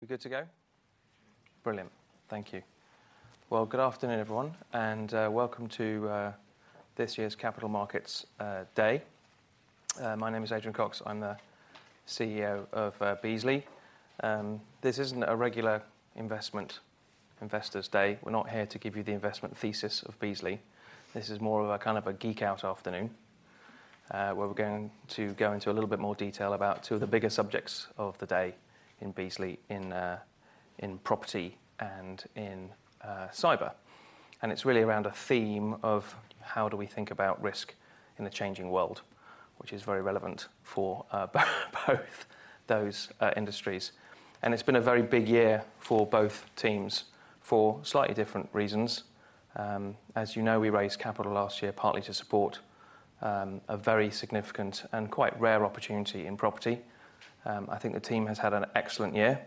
We good to go? Brilliant. Thank you. Well, good afternoon, everyone, and welcome to this year's Capital Markets Day. My name is Adrian Cox. I'm the CEO of Beazley. This isn't a regular Investor Day. We're not here to give you the investment thesis of Beazley. This is more of a kind of a geek out afternoon, where we're going to go into a little bit more detail about two of the bigger subjects of the day in Beazley, in property and in cyber. And it's really around a theme of how do we think about risk in a changing world, which is very relevant for both those industries. And it's been a very big year for both teams for slightly different reasons. As you know, we raised capital last year, partly to support a very significant and quite rare opportunity in property. I think the team has had an excellent year.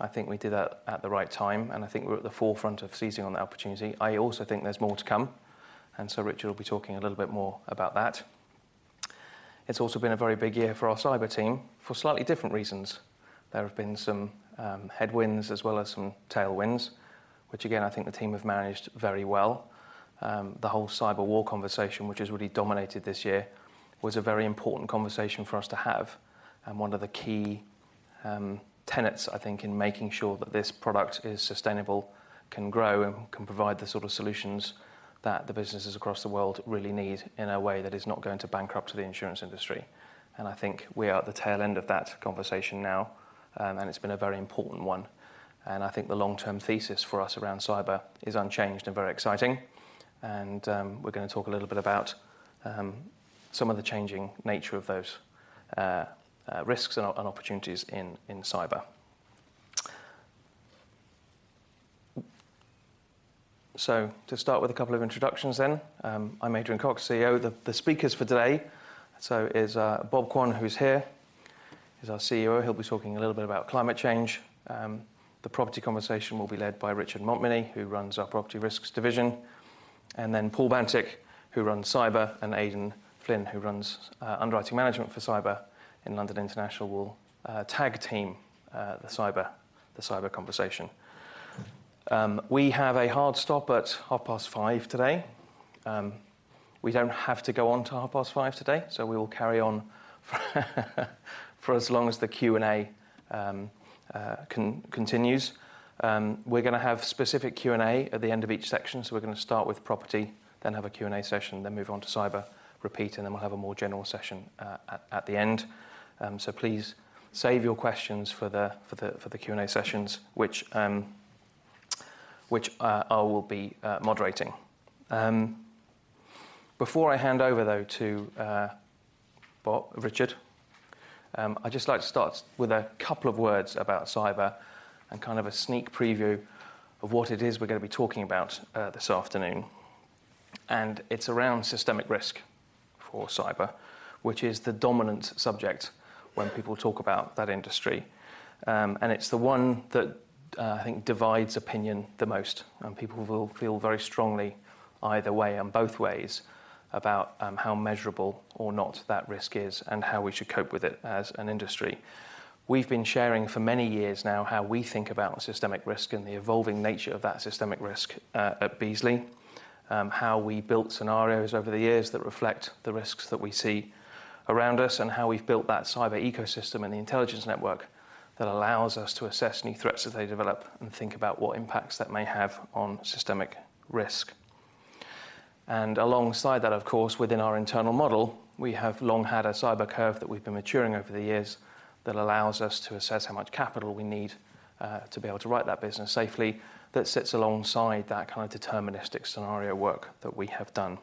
I think we did that at the right time, and I think we're at the forefront of seizing on that opportunity. I also think there's more to come, and so Richard will be talking a little bit more about that. It's also been a very big year for our cyber team for slightly different reasons. There have been some headwinds as well as some tailwinds, which, again, I think the team have managed very well. The whole cyber war conversation, which has really dominated this year, was a very important conversation for us to have. And one of the key tenets, I think, in making sure that this product is sustainable, can grow, and can provide the sort of solutions that the businesses across the world really need in a way that is not going to bankrupt the insurance industry. And I think we are at the tail end of that conversation now, and it's been a very important one, and I think the long-term thesis for us around cyber is unchanged and very exciting. And, we're gonna talk a little bit about some of the changing nature of those risks and, and opportunities in, in cyber. So to start with a couple of introductions then. I'm Adrian Cox, CEO. The speakers for today, so is Bob Quane, who's here. He's our CUO. He'll be talking a little bit about climate change. The property conversation will be led by Richard Montminy, who runs our Property Risks division, and then Paul Bantick, who runs Cyber, and Aidan Flynn, who runs Underwriting Management for Cyber in London International, will tag team the cyber conversation. We have a hard stop at 5:30 P.M. today. We don't have to go on to 5:30 P.M. today, so we will carry on for as long as the Q&A continues. We're gonna have specific Q&A at the end of each section. So we're gonna start with property, then have a Q&A session, then move on to cyber, repeat, and then we'll have a more general session at the end. So please save your questions for the Q&A sessions, which I will be moderating. Before I hand over, though, to, Bob... Richard, I'd just like to start with a couple of words about cyber and kind of a sneak preview of what it is we're gonna be talking about, this afternoon. And it's around systemic risk for cyber, which is the dominant subject when people talk about that industry. And it's the one that, I think divides opinion the most, and people will feel very strongly either way and both ways about, how measurable or not that risk is and how we should cope with it as an industry. We've been sharing for many years now how we think about systemic risk and the evolving nature of that systemic risk, at Beazley, how we built scenarios over the years that reflect the risks that we see around us, and how we've built that cyber ecosystem and the intelligence network that allows us to assess new threats as they develop and think about what impacts that may have on systemic risk. And alongside that, of course, within our internal model, we have long had a cyber curve that we've been maturing over the years that allows us to assess how much capital we need, to be able to write that business safely, that sits alongside that kind of deterministic scenario work that we have done.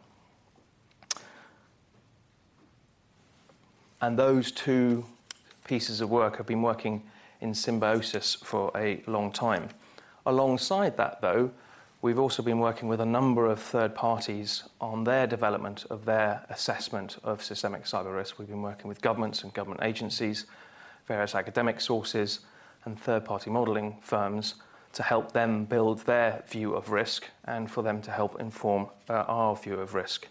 And those two pieces of work have been working in symbiosis for a long time. Alongside that, though, we've also been working with a number of third parties on their development of their assessment of systemic cyber risk. We've been working with governments and government agencies, various academic sources, and third-party modeling firms to help them build their view of risk and for them to help inform our view of risk.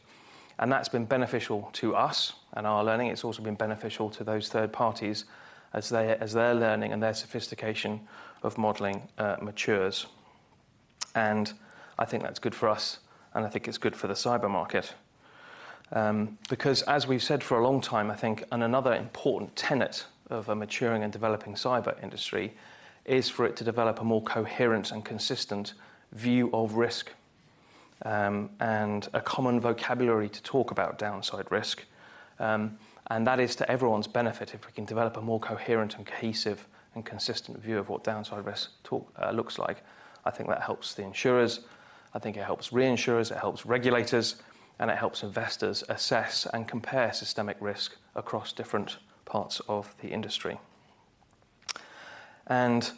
And that's been beneficial to us and our learning. It's also been beneficial to those third parties as they, as their learning and their sophistication of modeling matures. And I think that's good for us, and I think it's good for the cyber market, because as we've said for a long time, I think, and another important tenet of a maturing and developing cyber industry is for it to develop a more coherent and consistent view of risk, and a common vocabulary to talk about downside risk. And that is to everyone's benefit if we can develop a more coherent and cohesive and consistent view of what downside risk talk looks like. I think that helps the insurers, I think it helps reinsurers, it helps regulators, and it helps investors assess and compare systemic risk across different parts of the industry. And,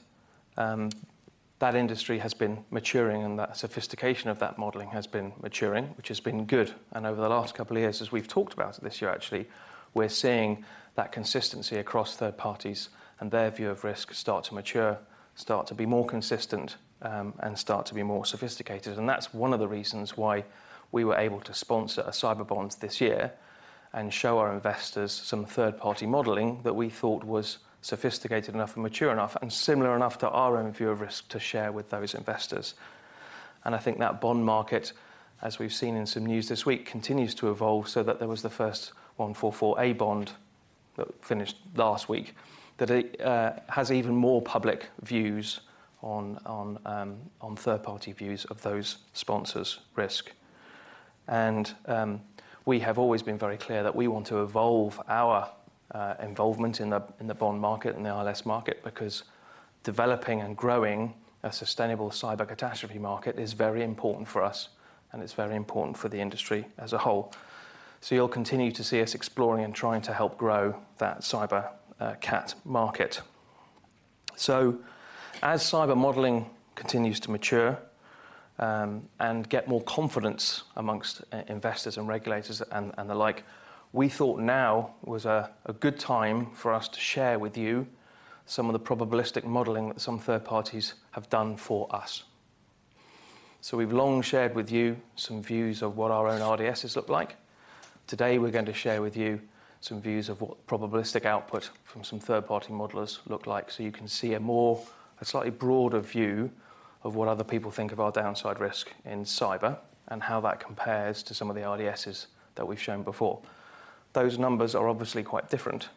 that industry has been maturing, and that sophistication of that modeling has been maturing, which has been good. And over the last couple of years, as we've talked about this year actually, we're seeing that consistency across third parties and their view of risk start to mature, start to be more consistent, and start to be more sophisticated. And that's one of the reasons why we were able to sponsor a cyber bond this year and show our investors some third-party modeling that we thought was sophisticated enough and mature enough and similar enough to our own view of risk to share with those investors... and I think that bond market, as we've seen in some news this week, continues to evolve so that there was the first 144A bond that finished last week that has even more public views on third-party views of those sponsors' risk. And we have always been very clear that we want to evolve our involvement in the bond market and the ILS market, because developing and growing a sustainable cyber catastrophe market is very important for us, and it's very important for the industry as a whole. So you'll continue to see us exploring and trying to help grow that cyber cat market. So as cyber modeling continues to mature, and get more confidence amongst investors and regulators and the like, we thought now was a good time for us to share with you some of the probabilistic modeling that some third parties have done for us. So we've long shared with you some views of what our own RDSs look like. Today, we're going to share with you some views of what probabilistic output from some third-party modelers look like, so you can see a slightly broader view of what other people think of our downside risk in cyber, and how that compares to some of the RDSs that we've shown before. Those numbers are obviously quite different.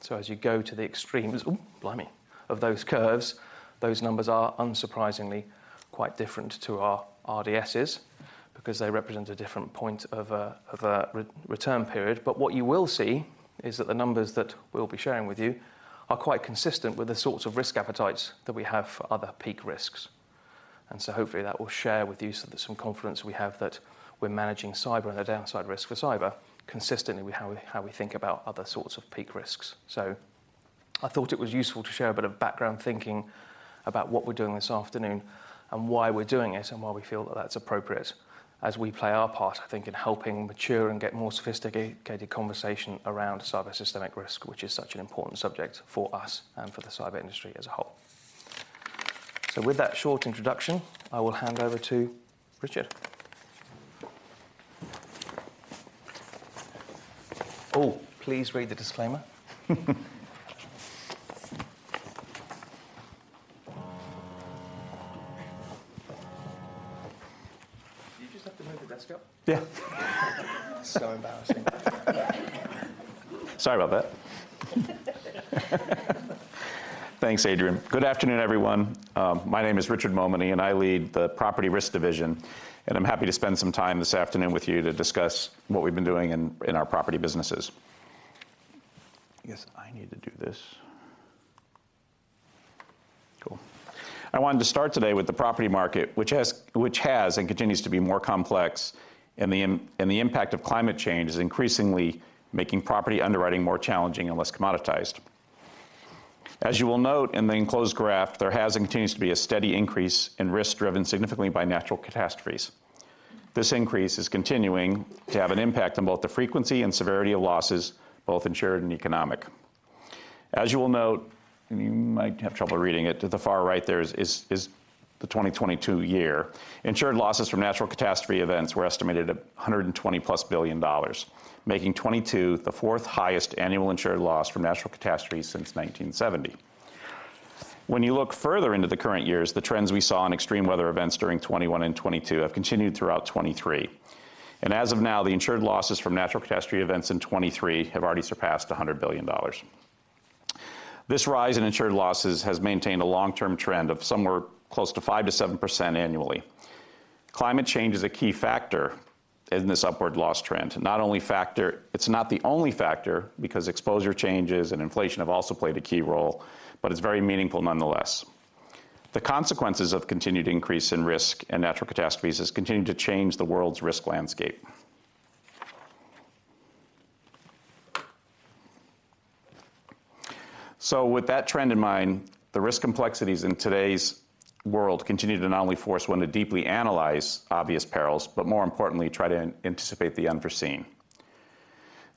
So as you go to the extremes... Ooh! Blimey, of those curves, those numbers are unsurprisingly quite different to our RDSs because they represent a different point of a return period. But what you will see is that the numbers that we'll be sharing with you are quite consistent with the sorts of risk appetites that we have for other peak risks. And so hopefully, that will share with you some confidence we have that we're managing cyber and the downside risk for cyber consistently with how we, how we think about other sorts of peak risks. So I thought it was useful to share a bit of background thinking about what we're doing this afternoon and why we're doing it, and why we feel that that's appropriate as we play our part, I think, in helping mature and get more sophisticated conversation around cyber systemic risk, which is such an important subject for us and for the cyber industry as a whole. So with that short introduction, I will hand over to Richard. Oh, please read the disclaimer. Did you just have to move the desk up? Yeah. So embarrassing. Sorry about that. Thanks, Adrian. Good afternoon, everyone. My name is Richard Montminy, and I lead the property division, and I'm happy to spend some time this afternoon with you to discuss what we've been doing in our property businesses. I guess I need to do this. Cool. I wanted to start today with the property market, which has and continues to be more complex, and the impact of climate change is increasingly making property underwriting more challenging and less commoditized. As you will note in the enclosed graph, there has and continues to be a steady increase in risk, driven significantly by natural catastrophes. This increase is continuing to have an impact on both the frequency and severity of losses, both insured and economic. As you will note, and you might have trouble reading it, to the far right there is the 2022 year. Insured losses from natural catastrophe events were estimated at $120 billion-plus, making 2022 the fourth highest annual insured loss from natural catastrophes since 1970. When you look further into the current years, the trends we saw in extreme weather events during 2021 and 2022 have continued throughout 2023. And as of now, the insured losses from natural catastrophe events in 2023 have already surpassed $100 billion. This rise in insured losses has maintained a long-term trend of somewhere close to 5%-7% annually. Climate change is a key factor in this upward loss trend. Not only factor— It's not the only factor, because exposure changes and inflation have also played a key role, but it's very meaningful nonetheless. The consequences of the continued increase in risk and natural catastrophes has continued to change the world's risk landscape. So with that trend in mind, the risk complexities in today's world continue to not only force one to deeply analyze obvious perils, but more importantly, try to anticipate the unforeseen.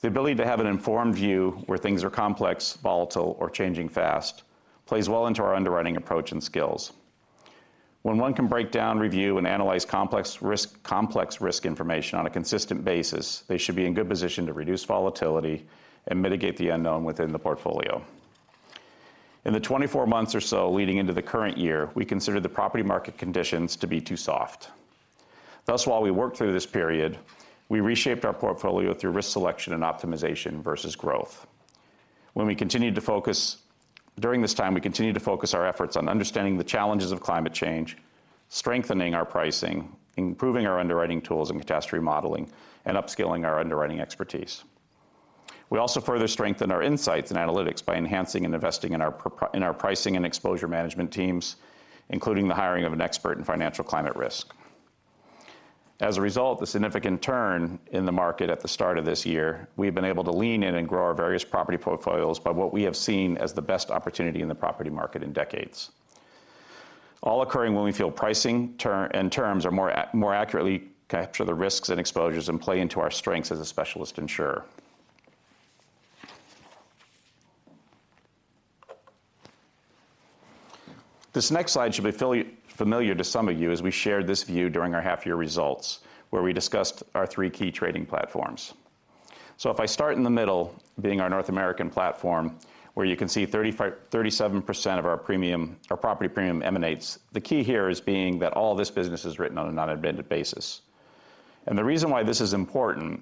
The ability to have an informed view where things are complex, volatile, or changing fast, plays well into our underwriting approach and skills. When one can break down, review, and analyze complex risk, complex risk information on a consistent basis, they should be in good position to reduce volatility and mitigate the unknown within the portfolio. In the 24 months or so leading into the current year, we considered the property market conditions to be too soft. Thus, while we worked through this period, we reshaped our portfolio through risk selection and optimization versus growth. During this time, we continued to focus our efforts on understanding the challenges of climate change, strengthening our pricing, improving our underwriting tools and catastrophe modeling, and upskilling our underwriting expertise. We also further strengthened our insights and analytics by enhancing and investing in our pricing and exposure management teams, including the hiring of an expert in financial climate risk. As a result of the significant turn in the market at the start of this year, we've been able to lean in and grow our various property portfolios by what we have seen as the best opportunity in the property market in decades. All occurring when we feel pricing and terms are more accurately capture the risks and exposures and play into our strengths as a specialist insurer. This next slide should be familiar to some of you, as we shared this view during our half-year results, where we discussed our three key trading platforms. So if I start in the middle, being our North American platform, where you can see 35%-37% of our premium, our property premium emanates. The key here is being that all this business is written on a non-admitted basis. The reason why this is important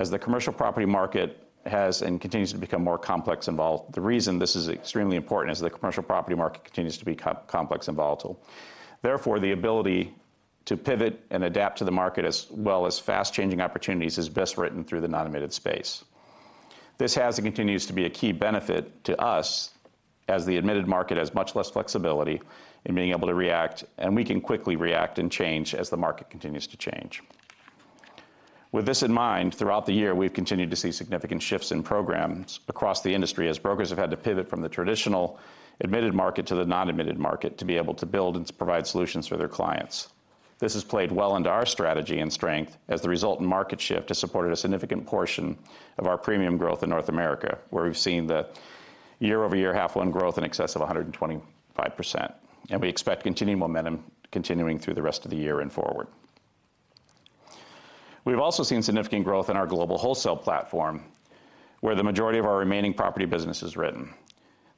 is the commercial property market has and continues to become more complex and involved. The reason this is extremely important is the commercial property market continues to be complex and volatile. Therefore, the ability to pivot and adapt to the market, as well as fast-changing opportunities, is best written through the non-admitted space. This has and continues to be a key benefit to us as the admitted market has much less flexibility in being able to react, and we can quickly react and change as the market continues to change. With this in mind, throughout the year, we've continued to see significant shifts in programs across the industry as brokers have had to pivot from the traditional admitted market to the non-admitted market to be able to build and to provide solutions for their clients. This has played well into our strategy and strength, as the result in market shift has supported a significant portion of our premium growth in North America, where we've seen the year-over-year H1 growth in excess of 125%. We expect continuing momentum continuing through the rest of the year and forward. We've also seen significant growth in our global wholesale platform, where the majority of our remaining property business is written.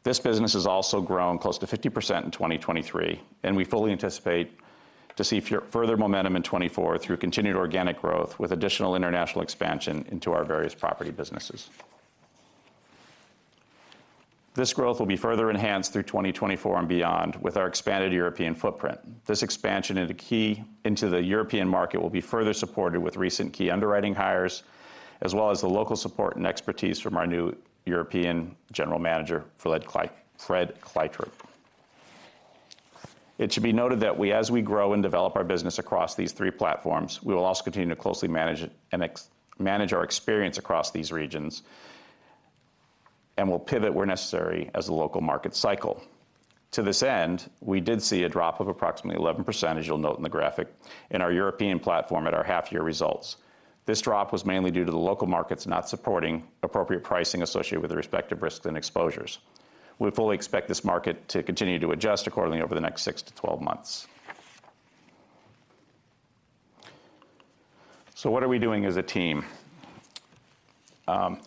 This business has also grown close to 50% in 2023, and we fully anticipate to see further momentum in 2024 through continued organic growth with additional international expansion into our various property businesses. This growth will be further enhanced through 2024 and beyond with our expanded European footprint. This expansion into the European market will be further supported with recent key underwriting hires, as well as the local support and expertise from our new European General Manager, Fred Kleiterp. It should be noted that as we grow and develop our business across these three platforms, we will also continue to closely manage it and manage our experience across these regions and will pivot where necessary as the local market cycle. To this end, we did see a drop of approximately 11%, as you'll note in the graphic, in our European platform at our half-year results. This drop was mainly due to the local markets not supporting appropriate pricing associated with the respective risks and exposures. We fully expect this market to continue to adjust accordingly over the next six to 12 months. So what are we doing as a team?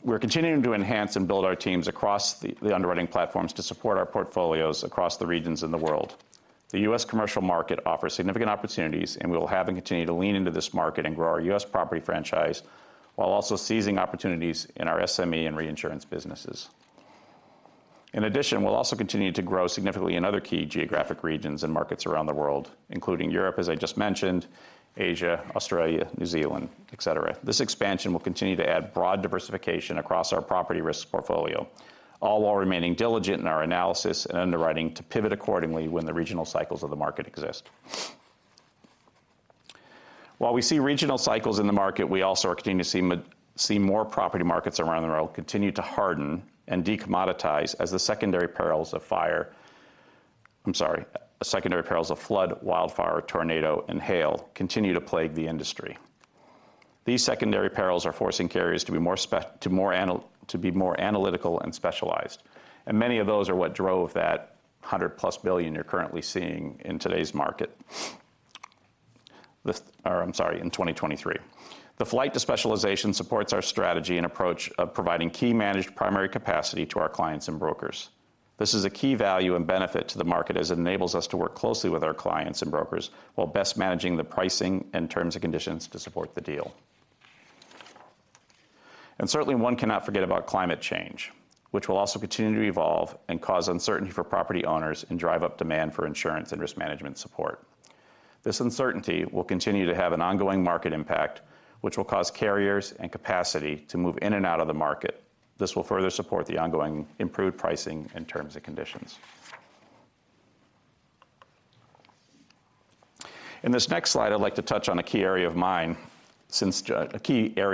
We're continuing to enhance and build our teams across the underwriting platforms to support our portfolios across the regions in the world. The U.S. commercial market offers significant opportunities, and we will have and continue to lean into this market and grow our U.S. property franchise, while also seizing opportunities in our SME and reinsurance businesses. In addition, we'll also continue to grow significantly in other key geographic regions and markets around the world, including Europe, as I just mentioned, Asia, Australia, New Zealand, et cetera. This expansion will continue to add broad diversification across our property risk portfolio, all while remaining diligent in our analysis and underwriting to pivot accordingly when the regional cycles of the market exist. While we see regional cycles in the market, we also are continuing to see see more property markets around the world continue to harden and de-commoditize as the secondary perils of fire... I'm sorry, secondary perils of flood, wildfire, tornado, and hail continue to plague the industry. These secondary perils are forcing carriers to be more to be more analytical and specialized, and many of those are what drove that $100 billion-plus you're currently seeing in today's market. I'm sorry, in 2023. The flight to specialization supports our strategy and approach of providing key managed primary capacity to our clients and brokers. This is a key value and benefit to the market, as it enables us to work closely with our clients and brokers while best managing the pricing and terms and conditions to support the deal. And certainly, one cannot forget about climate change, which will also continue to evolve and cause uncertainty for property owners and drive up demand for insurance and risk management support. This uncertainty will continue to have an ongoing market impact, which will cause carriers and capacity to move in and out of the market. This will further support the ongoing improved pricing in terms and conditions. In this next slide, I'd like to touch on a key area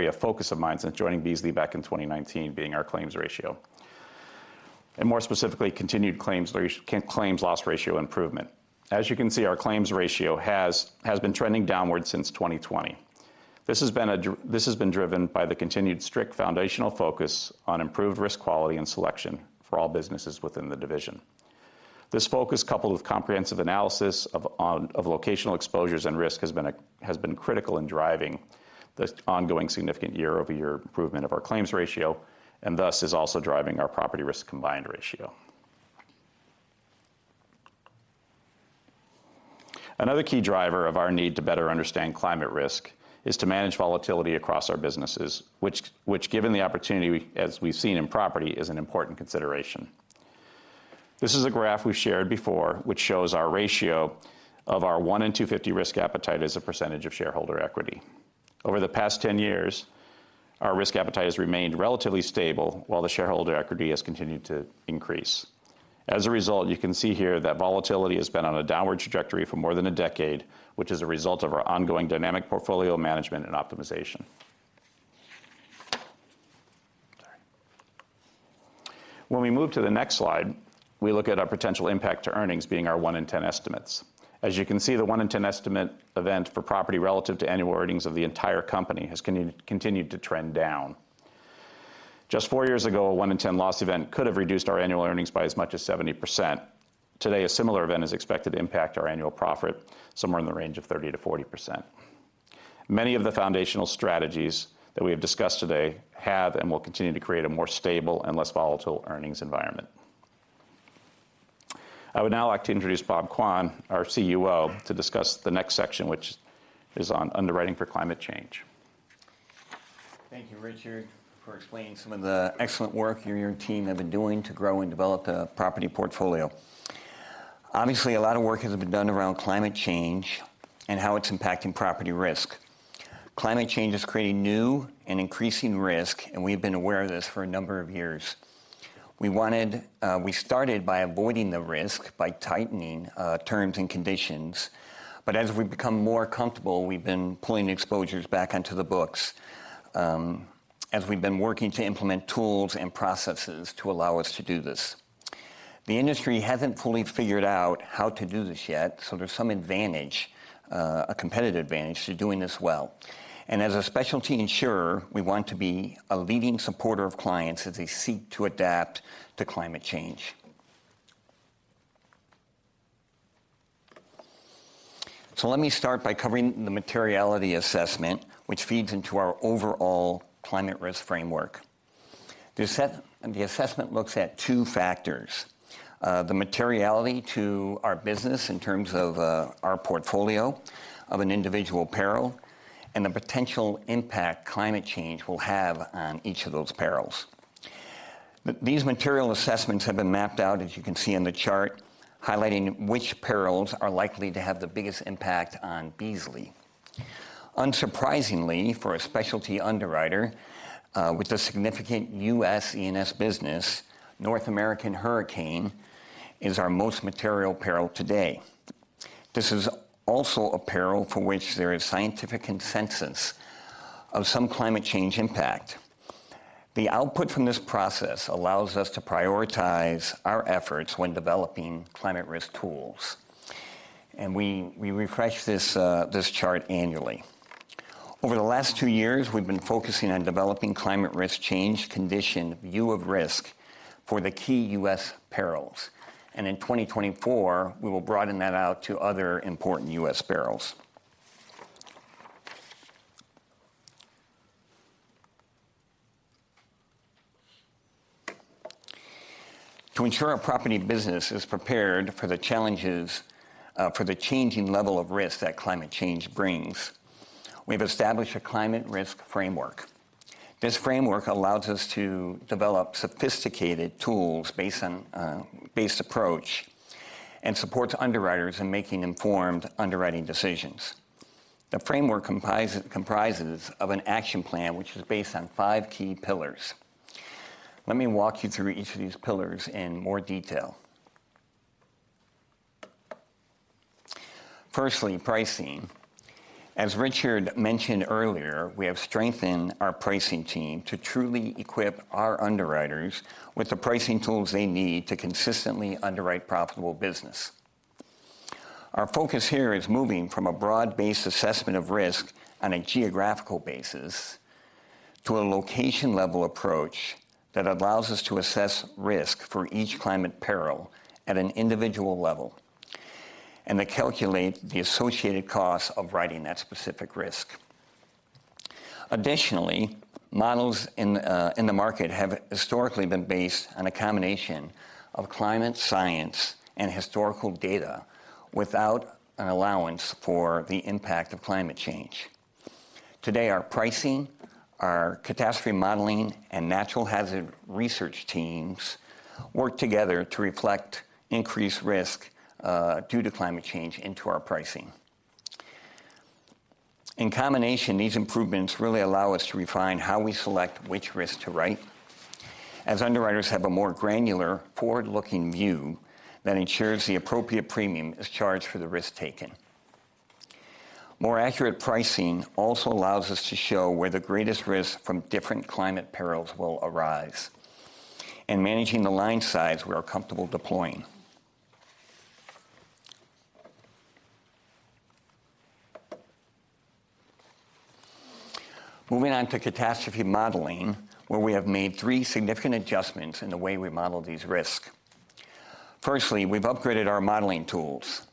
of focus of mine since joining Beazley back in 2019, being our claims ratio, and more specifically, continued claims loss ratio improvement. As you can see, our claims ratio has been trending downward since 2020. This has been driven by the continued strict foundational focus on improved risk quality and selection for all businesses within the division. This focus, coupled with comprehensive analysis of locational exposures and risk, has been critical in driving this ongoing significant year-over-year improvement of our claims ratio, and thus, is also driving our property risk combined ratio. Another key driver of our need to better understand climate risk is to manage volatility across our businesses, which, given the opportunity, as we've seen in property, is an important consideration. This is a graph we've shared before, which shows our ratio of our 1-in-250 risk appetite as a percentage of shareholder equity. Over the past 10 years, our risk appetite has remained relatively stable while the shareholder equity has continued to increase. As a result, you can see here that volatility has been on a downward trajectory for more than a decade, which is a result of our ongoing dynamic portfolio management and optimization. When we move to the next slide, we look at our potential impact to earnings being our 1-in-10 estimates. As you can see, the 1-in-10 estimate event for property relative to annual earnings of the entire company has continued to trend down. Just four years ago, a 1-in-10 loss event could have reduced our annual earnings by as much as 70%. Today, a similar event is expected to impact our annual profit somewhere in the range of 30%-40%. Many of the foundational strategies that we have discussed today have and will continue to create a more stable and less volatile earnings environment. I would now like to introduce Bob Quane, our CUO, to discuss the next section, which is on underwriting for climate change. Thank you, Richard, for explaining some of the excellent work you and your team have been doing to grow and develop the property portfolio. Obviously, a lot of work has been done around climate change and how it's impacting property risk. Climate change is creating new and increasing risk, and we've been aware of this for a number of years. We wanted we started by avoiding the risk by tightening terms and conditions. But as we've become more comfortable, we've been pulling exposures back onto the books, as we've been working to implement tools and processes to allow us to do this. The industry hasn't fully figured out how to do this yet, so there's some advantage, a competitive advantage to doing this well. And as a specialty insurer, we want to be a leading supporter of clients as they seek to adapt to climate change. So let me start by covering the materiality assessment, which feeds into our overall climate risk framework. The assessment looks at two factors: the materiality to our business in terms of our portfolio of an individual peril and the potential impact climate change will have on each of those perils. These material assessments have been mapped out, as you can see in the chart, highlighting which perils are likely to have the biggest impact on Beazley. Unsurprisingly, for a specialty underwriter with a significant U.S. E&S business, North American hurricane is our most material peril today. This is also a peril for which there is scientific consensus of some climate change impact. The output from this process allows us to prioritize our efforts when developing climate risk tools, and we refresh this chart annually. Over the last two years, we've been focusing on developing climate risk change condition view of risk for the key U.S. perils, and in 2024, we will broaden that out to other important U.S. perils. To ensure our property business is prepared for the challenges for the changing level of risk that climate change brings, we've established a climate risk framework. This framework allows us to develop sophisticated tools based on approach and supports underwriters in making informed underwriting decisions. The framework comprises of an action plan, which is based on five key pillars. Let me walk you through each of these pillars in more detail. Firstly, pricing. As Richard mentioned earlier, we have strengthened our pricing team to truly equip our underwriters with the pricing tools they need to consistently underwrite profitable business. Our focus here is moving from a broad-based assessment of risk on a geographical basis to a location-level approach that allows us to assess risk for each climate peril at an individual level and to calculate the associated costs of writing that specific risk. Additionally, models in the market have historically been based on a combination of climate science and historical data without an allowance for the impact of climate change. Today, our pricing, our catastrophe modeling, and natural hazard research teams work together to reflect increased risk due to climate change into our pricing. In combination, these improvements really allow us to refine how we select which risk to write, as underwriters have a more granular, forward-looking view that ensures the appropriate premium is charged for the risk taken. More accurate pricing also allows us to show where the greatest risk from different climate perils will arise and managing the line size we are comfortable deploying. Moving on to catastrophe modeling, where we have made three significant adjustments in the way we model these risks. Firstly, we've upgraded our modeling tools.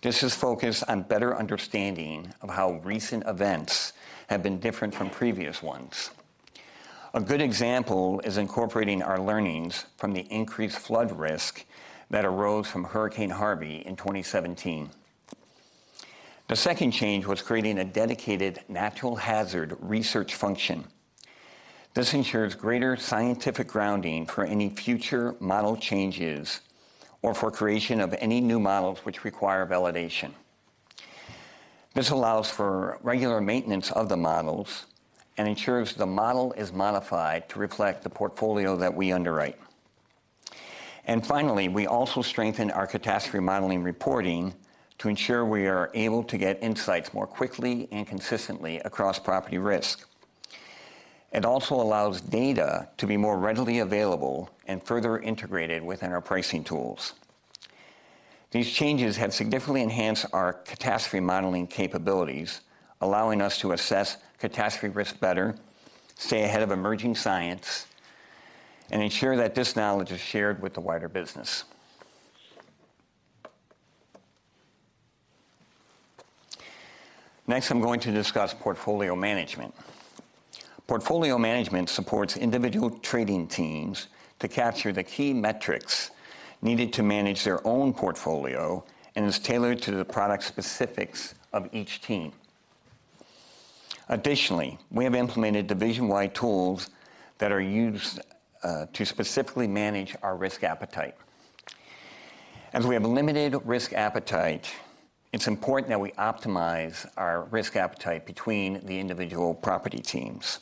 This is focused on better understanding of how recent events have been different from previous ones. A good example is incorporating our learnings from the increased flood risk that arose from Hurricane Harvey in 2017. The second change was creating a dedicated natural hazard research function. This ensures greater scientific grounding for any future model changes or for creation of any new models which require validation. This allows for regular maintenance of the models and ensures the model is modified to reflect the portfolio that we underwrite. And finally, we also strengthened our catastrophe modeling reporting to ensure we are able to get insights more quickly and consistently across property risk. It also allows data to be more readily available and further integrated within our pricing tools. These changes have significantly enhanced our catastrophe modeling capabilities, allowing us to assess catastrophe risk better, stay ahead of emerging science, and ensure that this knowledge is shared with the wider business. Next, I'm going to discuss portfolio management. Portfolio management supports individual trading teams to capture the key metrics needed to manage their own portfolio and is tailored to the product specifics of each team. Additionally, we have implemented division-wide tools that are used to specifically manage our risk appetite. As we have a limited risk appetite, it's important that we optimize our risk appetite between the individual property teams.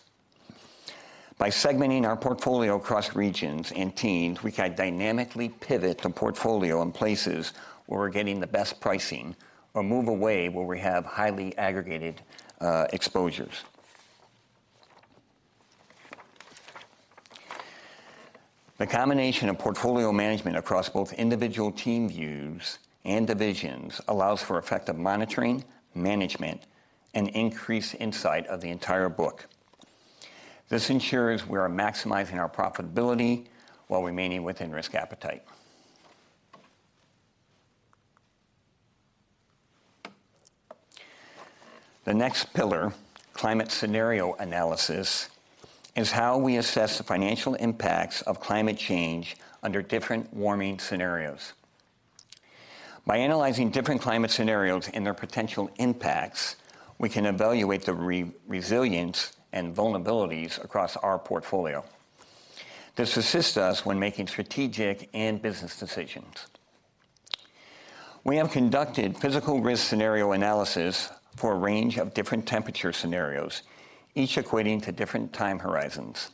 By segmenting our portfolio across regions and teams, we can dynamically pivot the portfolio in places where we're getting the best pricing or move away where we have highly aggregated exposures. The combination of portfolio management across both individual team views and divisions allows for effective monitoring, management, and increased insight of the entire book. This ensures we are maximizing our profitability while remaining within risk appetite. The next pillar, climate scenario analysis, is how we assess the financial impacts of climate change under different warming scenarios. By analyzing different climate scenarios and their potential impacts, we can evaluate the resilience and vulnerabilities across our portfolio. This assists us when making strategic and business decisions. We have conducted physical risk scenario analysis for a range of different temperature scenarios, each equating to different time horizons.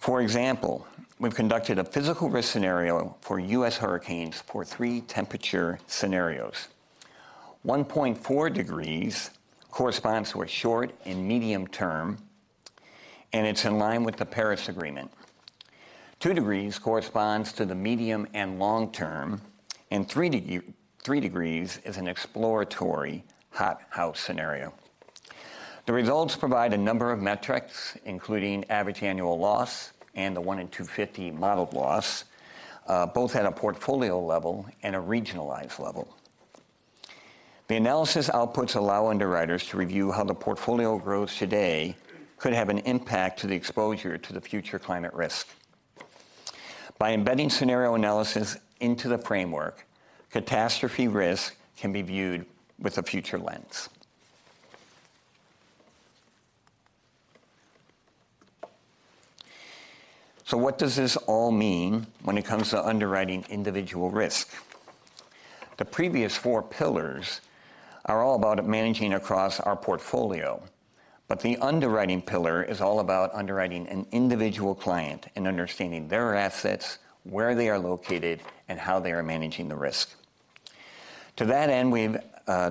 For example, we've conducted a physical risk scenario for U.S. hurricanes for three temperature scenarios. 1.4 degrees corresponds to a short and medium term, and it's in line with the Paris Agreement. 2 degrees corresponds to the medium and long term, and 3 degrees is an exploratory hot house scenario. The results provide a number of metrics, including average annual loss and the 1-in-250 model loss, both at a portfolio level and a regionalized level. The analysis outputs allow underwriters to review how the portfolio grows today could have an impact to the exposure to the future climate risk. By embedding scenario analysis into the framework, catastrophe risk can be viewed with a future lens. So what does this all mean when it comes to underwriting individual risk? The previous four pillars are all about managing across our portfolio, but the underwriting pillar is all about underwriting an individual client and understanding their assets, where they are located, and how they are managing the risk. To that end, we've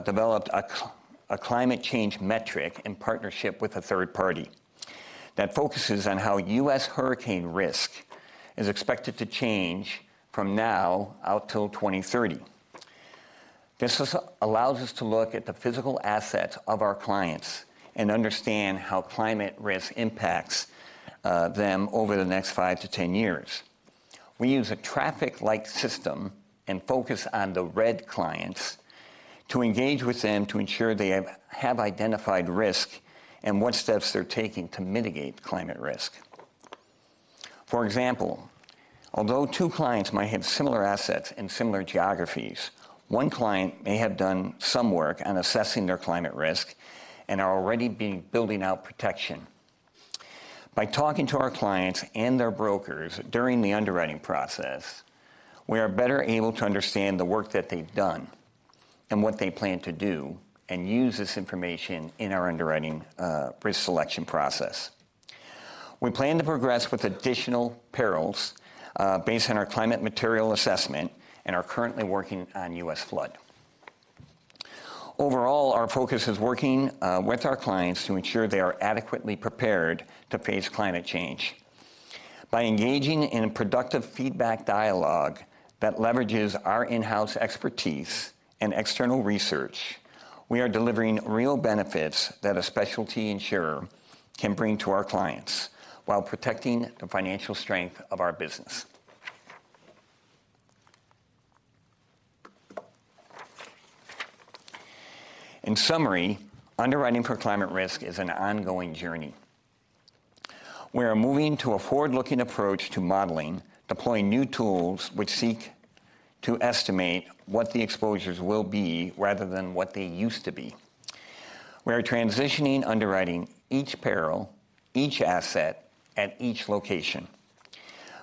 developed a climate change metric in partnership with a third party that focuses on how U.S. hurricane risk is expected to change from now out till 2030. This allows us to look at the physical assets of our clients and understand how climate risk impacts them over the next five to 10 years. We use a traffic light system and focus on the red clients to engage with them to ensure they have identified risk and what steps they're taking to mitigate climate risk. For example, although two clients might have similar assets and similar geographies, one client may have done some work on assessing their climate risk and are already building out protection. By talking to our clients and their brokers during the underwriting process, we are better able to understand the work that they've done and what they plan to do and use this information in our underwriting, risk selection process. We plan to progress with additional perils, based on our climate material assessment and are currently working on U.S. flood. Overall, our focus is working with our clients to ensure they are adequately prepared to face climate change. By engaging in a productive feedback dialogue that leverages our in-house expertise and external research, we are delivering real benefits that a specialty insurer can bring to our clients while protecting the financial strength of our business. In summary, underwriting for climate risk is an ongoing journey. We are moving to a forward-looking approach to modeling, deploying new tools which seek to estimate what the exposures will be rather than what they used to be. We are transitioning underwriting each peril, each asset, at each location.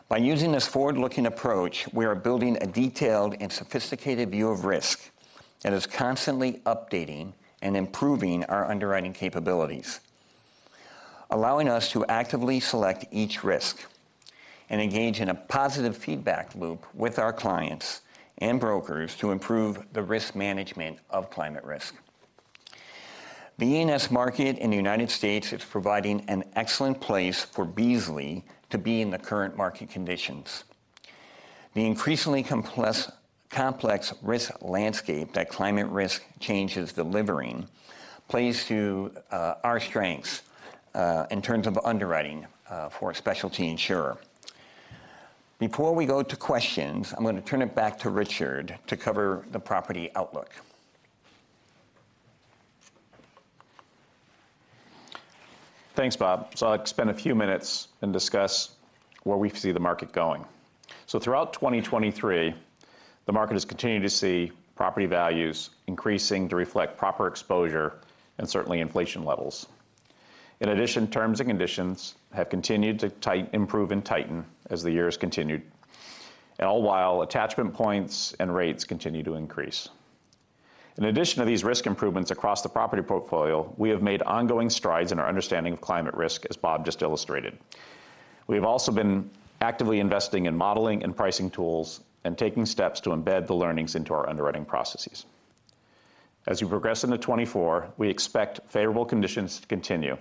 By using this forward-looking approach, we are building a detailed and sophisticated view of risk that is constantly updating and improving our underwriting capabilities, allowing us to actively select each risk and engage in a positive feedback loop with our clients and brokers to improve the risk management of climate risk. The E&S market in the United States is providing an excellent place for Beazley to be in the current market conditions. The increasingly complex, complex risk landscape that climate risk change is delivering plays to our strengths in terms of underwriting for a specialty insurer. Before we go to questions, I'm going to turn it back to Richard to cover the property outlook. Thanks, Bob. So I'll spend a few minutes and discuss where we see the market going. So throughout 2023, the market has continued to see property values increasing to reflect proper exposure and certainly inflation levels. In addition, terms and conditions have continued to improve and tighten as the years continued, and all while attachment points and rates continue to increase. In addition to these risk improvements across the property portfolio, we have made ongoing strides in our understanding of climate risk, as Bob just illustrated. We've also been actively investing in modeling and pricing tools and taking steps to embed the learnings into our underwriting processes. As we progress into 2024, we expect favorable conditions to continue.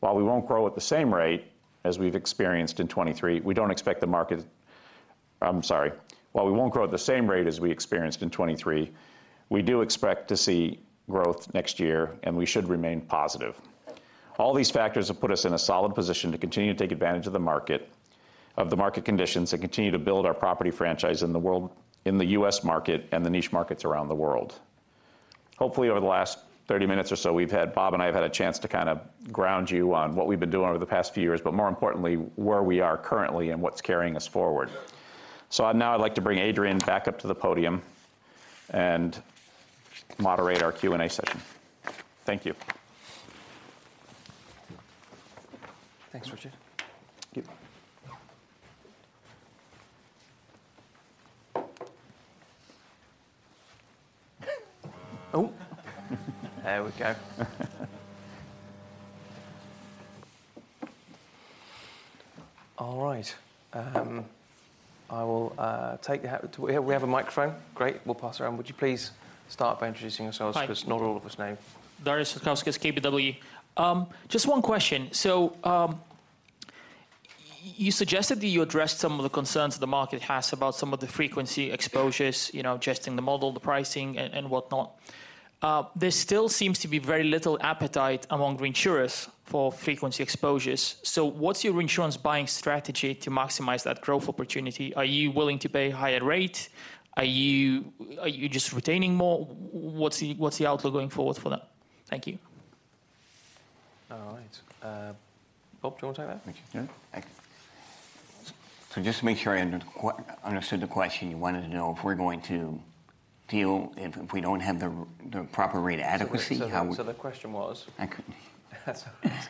While we won't grow at the same rate as we've experienced in 2023, we don't expect the market... I'm sorry. While we won't grow at the same rate as we experienced in 2023, we do expect to see growth next year, and we should remain positive. All these factors have put us in a solid position to continue to take advantage of the market, of the market conditions and continue to build our property franchise in the world, in the U.S. market and the niche markets around the world. Hopefully, over the last 30 minutes or so, we've had, Bob and I have had a chance to kind of ground you on what we've been doing over the past few years, but more importantly, where we are currently and what's carrying us forward. So now I'd like to bring Adrian back up to the podium and moderate our Q&A session. Thank you. Thanks, Richard. Thank you. Oh! There we go. All right. I will take the... We have a microphone. Great, we'll pass it around. Would you please start by introducing yourselves? Hi. Because not all of us know you. Darius Satkauskas, KBW. Just one question. So, you suggested that you addressed some of the concerns the market has about some of the frequency exposures, you know, adjusting the model, the pricing and, and whatnot. There still seems to be very little appetite among reinsurers for frequency exposures. So what's your reinsurance buying strategy to maximize that growth opportunity? Are you willing to pay a higher rate? Are you, are you just retaining more? What's the, what's the outlook going forward for that? Thank you. All right. Bob, do you want to take that? Thank you. Yeah. So just to make sure I understood the question, you wanted to know if, if we don't have the proper rate adequacy, how would- So the question was- I could- That's all right.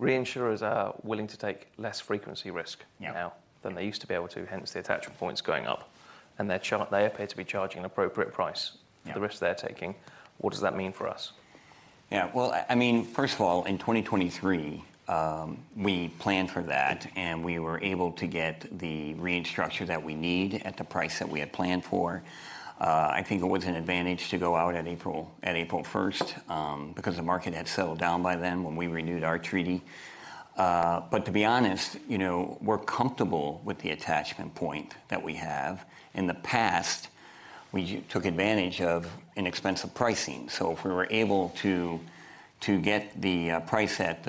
Reinsurers are willing to take less frequency risk- Yeah... now than they used to be able to, hence the attachment points going up. And they appear to be charging an appropriate price- Yeah... for the risk they're taking. What does that mean for us? Yeah. Well, I mean, first of all, in 2023, we planned for that, and we were able to get the reinsurance structure that we need at the price that we had planned for. I think it was an advantage to go out in April, at April 1st, because the market had settled down by then when we renewed our treaty. But to be honest, you know, we're comfortable with the attachment point that we have. In the past, we took advantage of inexpensive pricing. So if we were able to get the price at...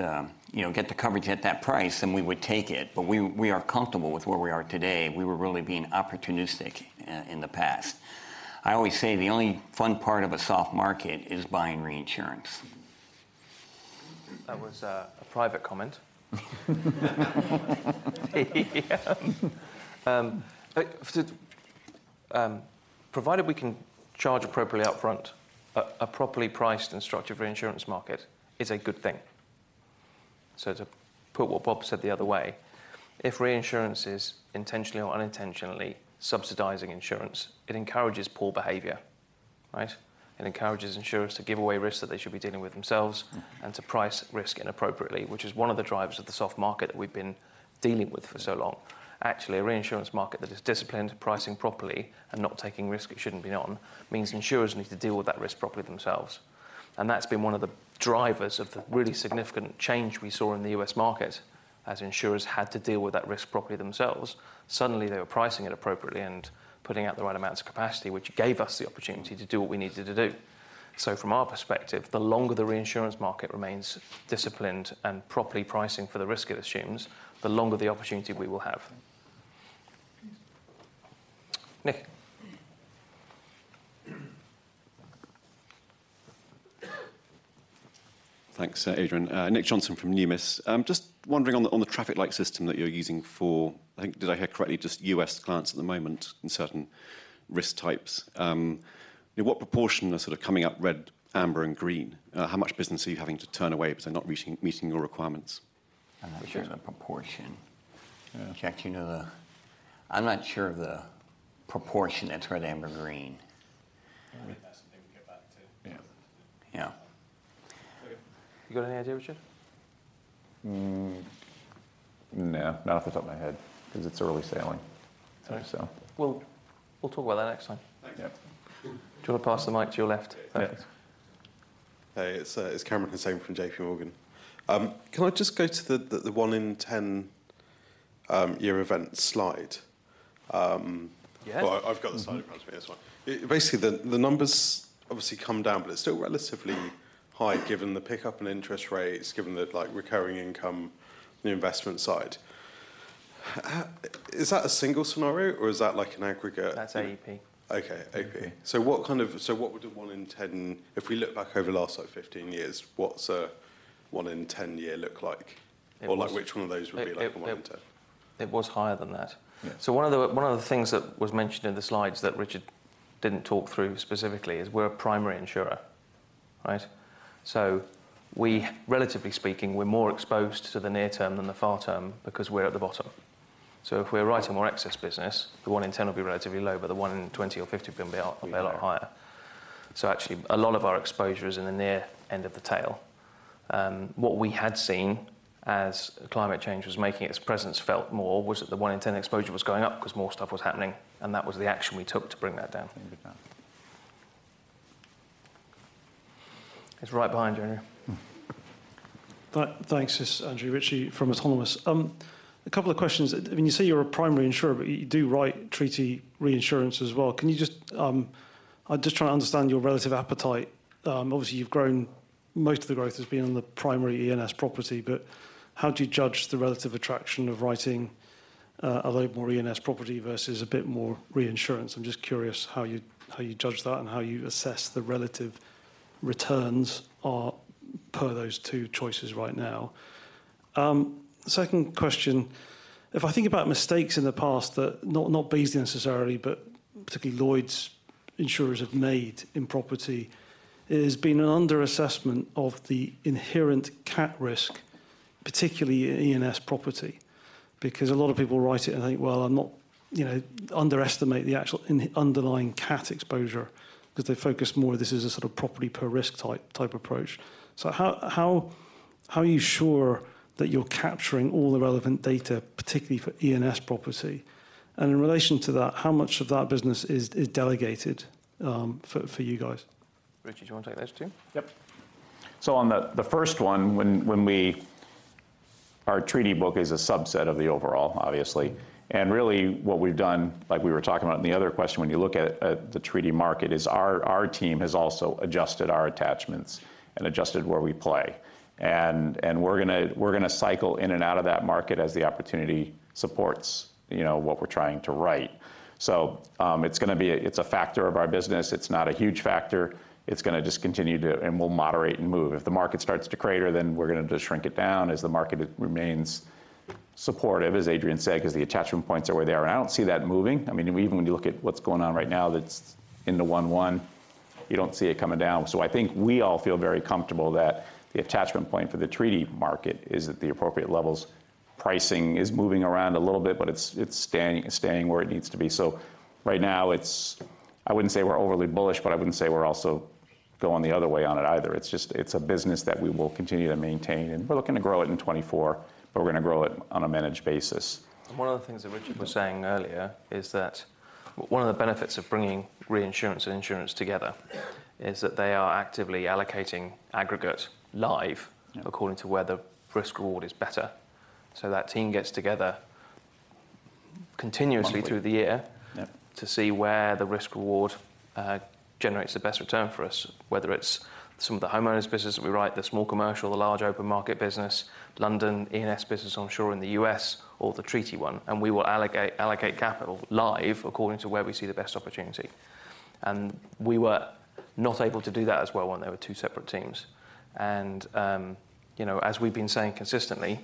you know, get the coverage at that price, then we would take it. But we are comfortable with where we are today. We were really being opportunistic in the past. I always say, the only fun part of a soft market is buying reinsurance. That was a private comment. Yeah. Provided we can charge appropriately upfront, a properly priced and structured reinsurance market is a good thing. So to put what Bob said the other way, if reinsurance is intentionally or unintentionally subsidizing insurance, it encourages poor behavior, right? It encourages insurers to give away risks that they should be dealing with themselves and to price risk inappropriately, which is one of the drivers of the soft market that we've been dealing with for so long. Actually, a reinsurance market that is disciplined, pricing properly, and not taking risk it shouldn't be on, means insurers need to deal with that risk properly themselves. And that's been one of the drivers of the really significant change we saw in the U.S. market, as insurers had to deal with that risk properly themselves. Suddenly, they were pricing it appropriately and putting out the right amounts of capacity, which gave us the opportunity to do what we needed to do. From our perspective, the longer the reinsurance market remains disciplined and properly pricing for the risk it assumes, the longer the opportunity we will have. Nick? Thanks, Adrian. Nick Johnson from Numis. I'm just wondering on the traffic light system that you're using for, I think, did I hear correctly, just U.S. clients at the moment in certain risk types? In what proportion are sort of coming up red, amber, and green? How much business are you having to turn away because they're not reaching- meeting your requirements? I'm not sure of the proportion. Jack, do you know the... I'm not sure of the proportion that's red, amber, green. I think that's something we get back to. Yeah. Yeah. Okay. You got any idea, Richard? Mm-... Nah, not off the top of my head, 'cause it's early sailing. So- We'll, we'll talk about that next time. Yeah. Do you want to pass the mic to your left? Yeah. Thanks. Hey, it's Kamran Hossain from JPMorgan. Can I just go to the 1-in-10 year event slide? Yeah. Well, I've got the slide in front of me, that's why. Basically, the numbers obviously come down, but it's still relatively high, given the pickup in interest rates, given the, like, recurring income in the investment side. Is that a single scenario or is that like an aggregate? That's AEP. Okay. Okay. So what would a 1-in-10... If we look back over the last, like, 15 years, what's a 1-in-10 year look like? It was- Like, which one of those would be like a 1-in-10? It was higher than that. Yeah. So one of the things that was mentioned in the slides that Richard didn't talk through specifically is, we're a primary insurer, right? So we, relatively speaking, we're more exposed to the near term than the far term because we're at the bottom. So if we're writing more excess business, the 1-in-10 will be relatively low, but the 1-in-20 or 50 will be a lot higher. So actually, a lot of our exposure is in the near end of the tail. What we had seen as climate change was making its presence felt more, was that the 1-in-10 exposure was going up 'cause more stuff was happening, and that was the action we took to bring that down. Understood. It's right behind you, Andrew. Thanks. It's Andrew Ritchie from Autonomous. A couple of questions. When you say you're a primary insurer, but you do write treaty reinsurance as well, can you just... I'm just trying to understand your relative appetite. Obviously, you've grown, most of the growth has been on the primary E&S property, but how do you judge the relative attraction of writing a little more E&S property versus a bit more reinsurance? I'm just curious how you, how you judge that and how you assess the relative returns are per those two choices right now. Second question: if I think about mistakes in the past that, not Beazley necessarily, but particularly Lloyd's insurers have made in property, it has been an underassessment of the inherent cat risk, particularly in E&S property, because a lot of people write it and think, well, I'm not, you know, underestimate the actual underlying cat exposure 'cause they focus more, this is a sort of property per risk type approach. So how are you sure that you're capturing all the relevant data, particularly for E&S property? And in relation to that, how much of that business is delegated for you guys? Richard, do you want to take those two? Yep. So on the first one, when we—our treaty book is a subset of the overall, obviously. And really, what we've done, like we were talking about in the other question, when you look at the treaty market, is our team has also adjusted our attachments and adjusted where we play. And we're gonna cycle in and out of that market as the opportunity supports, you know, what we're trying to write. So, it's gonna be a... It's a factor of our business. It's not a huge factor. It's gonna just continue to, and we'll moderate and move. If the market starts to crater, then we're gonna just shrink it down. As the market remains supportive, as Adrian said, 'cause the attachment points are where they are, and I don't see that moving. I mean, even when you look at what's going on right now, that's in the 1-1, you don't see it coming down. So I think we all feel very comfortable that the attachment point for the treaty market is at the appropriate levels. Pricing is moving around a little bit, but it's staying where it needs to be. So right now, it's I wouldn't say we're overly bullish, but I wouldn't say we're also going the other way on it either. It's just, it's a business that we will continue to maintain, and we're looking to grow it in 2024, but we're going to grow it on a managed basis. One of the things that Richard was saying earlier is that one of the benefits of bringing reinsurance and insurance together is that they are actively allocating aggregate live- Yeah... according to where the risk reward is better. So that team gets together continuously- Monthly... through the year. Yep... to see where the risk reward generates the best return for us, whether it's some of the homeowners business that we write, the small commercial, the large open market business, London E&S business onshore in the U.S., or the treaty one, and we will allocate capital live according to where we see the best opportunity. We were not able to do that as well when there were two separate teams. You know, as we've been saying consistently,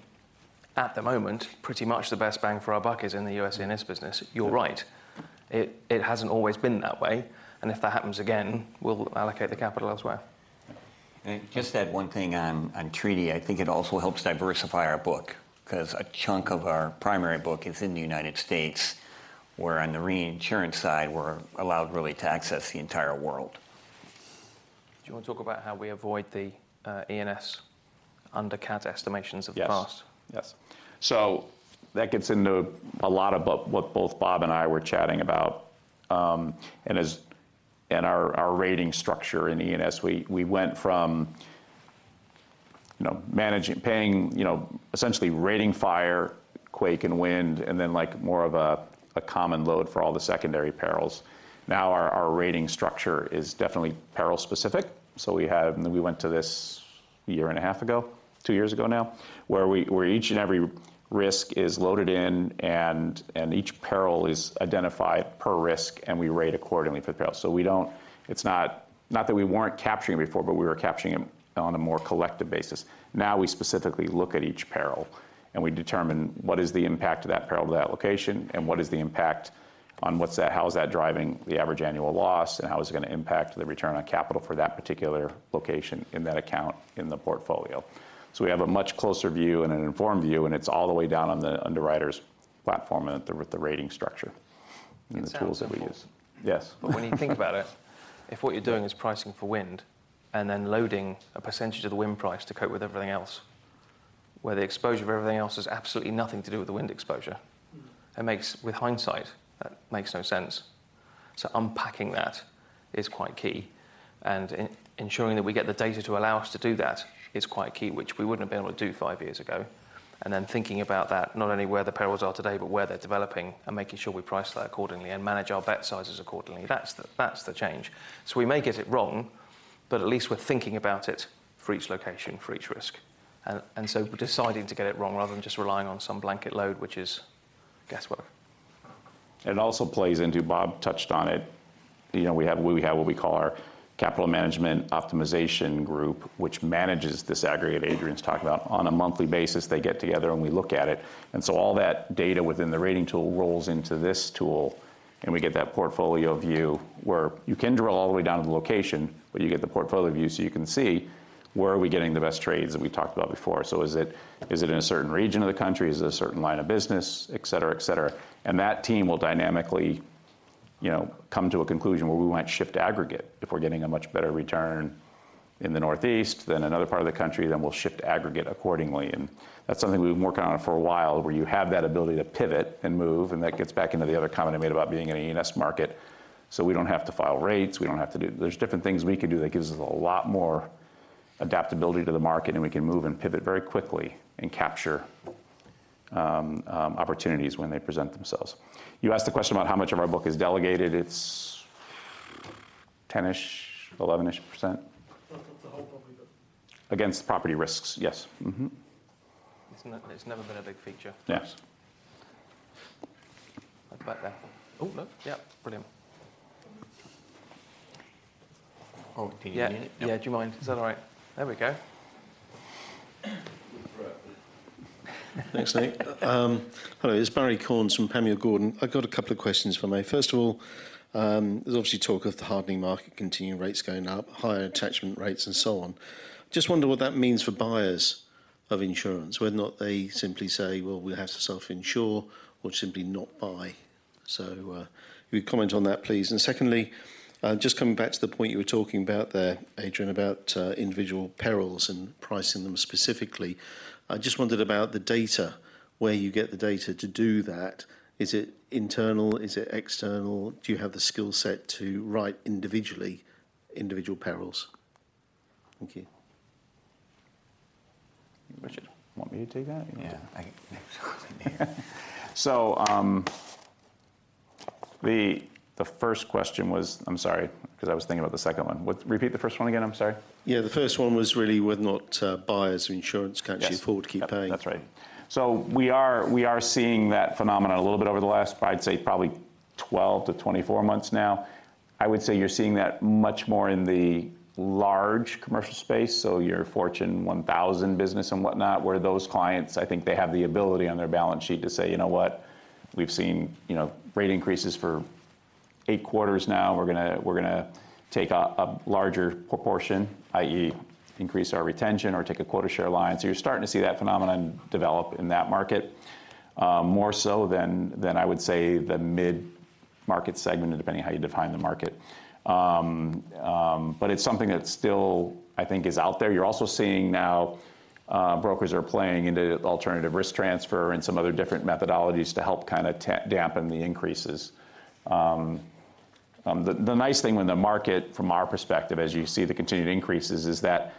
at the moment, pretty much the best bang for our buck is in the U.S. E&S business. You're right. It hasn't always been that way, and if that happens again, we'll allocate the capital elsewhere. Just add one thing on treaty. I think it also helps diversify our book, 'cause a chunk of our primary book is in the United States, where on the reinsurance side, we're allowed really to access the entire world. Do you want to talk about how we avoid the E&S under cat estimations of the past? Yes. Yes. So that gets into a lot about what both Bob and I were chatting about, and our rating structure in E&S. We went from, you know, managing, paying, you know, essentially rating fire, quake, and wind, and then, like, more of a common load for all the secondary perils. Now, our rating structure is definitely peril specific. So we have, and we went to this a year and a half ago, two years ago now, where each and every risk is loaded in, and each peril is identified per risk, and we rate accordingly for the peril. So we don't. It's not that we weren't capturing it before, but we were capturing them on a more collective basis. Now, we specifically look at each peril, and we determine what is the impact of that peril to that location and what is the impact on how is that driving the average annual loss, and how is it going to impact the return on capital for that particular location in that account, in the portfolio? So we have a much closer view and an informed view, and it's all the way down on the underwriter's platform and with the rating structure, the tools that we use. Yes. But when you think about it, if what you're doing is pricing for wind, and then loading a percentage of the wind price to cope with everything else, where the exposure of everything else has absolutely nothing to do with the wind exposure, it makes, with hindsight, that makes no sense. So unpacking that is quite key, and ensuring that we get the data to allow us to do that is quite key, which we wouldn't have been able to do five years ago. And then thinking about that, not only where the perils are today, but where they're developing, and making sure we price that accordingly and manage our bet sizes accordingly. That's the, that's the change. So we may get it wrong, but at least we're thinking about it for each location, for each risk. And so deciding to get it wrong rather than just relying on some blanket load, which is guess what? It also plays into... Bob touched on it. You know, we have, we have what we call our capital management optimization group, which manages this aggregate Adrian's talking about. On a monthly basis, they get together, and we look at it, and so all that data within the rating tool rolls into this tool, and we get that portfolio view where you can drill all the way down to the location, but you get the portfolio view, so you can see where are we getting the best trades that we talked about before. So is it, is it in a certain region of the country? Is it a certain line of business? Et cetera, et cetera. And that team will dynamically, you know, come to a conclusion where we might shift aggregate. If we're getting a much better return in the Northeast than another part of the country, then we'll shift aggregate accordingly, and that's something we've been working on for a while, where you have that ability to pivot and move, and that gets back into the other comment I made about being in an E&S market. So we don't have to file rates, we don't have to do... There's different things we can do that gives us a lot more adaptability to the market, and we can move and pivot very quickly and capture opportunities when they present themselves. You asked a question about how much of our book is delegated. It's 10-ish, 11%-ish. Against property risks, yes. Mm-hmm. It's never been a big feature. Yes. Back there. Oh, look. Yep, brilliant. Oh, do you... Yeah. Yeah, do you mind? Is that all right? There we go. Thanks, mate. Hello, this is Barrie Cornes from Panmure Gordon. I've got a couple of questions if I may. First of all, there's obviously talk of the hardening market, continuing rates going up, higher attachment rates, and so on. Just wonder what that means for buyers of insurance, whether or not they simply say, "Well, we'll have to self-insure or simply not buy." So, if you would comment on that, please. And secondly, just coming back to the point you were talking about there, Adrian, about individual perils and pricing them specifically, I just wondered about the data, where you get the data to do that. Is it internal? Is it external? Do you have the skill set to write individual perils? Thank you. Richard, you want me to take that? Yeah, I...So, the first question was... I'm sorry, 'cause I was thinking about the second one. What? Repeat the first one again, I'm sorry. Yeah, the first one was really whether or not, buyers of insurance- Yes... can actually afford to keep paying. That's right. So we are seeing that phenomenon a little bit over the last, but I'd say probably 12-24 months now. I would say you're seeing that much more in the large commercial space, so your Fortune 1000 business and whatnot, where those clients, I think they have the ability on their balance sheet to say, "You know what? We've seen, you know, rate increases for eight quarters now. We're gonna take a larger proportion, i.e., increase our retention or take a quota share line." So you're starting to see that phenomenon develop in that market, more so than I would say, the mid-market segment, depending on how you define the market. But it's something that still, I think, is out there. You're also seeing now, brokers are playing into alternative risk transfer and some other different methodologies to help kinda dampen the increases. The nice thing when the market, from our perspective, as you see the continued increases, is that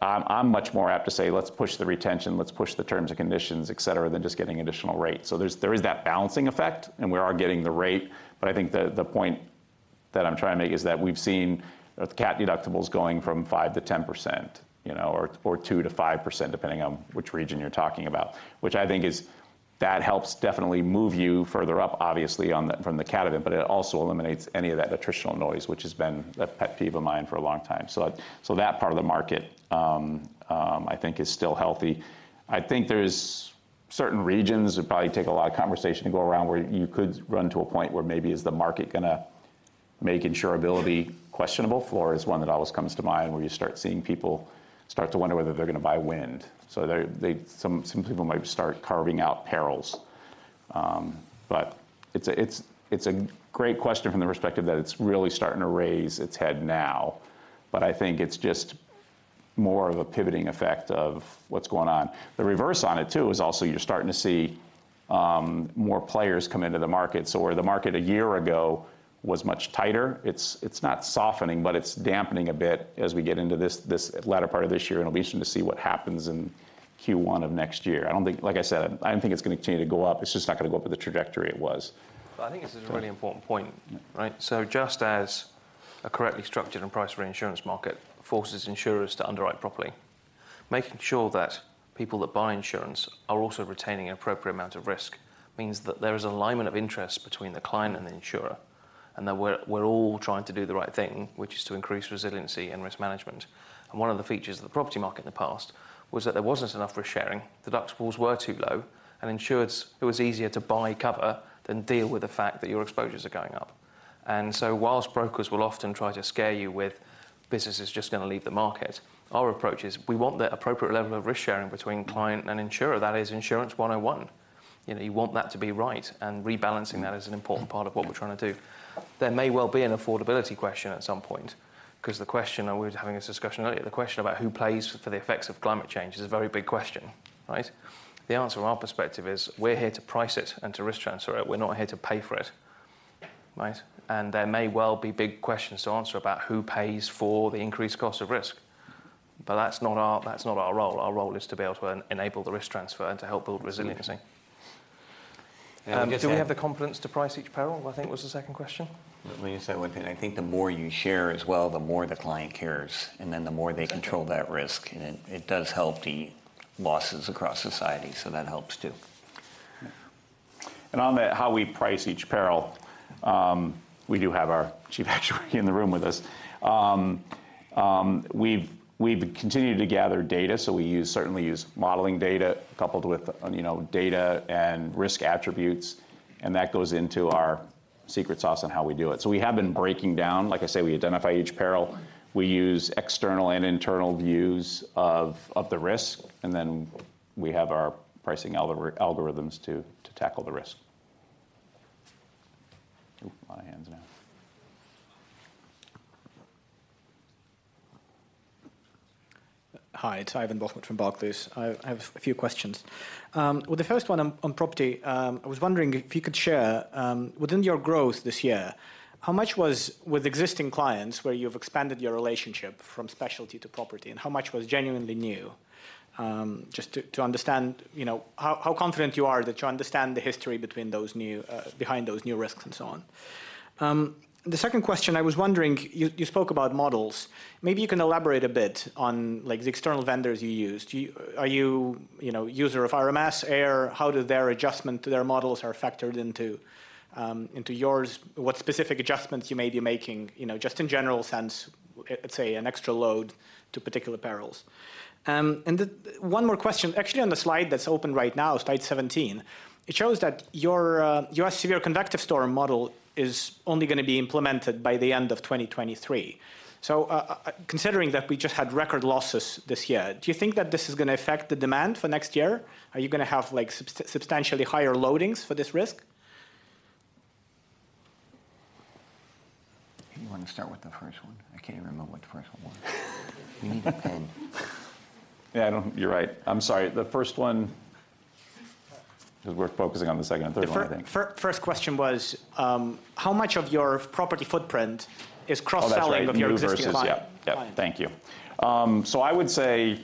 I'm much more apt to say, let's push the retention, let's push the terms and conditions, et cetera, than just getting additional rate. So there is that balancing effect, and we are getting the rate, but I think the point that I'm trying to make is that we've seen the cat deductibles going from 5%-10%, you know, or 2%-5%, depending on which region you're talking about. Which I think is, that helps definitely move you further up, obviously, on the—from the cat event, but it also eliminates any of that attritional noise, which has been a pet peeve of mine for a long time. So, that part of the market, I think is still healthy. I think there's certain regions that probably take a lot of conversation to go around, where you could run to a point where maybe is the market gonna make insurability questionable? Flood is one that always comes to mind, where you start seeing people start to wonder whether they're going to buy wind. So they, some people might start carving out perils. But it's a great question from the perspective that it's really starting to raise its head now, but I think it's just more of a pivoting effect of what's going on. The reverse on it, too, is also you're starting to see more players come into the market. So where the market a year ago was much tighter, it's not softening, but it's dampening a bit as we get into this latter part of this year, and it'll be interesting to see what happens in Q1 of next year. I don't think, like I said, I don't think it's going to continue to go up. It's just not going to go up with the trajectory it was. But I think this is a really important point, right? So just as a correctly structured and priced reinsurance market forces insurers to underwrite properly, making sure that people that buy insurance are also retaining an appropriate amount of risk means that there is an alignment of interest between the client and the insurer, and that we're, we're all trying to do the right thing, which is to increase resiliency and risk management. And one of the features of the property market in the past was that there wasn't enough risk-sharing, deductibles were too low, and insureds, it was easier to buy cover than deal with the fact that your exposures are going up... and so whilst brokers will often try to scare you with, "Business is just going to leave the market," our approach is: we want the appropriate level of risk sharing between client and insurer. That is Insurance 101. You know, you want that to be right, and rebalancing that is an important part of what we're trying to do. There may well be an affordability question at some point, 'cause the question, and we were having this discussion earlier, the question about who pays for the effects of climate change is a very big question, right? The answer from our perspective is, we're here to price it and to risk transfer it. We're not here to pay for it, right? There may well be big questions to answer about who pays for the increased cost of risk, but that's not our, that's not our role. Our role is to be able to enable the risk transfer and to help build resiliency. I guess- Do we have the confidence to price each peril? I think was the second question. Let me just say one thing. I think the more you share as well, the more the client cares, and then the more they control that risk, and it, it does help the losses across society, so that helps, too. Yeah. And on how we price each peril, we do have our Chief Actuary in the room with us. We've continued to gather data, so we certainly use modeling data coupled with, you know, data and risk attributes, and that goes into our secret sauce on how we do it. So we have been breaking down. Like I say, we identify each peril. We use external and internal views of the risk, and then we have our pricing algorithms to tackle the risk. Ooh, a lot of hands now. Hi, it's Ivan Bokhmat from Barclays. I have a few questions. Well, the first one on property, I was wondering if you could share, within your growth this year, how much was with existing clients, where you've expanded your relationship from specialty to property, and how much was genuinely new? Just to understand, you know, how confident you are that you understand the history between those new behind those new risks and so on. The second question, I was wondering, you spoke about models. Maybe you can elaborate a bit on, like, the external vendors you used. Do you are you, you know, user of RMS, AIR? How do their adjustment to their models are factored into yours? What specific adjustments you may be making, you know, just in general sense, let's say, an extra load to particular perils? One more question. Actually, on the slide that's open right now, slide 17, it shows that your your severe convective storm model is only going to be implemented by the end of 2023. So, considering that we just had record losses this year, do you think that this is going to affect the demand for next year? Are you going to have, like, substantially higher loadings for this risk? You want to start with the first one? I can't even remember what the first one was. We need a pen. Yeah, I don't... You're right. I'm sorry. The first one- because we're focusing on the second and third one, I think. The first question was, how much of your property footprint is cross-selling of your existing client? Oh, that's right. New versus... Yeah. Yeah. Thank you. So I would say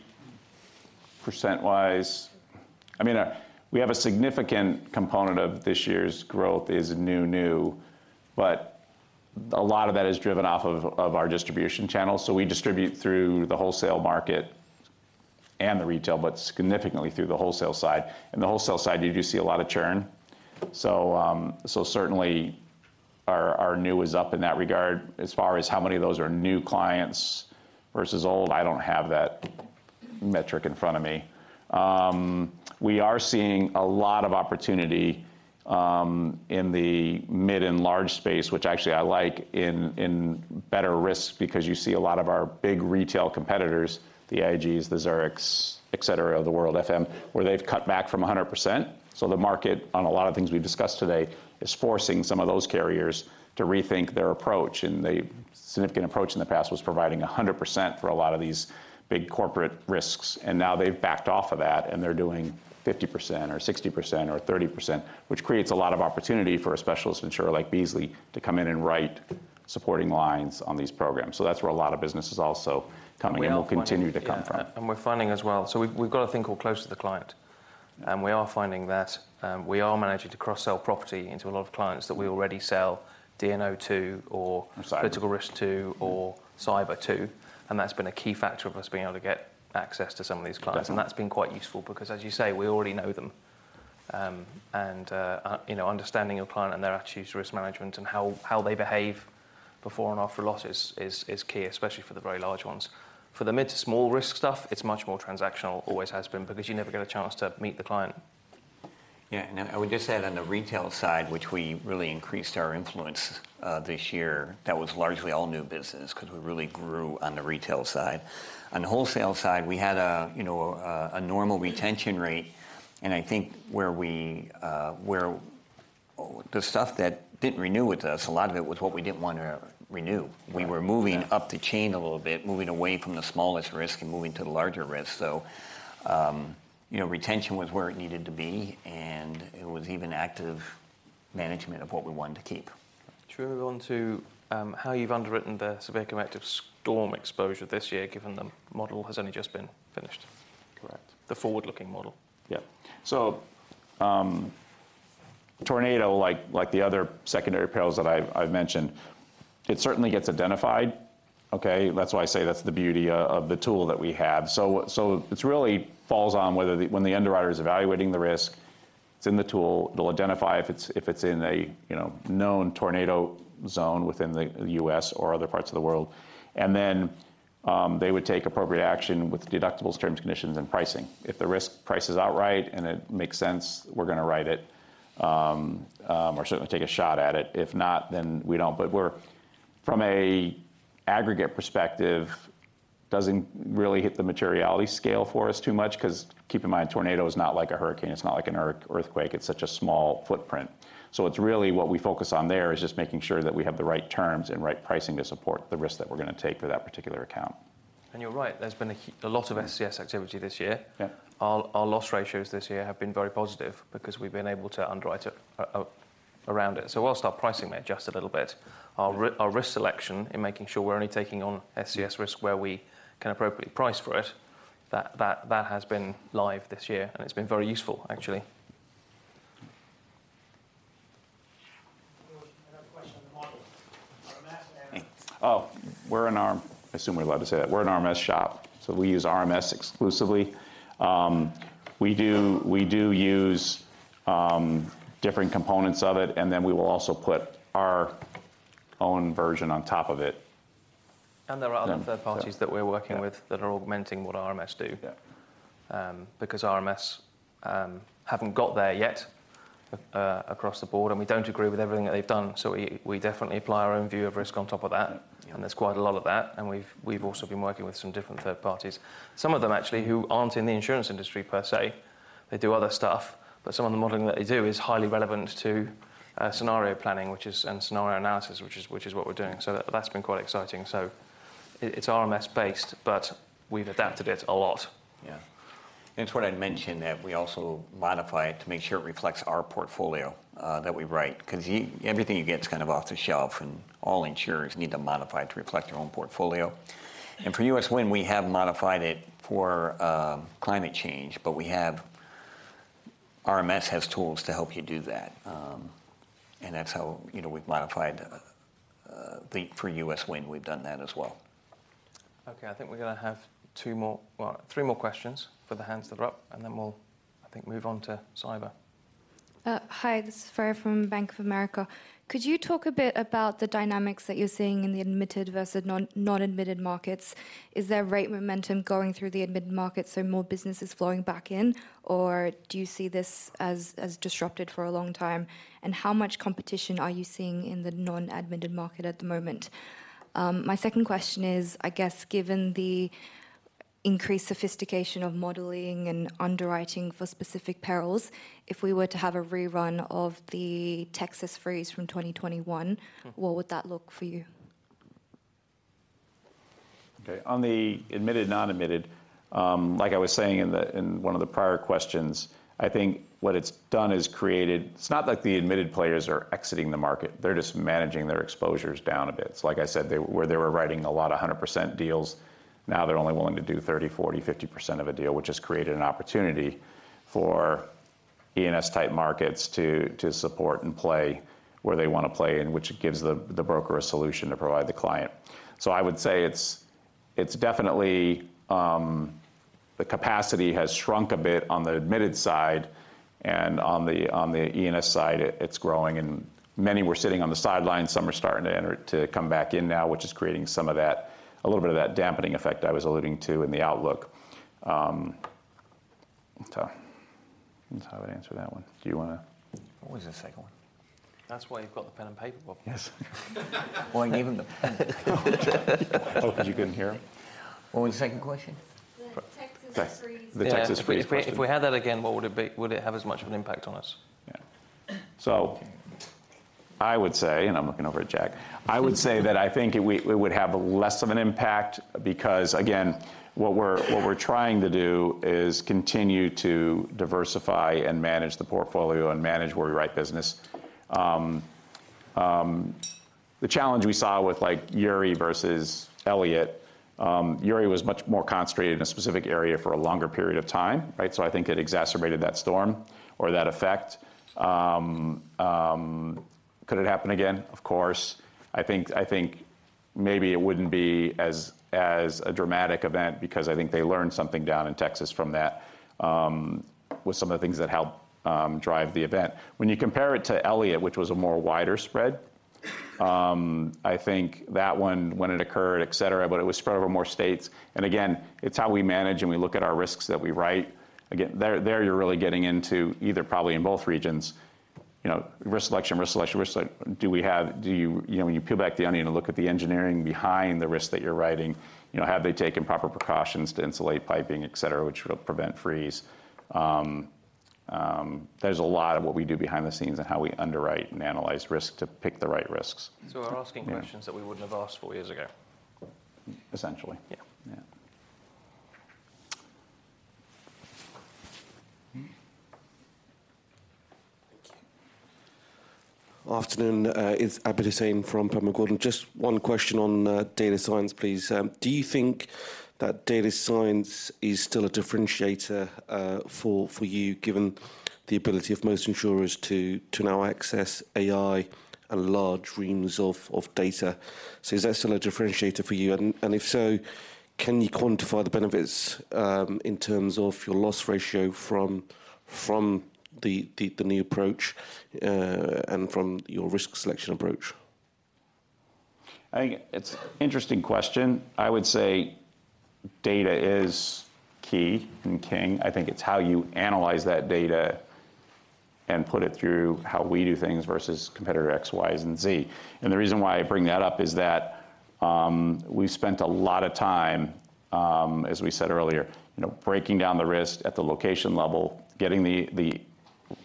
percent wise, I mean, we have a significant component of this year's growth is new, new, but a lot of that is driven off of our distribution channel. So we distribute through the wholesale market and the retail, but significantly through the wholesale side. In the wholesale side, you do see a lot of churn. So certainly, our new is up in that regard. As far as how many of those are new clients versus old, I don't have that metric in front of me. We are seeing a lot of opportunity in the mid and large space, which actually I like in better risk, because you see a lot of our big retail competitors, the IGs, the Zurichs, et cetera, of the world, FM, where they've cut back from 100%. So the market, on a lot of things we've discussed today, is forcing some of those carriers to rethink their approach, and the significant approach in the past was providing 100% for a lot of these big corporate risks, and now they've backed off of that, and they're doing 50% or 60% or 30%, which creates a lot of opportunity for a specialist insurer like Beazley to come in and write supporting lines on these programs. So that's where a lot of business is also coming in- We are finding- and will continue to come from. Yeah, and we're finding as well. So we've got a thing called close to the client, and we are finding that, we are managing to cross-sell property into a lot of clients that we already sell D&O to or- Cyber... political risk, too, or cyber, too, and that's been a key factor of us being able to get access to some of these clients. Definitely. That's been quite useful because, as you say, we already know them. You know, understanding your client and their attitude to risk management and how they behave before and after a loss is key, especially for the very large ones. For the mid to small risk stuff, it's much more transactional, always has been, because you never get a chance to meet the client. Yeah, and I would just add, on the retail side, which we really increased our influence this year, that was largely all new business because we really grew on the retail side. On the wholesale side, we had a, you know, a normal retention rate, and I think where we, where the stuff that didn't renew with us, a lot of it was what we didn't want to renew. Yeah. We were moving up the chain a little bit, moving away from the smallest risk and moving to the larger risk. So, you know, retention was where it needed to be, and it was even active management of what we wanted to keep. To move on to how you've underwritten the severe convective storm exposure this year, given the model has only just been finished? Correct. The forward-looking model. Yeah. So, tornado, like the other secondary perils that I've mentioned, it certainly gets identified, okay? That's why I say that's the beauty of the tool that we have. So it's really falls on whether the... when the underwriter is evaluating the risk, it's in the tool. It'll identify if it's in a, you know, known tornado zone within the U.S. or other parts of the world, and then they would take appropriate action with deductibles, terms, conditions, and pricing. If the risk price is outright and it makes sense, we're going to write it, or certainly take a shot at it. If not, then we don't. But we're from a aggregate perspective, doesn't really hit the materiality scale for us too much, 'cause keep in mind, tornado is not like a hurricane, it's not like an earthquake. It's such a small footprint. So it's really what we focus on there is just making sure that we have the right terms and right pricing to support the risk that we're going to take for that particular account. You're right, there's been a lot of SCS activity this year. Yeah. Our loss ratios this year have been very positive because we've been able to underwrite it around it. So we'll start pricing that just a little bit. Our risk selection in making sure we're only taking on SCS risk where we can appropriately price for it, that has been live this year, and it's been very useful, actually. Oh, we're an RMS shop, so we use RMS exclusively. We do use different components of it, and then we will also put our own version on top of it. And there are other- Yeah... third parties that we're working with- Yeah -that are augmenting what RMS do. Yeah. Because RMS haven't got there yet across the board, and we don't agree with everything that they've done, so we definitely apply our own view of risk on top of that. Yeah. There's quite a lot of that, and we've, we've also been working with some different third parties. Some of them, actually, who aren't in the insurance industry per se, they do other stuff, but some of the modeling that they do is highly relevant to scenario planning, which is and scenario analysis, which is, which is what we're doing. So that's been quite exciting. So it, it's RMS-based, but we've adapted it a lot. Yeah. To what I'd mentioned, that we also modify it to make sure it reflects our portfolio that we write. 'Cause everything you get is kind of off the shelf, and all insurers need to modify it to reflect their own portfolio. And for U.S. Wind, we have modified it for climate change, but RMS has tools to help you do that, and that's how, you know, we've modified. For U.S. Wind, we've done that as well. Okay, I think we're going to have two more, well, three more questions for the hands that are up, and then we'll, I think, move on to cyber. Hi, this is Freya from Bank of America. Could you talk a bit about the dynamics that you're seeing in the admitted versus non-admitted markets? Is there rate momentum going through the admitted markets, so more business is flowing back in, or do you see this as, as disrupted for a long time? And how much competition are you seeing in the non-admitted market at the moment? My second question is, I guess, given the increased sophistication of modeling and underwriting for specific perils, if we were to have a rerun of the Texas freeze from 2021- Mm. What would that look for you? Okay. On the admitted, non-admitted, like I was saying in the, in one of the prior questions, I think what it's done is created. It's not like the admitted players are exiting the market, they're just managing their exposures down a bit. So like I said, they, where they were writing a lot of 100% deals, now they're only willing to do 30%, 40%, 50% of a deal, which has created an opportunity for E&S type markets to support and play where they want to play, and which gives the broker a solution to provide the client. So I would say it's definitely the capacity has shrunk a bit on the admitted side, and on the E&S side, it's growing, and many were sitting on the sidelines. Some are starting to enter to come back in now, which is creating some of that, a little bit of that dampening effect I was alluding to in the outlook. That's how, that's how I'd answer that one. Do you want to- What was the second one? That's why you've got the pen and paper, Bob. Yes. Why are you giving the pen? Oh, you couldn't hear me? What was the second question? The Texas freeze. The Texas freeze question. If we had that again, what would it be? Would it have as much of an impact on us? Yeah. So I would say, and I'm looking over at Jack, I would say that I think it, it would have less of an impact because, again, what we're, what we're trying to do is continue to diversify and manage the portfolio and manage where we write business. The challenge we saw with, like, Uri versus Elliott, Uri was much more concentrated in a specific area for a longer period of time, right? So I think it exacerbated that storm or that effect. Could it happen again? Of course. I think, I think maybe it wouldn't be as, as a dramatic event because I think they learned something down in Texas from that, with some of the things that helped, drive the event. When you compare it to Elliott, which was a more wider spread, I think that one when it occurred, et cetera, but it was spread over more states. And again, it's how we manage and we look at our risks that we write. Again, there, there you're really getting into either probably in both regions, you know, risk selection, risk selection, risk selection. Do we have-- Do you... You know, when you peel back the onion and look at the engineering behind the risk that you're writing, you know, have they taken proper precautions to insulate piping, et cetera, which will prevent freeze? There's a lot of what we do behind the scenes and how we underwrite and analyze risk to pick the right risks. We're asking questions that we wouldn't have asked four years ago. Essentially. Yeah. Yeah. Thank you. Afternoon, it's Abid Hussain from Panmure Liberum Just one question on data science, please. Do you think that data science is still a differentiator for you, given the ability of most insurers to now access AI and large reams of data? So is that still a differentiator for you? And if so, can you quantify the benefits in terms of your loss ratio from, from-the new approach, and from your risk selection approach? I think it's interesting question. I would say data is key and king. I think it's how you analyze that data and put it through how we do things versus competitor X, Y, and Z. The reason why I bring that up is that, we've spent a lot of time, as we said earlier, you know, breaking down the risk at the location level, getting the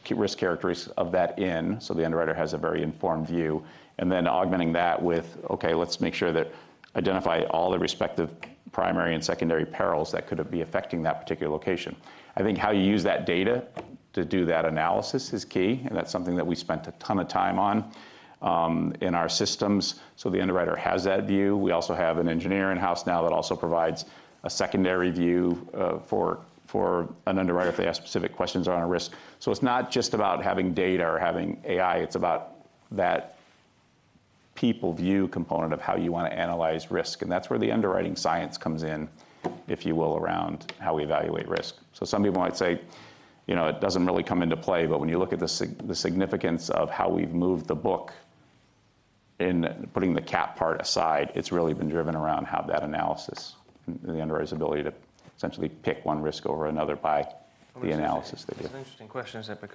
key risk characteristics of that in, so the underwriter has a very informed view, and then augmenting that with, "Okay, let's make sure that identify all the respective primary and secondary perils that could be affecting that particular location." I think how you use that data to do that analysis is key, and that's something that we spent a ton of time on, in our systems, so the underwriter has that view. We also have an engineer in-house now that also provides a secondary view for an underwriter if they ask specific questions on a risk. So it's not just about having data or having AI, it's about that people view component of how you want to analyze risk, and that's where the underwriting science comes in, if you will, around how we evaluate risk. So some people might say, you know, it doesn't really come into play, but when you look at the significance of how we've moved the book, in putting the cat part aside, it's really been driven around how that analysis and the underwriter's ability to essentially pick one risk over another by the analysis that they- It's an interesting question, isn't it? Yeah.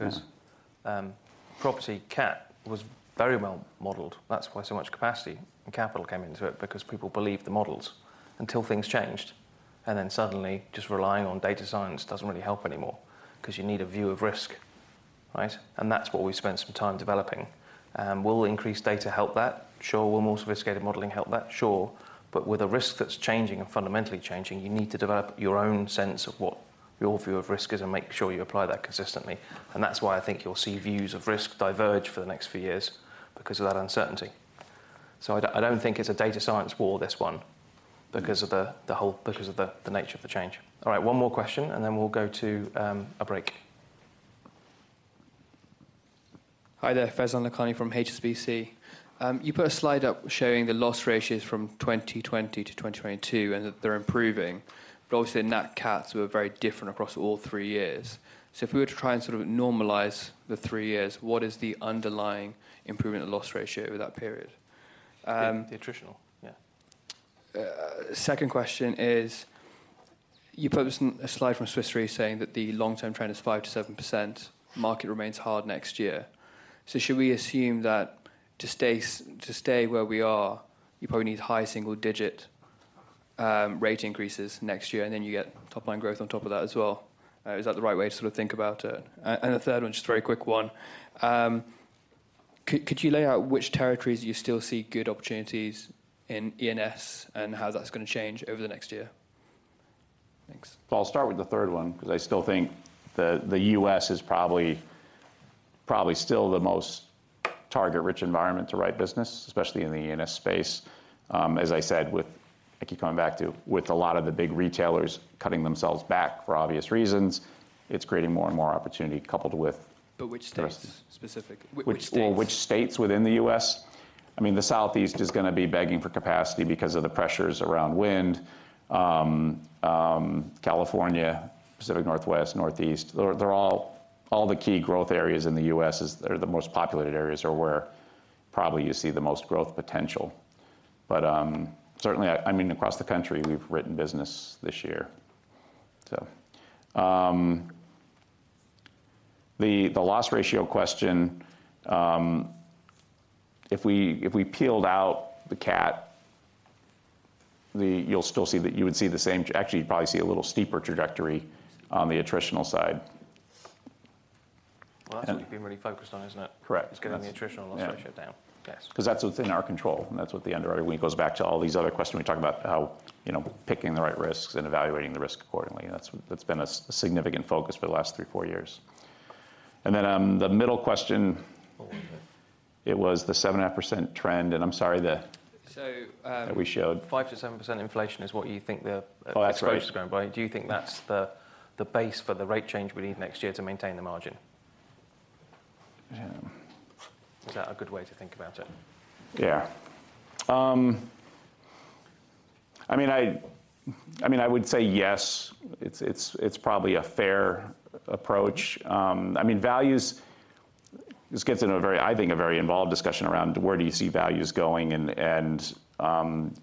Because, property cat was very well modeled. That's why so much capacity and capital came into it, because people believed the models until things changed, and then suddenly just relying on data science doesn't really help anymore because you need a view of risk, right? And that's what we spent some time developing. Will increased data help that? Sure. Will more sophisticated modeling help that? Sure. But with a risk that's changing and fundamentally changing, you need to develop your own sense of what your view of risk is and make sure you apply that consistently, and that's why I think you'll see views of risk diverge for the next few years because of that uncertainty. So I don't think it's a data science war, this one- Mm... because of the nature of the change. All right, one more question, and then we'll go to a break. Hi there, Faizan Lakhani from HSBC. You put a slide up showing the loss ratios from 2020 to 2022, and that they're improving. But obviously, the nat cats were very different across all three years. So if we were to try and sort of normalize the three years, what is the underlying improvement in loss ratio over that period? The attritional? Yeah. Second question is, you put a slide from Swiss Re saying that the long-term trend is 5%-7%, market remains hard next year. So should we assume that to stay where we are, you probably need high single-digit rate increases next year, and then you get top line growth on top of that as well? Is that the right way to sort of think about it? And the third one, just a very quick one, could you lay out which territories you still see good opportunities in E&S and how that's gonna change over the next year? Thanks. So I'll start with the third one, because I still think the U.S. is probably still the most target-rich environment to write business, especially in the E&S space. As I said, with... I keep coming back to, with a lot of the big retailers cutting themselves back for obvious reasons, it's creating more and more opportunity coupled with- But which states specifically? Which states- Well, which states within the U.S.? I mean, the Southeast is gonna be begging for capacity because of the pressures around wind. California, Pacific Northwest, Northeast, they're all the key growth areas in the U.S. is, are the most populated areas are where probably you see the most growth potential. But certainly, I mean, across the country, we've written business this year. So, the loss ratio question, if we peeled out the cat, you'll still see the... You would see the same, actually, you'd probably see a little steeper trajectory on the attritional side. And- Well, that's what you've been really focused on, isn't it? Correct. Is getting the attritional loss ratio down. Yeah. Yes. 'Cause that's what's in our control, and that's what the underwriter... It goes back to all these other questions we talked about, how, you know, picking the right risks and evaluating the risk accordingly. That's, that's been a significant focus for the last three, four years. And then, the middle question, it was the 7.5% trend, and I'm sorry, the- So, um- That we showed.... 5%-7% inflation is what you think the- Oh, that's right.... exposure is going by. Do you think that's the base for the rate change we need next year to maintain the margin? Um. Is that a good way to think about it? Yeah. I mean, I mean, I would say yes, it's probably a fair approach. I mean, values, this gets into a very, I think, a very involved discussion around where do you see values going, and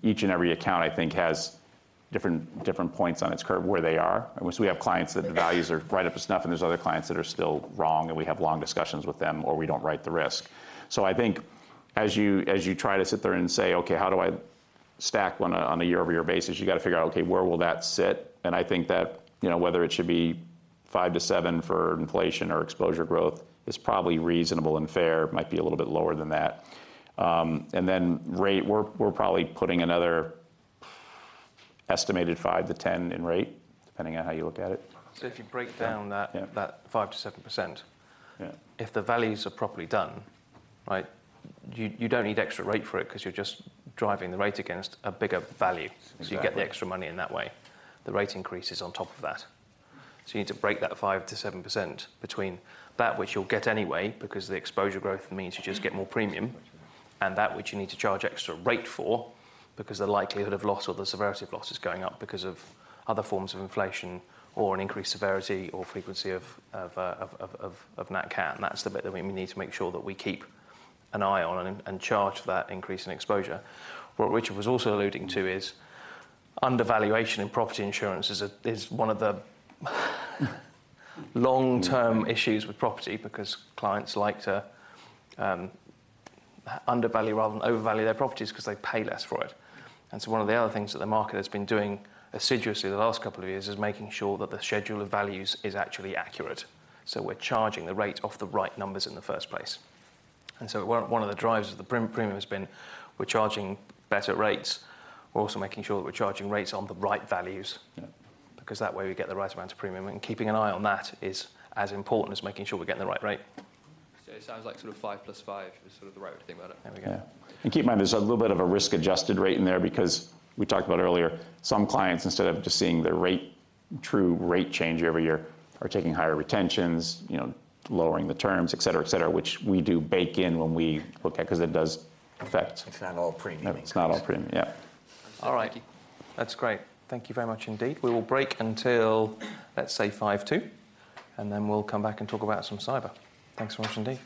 each and every account, I think, has different points on its curve where they are. Obviously, we have clients that the values are right up to snuff, and there's other clients that are still wrong, and we have long discussions with them, or we don't write the risk. So I think as you try to sit there and say, "Okay, how do I stack on a year-over-year basis?" You've got to figure out, okay, where will that sit? I think that, you know, whether it should be 5%-7% for inflation or exposure growth is probably reasonable and fair, might be a little bit lower than that. And then rate, we're probably putting another estimated 5%-10% in rate, depending on how you look at it. If you break down that- Yeah... that 5%-7%- Yeah... if the values are properly done, right? You don't need extra rate for it because you're just driving the rate against a bigger value. Exactly. So you get the extra money in that way, the rate increase is on top of that. So you need to break that 5%-7% between that which you'll get anyway, because the exposure growth means you just get more premium-... and that which you need to charge extra rate for, because the likelihood of loss or the severity of loss is going up because of other forms of inflation or an increased severity or frequency of nat cat. And that's the bit that we need to make sure that we keep an eye on and charge for that increase in exposure. What Richard was also alluding to is undervaluation in property insurance is one of the long-term issues with property, because clients like to undervalue rather than overvalue their properties because they pay less for it. And so one of the other things that the market has been doing assiduously the last couple of years is making sure that the schedule of values is actually accurate. So we're charging the rate of the right numbers in the first place. So one of the drivers of the premium has been we're charging better rates. We're also making sure that we're charging rates on the right values- Yeah. because that way we get the right amount of premium, and keeping an eye on that is as important as making sure we're getting the right rate. It sounds like sort of 5 + 5 is sort of the right way to think about it. There we go. Yeah. And keep in mind, there's a little bit of a risk-adjusted rate in there because we talked about earlier, some clients, instead of just seeing their rate, true rate change every year, are taking higher retentions, you know, lowering the terms, et cetera, et cetera, which we do bake in when we look at, 'cause it does affect- It's not all premium. It's not all premium, yeah. All right. Thank you. That's great. Thank you very much indeed. We will break until, let's say, 1:55, and then we'll come back and talk about some cyber. Thanks so much indeed. ...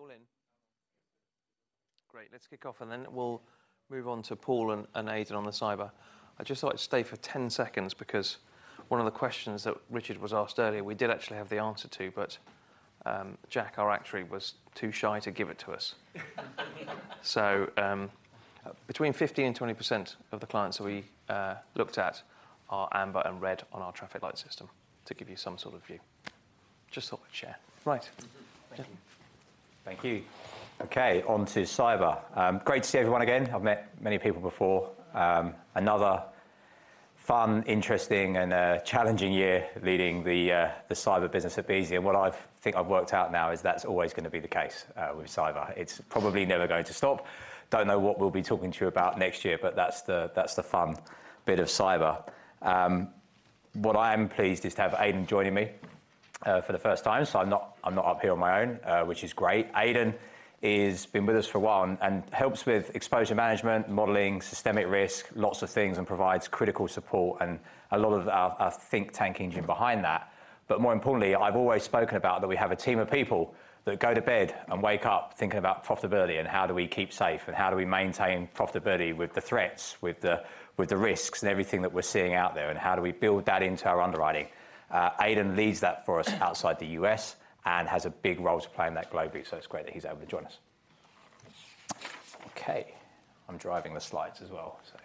Are we all in? Great, let's kick off, and then we'll move on to Paul and, and Aidan on the cyber. I just thought I'd stay for ten seconds because one of the questions that Richard was asked earlier, we did actually have the answer to, but Jack, our actuary, was too shy to give it to us. So, between 15%-20% of the clients that we looked at are amber and red on our traffic light system, to give you some sort of view. Just thought I'd share. Right. Thank you. Okay, on to cyber. Great to see everyone again. I've met many people before. Another fun, interesting, and challenging year leading the cyber business at Beazley. And what I think I've worked out now is that's always going to be the case with cyber. It's probably never going to stop. Don't know what we'll be talking to you about next year, but that's the fun bit of cyber. What I am pleased is to have Aidan joining me for the first time, so I'm not up here on my own, which is great. Aidan has been with us for a while and helps with exposure management, modeling, systemic risk, lots of things, and provides critical support and a lot of our think tank engine behind that. But more importantly, I've always spoken about that we have a team of people that go to bed and wake up thinking about profitability and how do we keep safe, and how do we maintain profitability with the threats, with the, with the risks and everything that we're seeing out there, and how do we build that into our underwriting? Aidan leads that for us outside the U.S. and has a big role to play in that globally, so it's great that he's able to join us. Okay, I'm driving the slides as well, so...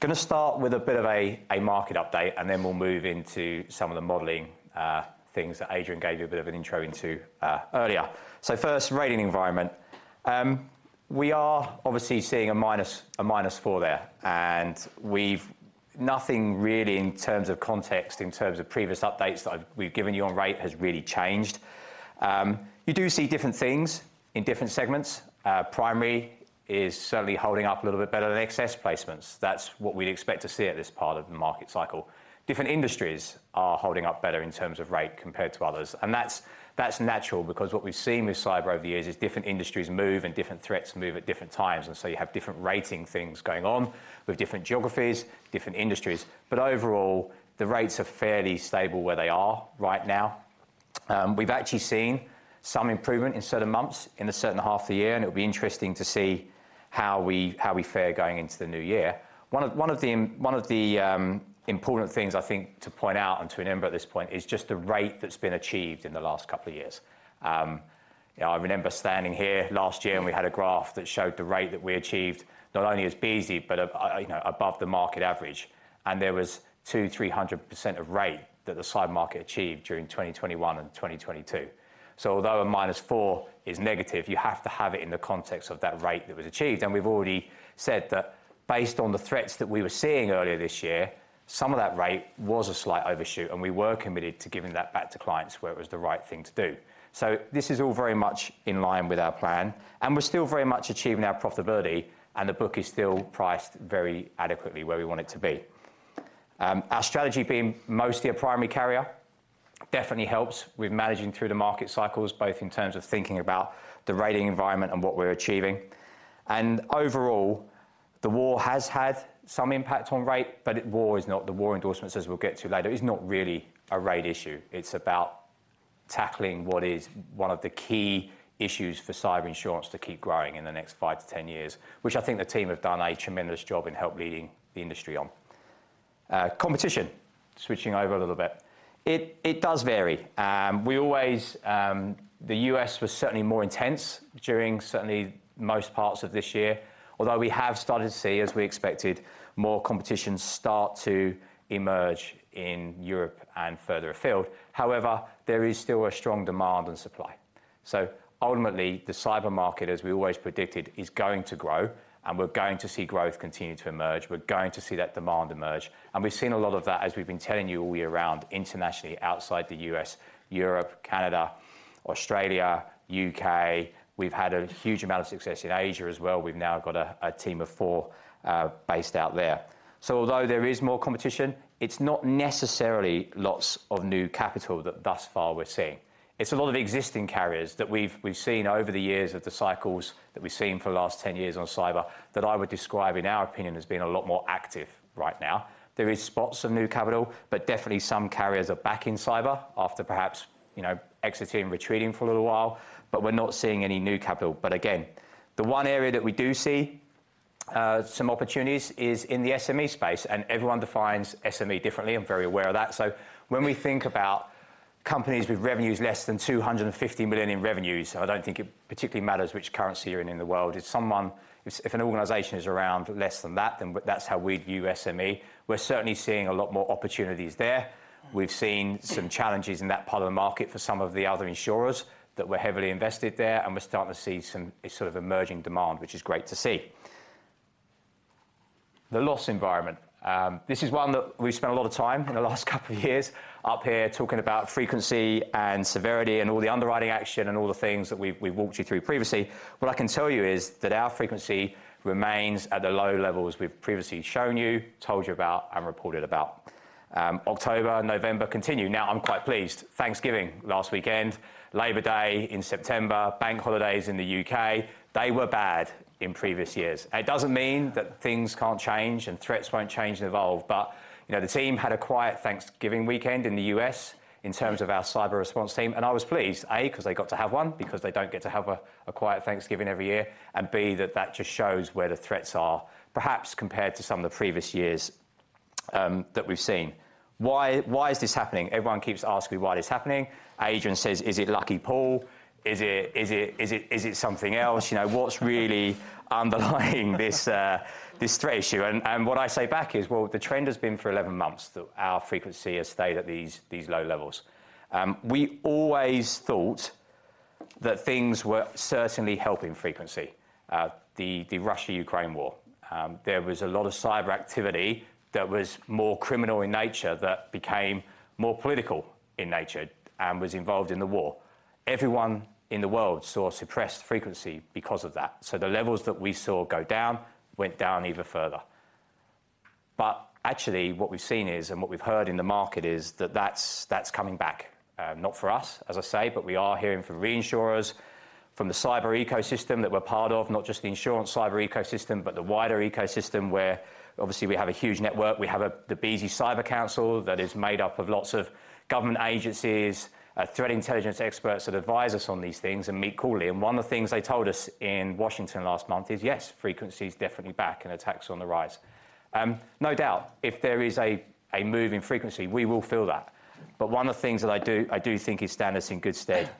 Gonna start with a bit of a market update, and then we'll move into some of the modeling, things that Adrian gave you a bit of an intro into earlier. So first, rating environment. We are obviously seeing a -4 there, and we've... Nothing really in terms of context, in terms of previous updates that we've given you on rate, has really changed. You do see different things in different segments. Primary is certainly holding up a little bit better than excess placements. That's what we'd expect to see at this part of the market cycle. Different industries are holding up better in terms of rate compared to others, and that's natural because what we've seen with cyber over the years is different industries move and different threats move at different times, and so you have different rating things going on with different geographies, different industries. But overall, the rates are fairly stable where they are right now. We've actually seen some improvement in certain months, in a certain half of the year, and it'll be interesting to see how we, how we fare going into the new year. One of the important things, I think, to point out and to remember at this point is just the rate that's been achieved in the last couple of years. I remember standing here last year, and we had a graph that showed the rate that we achieved, not only as Beazley but, you know, above the market average, and there was 200%-300% of rate that the cyber market achieved during 2021 and 2022. So although a -4% is negative, you have to have it in the context of that rate that was achieved. And we've already said that based on the threats that we were seeing earlier this year, some of that rate was a slight overshoot, and we were committed to giving that back to clients where it was the right thing to do. So this is all very much in line with our plan, and we're still very much achieving our profitability, and the book is still priced very adequately where we want it to be. Our strategy being mostly a primary carrier definitely helps with managing through the market cycles, both in terms of thinking about the rating environment and what we're achieving. And overall, the war has had some impact on rate, but war is not... The war endorsements, as we'll get to later, is not really a rate issue. It's about tackling what is one of the key issues for cyber insurance to keep growing in the next five to 10 years, which I think the team have done a tremendous job in help leading the industry on. Competition, switching over a little bit. It does vary. We always, the U.S. was certainly more intense during certainly most parts of this year, although we have started to see, as we expected, more competition start to emerge in Europe and further afield. However, there is still a strong demand and supply. So ultimately, the cyber market, as we always predicted, is going to grow, and we're going to see growth continue to emerge. We're going to see that demand emerge, and we've seen a lot of that, as we've been telling you all year round, internationally, outside the U.S., Europe, Canada, Australia, U.K. We've had a huge amount of success in Asia as well. We've now got a team of four based out there. So although there is more competition, it's not necessarily lots of new capital that thus far we're seeing. It's a lot of existing carriers that we've seen over the years of the cycles that we've seen for the last 10 years on cyber, that I would describe, in our opinion, as being a lot more active right now. There is spots of new capital, but definitely some carriers are back in cyber after perhaps, you know, exiting, retreating for a little while, but we're not seeing any new capital. But again, the one area that we do see some opportunities is in the SME space, and everyone defines SME differently. I'm very aware of that. So when we think about companies with revenues less than $250 million in revenues, I don't think it particularly matters which currency you're in in the world. If an organization is around less than that, then that's how we'd view SME. We're certainly seeing a lot more opportunities there. We've seen some challenges in that part of the market for some of the other insurers that were heavily invested there, and we're starting to see some sort of emerging demand, which is great to see. The loss environment. This is one that we've spent a lot of time in the last couple of years up here talking about frequency and severity, and all the underwriting action, and all the things that we've walked you through previously. What I can tell you is that our frequency remains at the low levels we've previously shown you, told you about, and reported about. October, November continue. Now, I'm quite pleased. Thanksgiving last weekend, Labor Day in September, bank holidays in the U.K., they were bad in previous years. It doesn't mean that things can't change, and threats won't change and evolve, but, you know, the team had a quiet Thanksgiving weekend in the U.S. in terms of our cyber response team. And I was pleased, A, 'cause they got to have one, because they don't get to have a quiet Thanksgiving every year, and B, that that just shows where the threats are, perhaps compared to some of the previous years, that we've seen. Why, why is this happening? Everyone keeps asking me why it's happening. Adrian says, "Is it lucky, Paul? Is it something else?" You know, "What's really underlying this threat issue?" And what I say back is, "Well, the trend has been for 11 months that our frequency has stayed at these low levels." We always thought that things were certainly helping frequency. The Russia-Ukraine war. There was a lot of cyber activity that was more criminal in nature that became more political in nature, and was involved in the war. Everyone in the world saw suppressed frequency because of that, so the levels that we saw go down went down even further. But actually, what we've seen is, and what we've heard in the market, is that that's coming back. Not for us, as I say, but we are hearing from reinsurers, from the cyber ecosystem that we're part of, not just the insurance cyber ecosystem, but the wider ecosystem, where obviously we have a huge network. We have the Beazley Cyber Council that is made up of lots of government agencies, threat intelligence experts that advise us on these things, and meet quarterly. And one of the things they told us in Washington last month is, "Yes, frequency is definitely back, and attack's on the rise." No doubt, if there is a move in frequency, we will feel that. But one of the things that I do, I do think stand us in good stead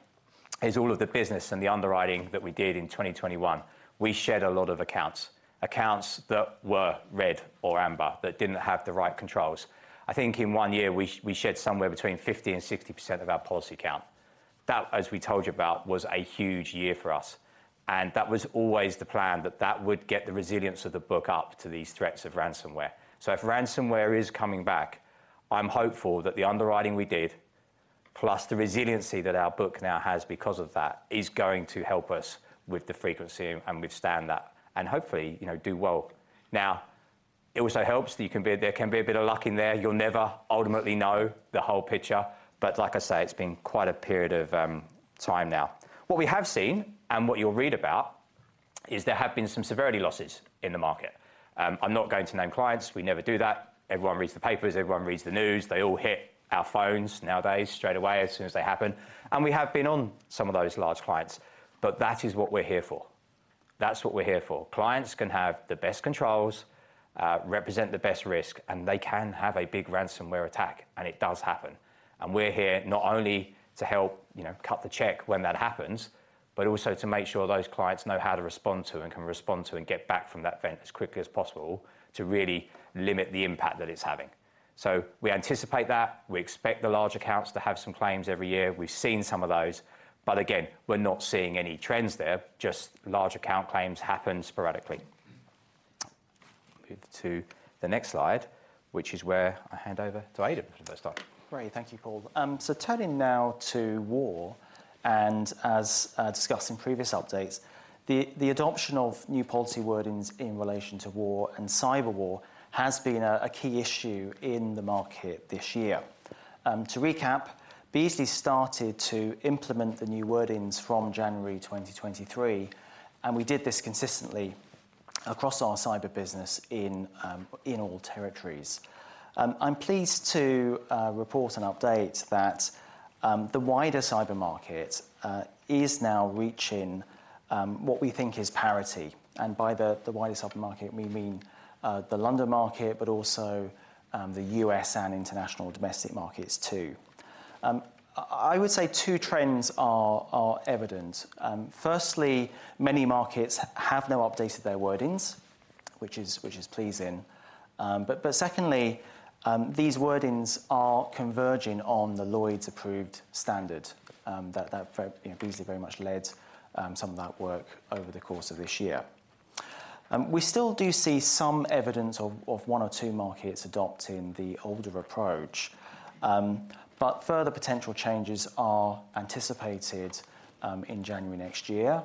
is all of the business and the underwriting that we did in 2021. We shed a lot of accounts, accounts that were red or amber, that didn't have the right controls. I think in one year, we shed somewhere between 50% and 60% of our policy count. That, as we told you about, was a huge year for us, and that was always the plan, that that would get the resilience of the book up to these threats of ransomware. So if ransomware is coming back, I'm hopeful that the underwriting we did, plus the resiliency that our book now has because of that, is going to help us with the frequency and withstand that, and hopefully, you know, do well. Now, it also helps that there can be a bit of luck in there. You'll never ultimately know the whole picture but, like I say, it's been quite a period of time now. What we have seen, and what you'll read about, is there have been some severity losses in the market. I'm not going to name clients, we never do that. Everyone reads the papers, everyone reads the news. They all hit our phones nowadays, straight away, as soon as they happen. And we have been on some of those large clients, but that is what we're here for. That's what we're here for. Clients can have the best controls, represent the best risk, and they can have a big ransomware attack, and it does happen. And we're here not only to help, you know, cut the check when that happens, but also to make sure those clients know how to respond to, and can respond to, and get back from that event as quickly as possible, to really limit the impact that it's having. So we anticipate that. We expect the large accounts to have some claims every year. We've seen some of those, but again, we're not seeing any trends there, just large account claims happen sporadically. Move to the next slide, which is where I hand over to Aidan for the first time. Great. Thank you, Paul. So turning now to war, and as discussed in previous updates, the adoption of new policy wordings in relation to war and cyber war has been a key issue in the market this year. To recap, Beazley started to implement the new wordings from January 2023, and we did this consistently across our cyber business in all territories. I'm pleased to report an update that the wider cyber market is now reaching what we think is parity. And by the wider cyber market, we mean the London market, but also the U.S. and international domestic markets, too. I would say two trends are evident. Firstly, many markets have now updated their wordings, which is pleasing. But secondly, these wordings are converging on the Lloyd's approved standard that Beazley very much led, some of that work over the course of this year. We still do see some evidence of one or two markets adopting the older approach. But further potential changes are anticipated in January next year.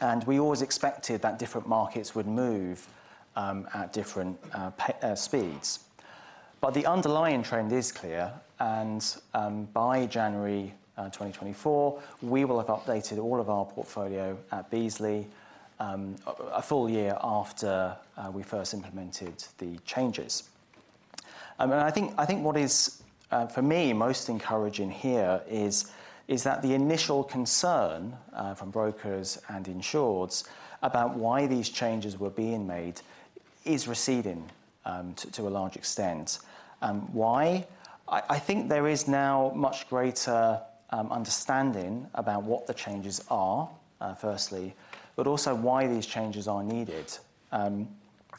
And we always expected that different markets would move at different speeds. But the underlying trend is clear, and by January 2024, we will have updated all of our portfolio at Beazley, a full-year after we first implemented the changes. And I think what is for me most encouraging here is that the initial concern from brokers and insurers about why these changes were being made is receding to a large extent. Why? I think there is now much greater understanding about what the changes are firstly, but also why these changes are needed.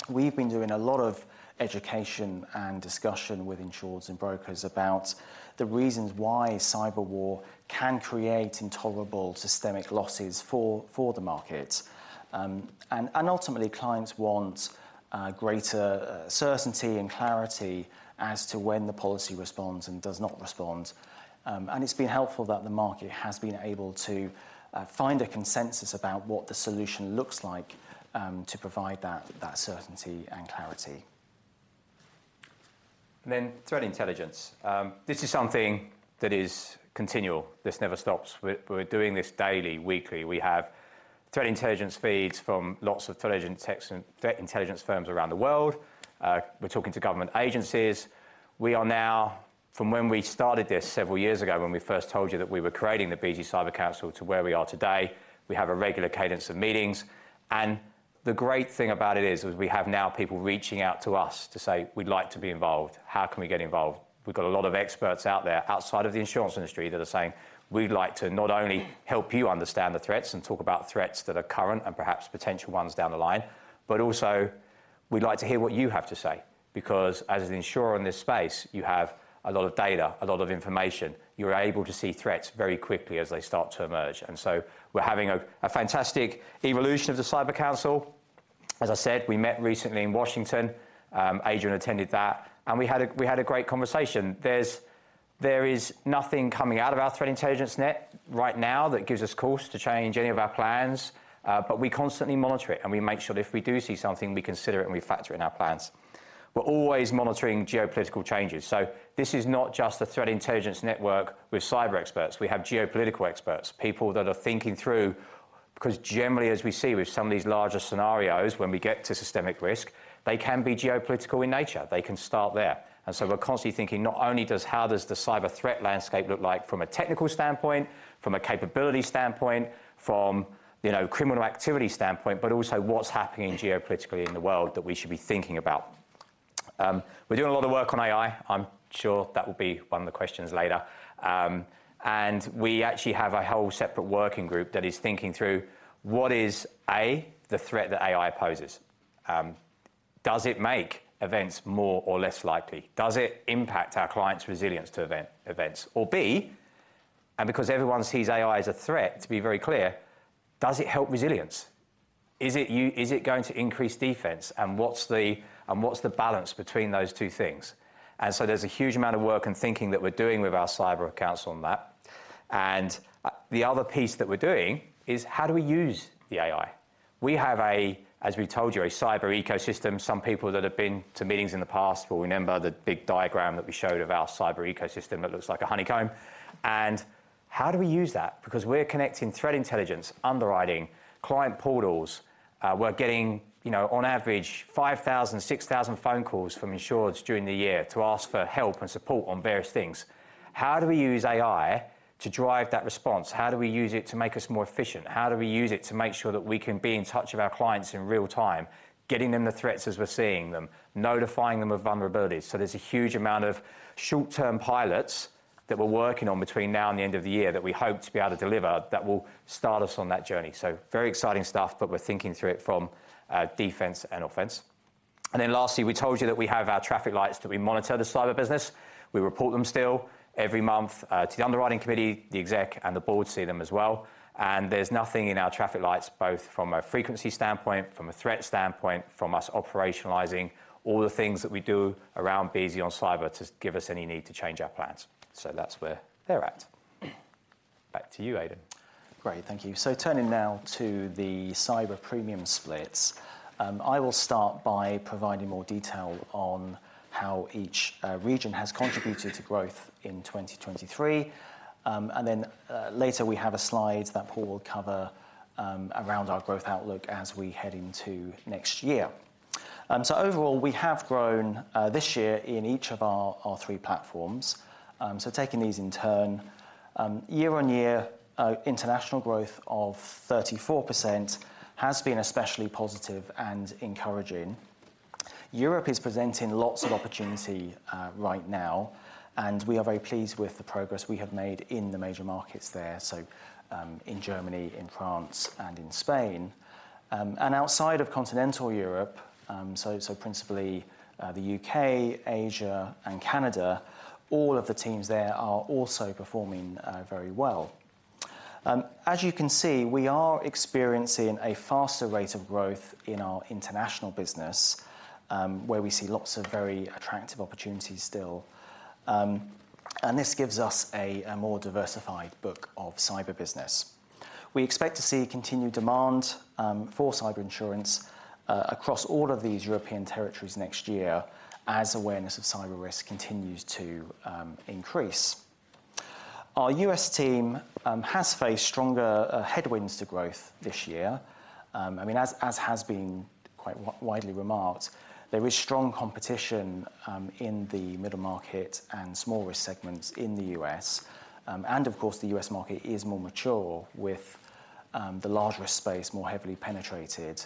We've been doing a lot of education and discussion with insurers and brokers about the reasons why cyber war can create intolerable systemic losses for the market. And ultimately, clients want greater certainty and clarity as to when the policy responds and does not respond. And it's been helpful that the market has been able to find a consensus about what the solution looks like to provide that certainty and clarity. And then threat intelligence. This is something that is continual. This never stops. We're doing this daily, weekly. We have threat intelligence feeds from lots of threat intelligence and threat intelligence firms around the world. We're talking to government agencies. We are now, from when we started this several years ago, when we first told you that we were creating the Beazley Cyber Council, to where we are today, we have a regular cadence of meetings. The great thing about it is we have now people reaching out to us to say, "We'd like to be involved. How can we get involved?" We've got a lot of experts out there outside of the insurance industry that are saying, "We'd like to not only help you understand the threats and talk about threats that are current and perhaps potential ones down the line, but also we'd like to hear what you have to say." Because as an insurer in this space, you have a lot of data, a lot of information. You're able to see threats very quickly as they start to emerge, and so we're having a fantastic evolution of the Cyber Council. As I said, we met recently in Washington. Adrian attended that, and we had a great conversation. There is nothing coming out of our threat intelligence network right now that gives us cause to change any of our plans, but we constantly monitor it, and we make sure that if we do see something, we consider it, and we factor it in our plans. We're always monitoring geopolitical changes, so this is not just a threat intelligence network with cyber experts. We have geopolitical experts, people that are thinking through, because generally, as we see with some of these larger scenarios, when we get to systemic risk, they can be geopolitical in nature. They can start there. And so we're constantly thinking, not only does... How does the cyber threat landscape look like from a technical standpoint, from a capability standpoint, from, you know, criminal activity standpoint, but also what's happening geopolitically in the world that we should be thinking about? We're doing a lot of work on AI. I'm sure that will be one of the questions later. And we actually have a whole separate working group that is thinking through what is, A, the threat that AI poses? Does it make events more or less likely? Does it impact our clients' resilience to events? Or, B, and because everyone sees AI as a threat, to be very clear, does it help resilience? Is it going to increase defense, and what's the balance between those two things? And so there's a huge amount of work and thinking that we're doing with our Cyber Council on that. And the other piece that we're doing is: how do we use the AI? We have a, as we told you, a cyber ecosystem. Some people that have been to meetings in the past will remember the big diagram that we showed of our cyber ecosystem that looks like a honeycomb. And how do we use that? Because we're connecting threat intelligence, underwriting, client portals. We're getting, you know, on average, 5,000, 6,000 phone calls from insurers during the year to ask for help and support on various things. How do we use AI to drive that response? How do we use it to make us more efficient? How do we use it to make sure that we can be in touch with our clients in real time, getting them the threats as we're seeing them, notifying them of vulnerabilities? So there's a huge amount of short-term pilots that we're working on between now and the end of the year that we hope to be able to deliver, that will start us on that journey. So very exciting stuff, but we're thinking through it from, defense and offense. And then lastly, we told you that we have our traffic lights that we monitor the cyber business. We report them still every month to the underwriting committee, the exec and the board see them as well. And there's nothing in our traffic lights, both from a frequency standpoint, from a threat standpoint, from us operationalizing all the things that we do around Beazley on cyber, to give us any need to change our plans. So that's where they're at. Back to you, Aidan. Great, thank you. So turning now to the cyber premium splits, I will start by providing more detail on how each region has contributed to growth in 2023. Then, later, we have a slide that Paul will cover around our growth outlook as we head into next year. Overall, we have grown this year in each of our three platforms. Taking these in turn, year-on-year international growth of 34% has been especially positive and encouraging. Europe is presenting lots of opportunity right now, and we are very pleased with the progress we have made in the major markets there, so in Germany, in France, and in Spain. Outside of continental Europe, so principally the U.K., Asia, and Canada, all of the teams there are also performing very well. As you can see, we are experiencing a faster rate of growth in our international business, where we see lots of very attractive opportunities still. This gives us a more diversified book of cyber business. We expect to see continued demand for cyber insurance across all of these European territories next year, as awareness of cyber risk continues to increase. Our U.S. team has faced stronger headwinds to growth this year. I mean, as has been quite widely remarked, there is strong competition in the middle market and small risk segments in the U.S. And of course, the U.S. market is more mature with the large risk space more heavily penetrated.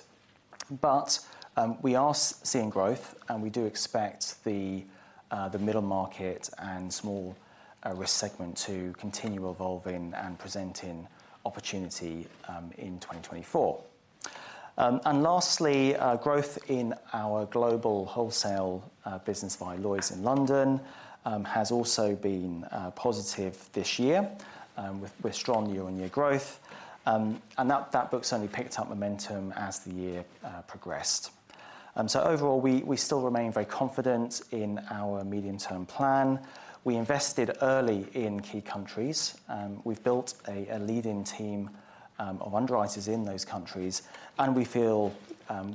But we are seeing growth, and we do expect the middle market and small risk segment to continue evolving and presenting opportunity in 2024. And lastly, growth in our global wholesale business via Lloyd's in London has also been positive this year with strong year-on-year growth. And that book's only picked up momentum as the year progressed. So overall, we still remain very confident in our medium-term plan. We invested early in key countries, and we've built a leading team of underwriters in those countries, and we feel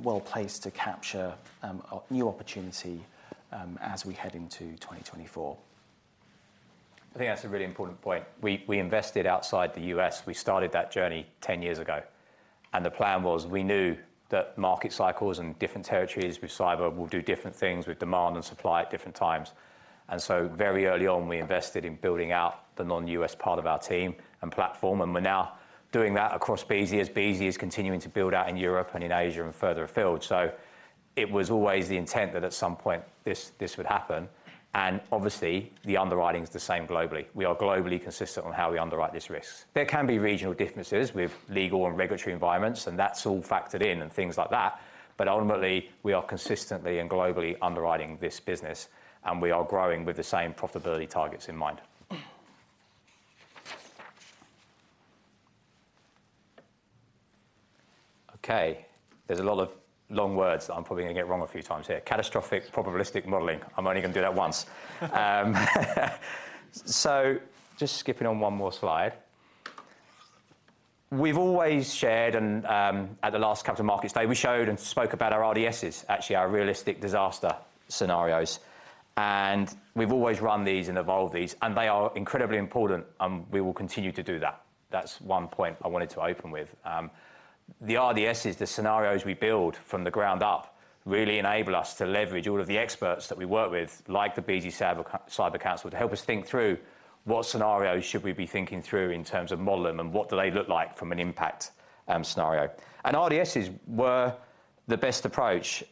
well-placed to capture a new opportunity as we head into 2024. I think that's a really important point. We invested outside the U.S., we started that journey 10 years ago, and the plan was, we knew that market cycles and different territories with cyber will do different things with demand and supply at different times. And so very early on, we invested in building out the non-U.S. part of our team and platform, and we're now doing that across Beazley, as Beazley is continuing to build out in Europe and in Asia and further afield. So it was always the intent that at some point, this would happen, and obviously, the underwriting is the same globally. We are globally consistent on how we underwrite this risk. There can be regional differences with legal and regulatory environments, and that's all factored in and things like that, but ultimately, we are consistently and globally underwriting this business, and we are growing with the same profitability targets in mind. Okay, there's a lot of long words that I'm probably going to get wrong a few times here. Catastrophic probabilistic modeling. I'm only going to do that once. So just skipping on one more slide. We've always shared, and at the last Capital Markets Day, we showed and spoke about our RDSs, actually our realistic disaster scenarios, and we've always run these and evolved these, and they are incredibly important, and we will continue to do that. That's one point I wanted to open with. The RDSs, the scenarios we build from the ground up, really enable us to leverage all of the experts that we work with, like the Beazley Cyber Council, to help us think through what scenarios should we be thinking through in terms of modeling, and what do they look like from an impact scenario. RDSs were the best approach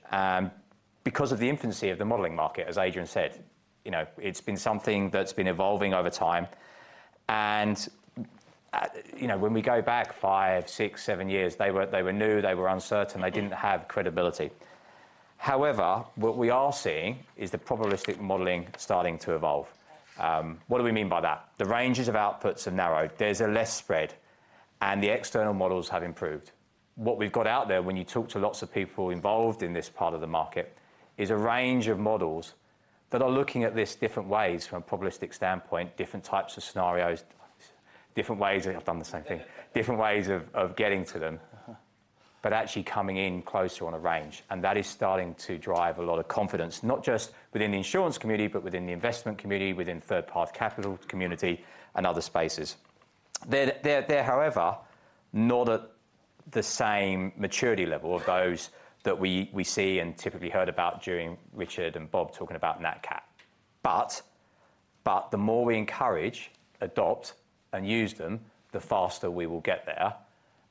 because of the infancy of the modeling market, as Adrian said. You know, it's been something that's been evolving over time, and, you know, when we go back five, six, seven years, they were, they were new, they were uncertain, they didn't have credibility. However, what we are seeing is the probabilistic modeling starting to evolve. What do we mean by that? The ranges of outputs have narrowed. There's a less spread, and the external models have improved. What we've got out there, when you talk to lots of people involved in this part of the market, is a range of models that are looking at this different ways from a probabilistic standpoint, different types of scenarios, different ways... I've done the same thing. Different ways of getting to them- Uh-huh. But actually coming in closer on a range, and that is starting to drive a lot of confidence, not just within the insurance community, but within the investment community, within third-party capital community, and other spaces. They're however not at the same maturity level of those that we see and typically heard about during Richard and Bob talking about nat cat. But the more we encourage, adopt, and use them, the faster we will get there.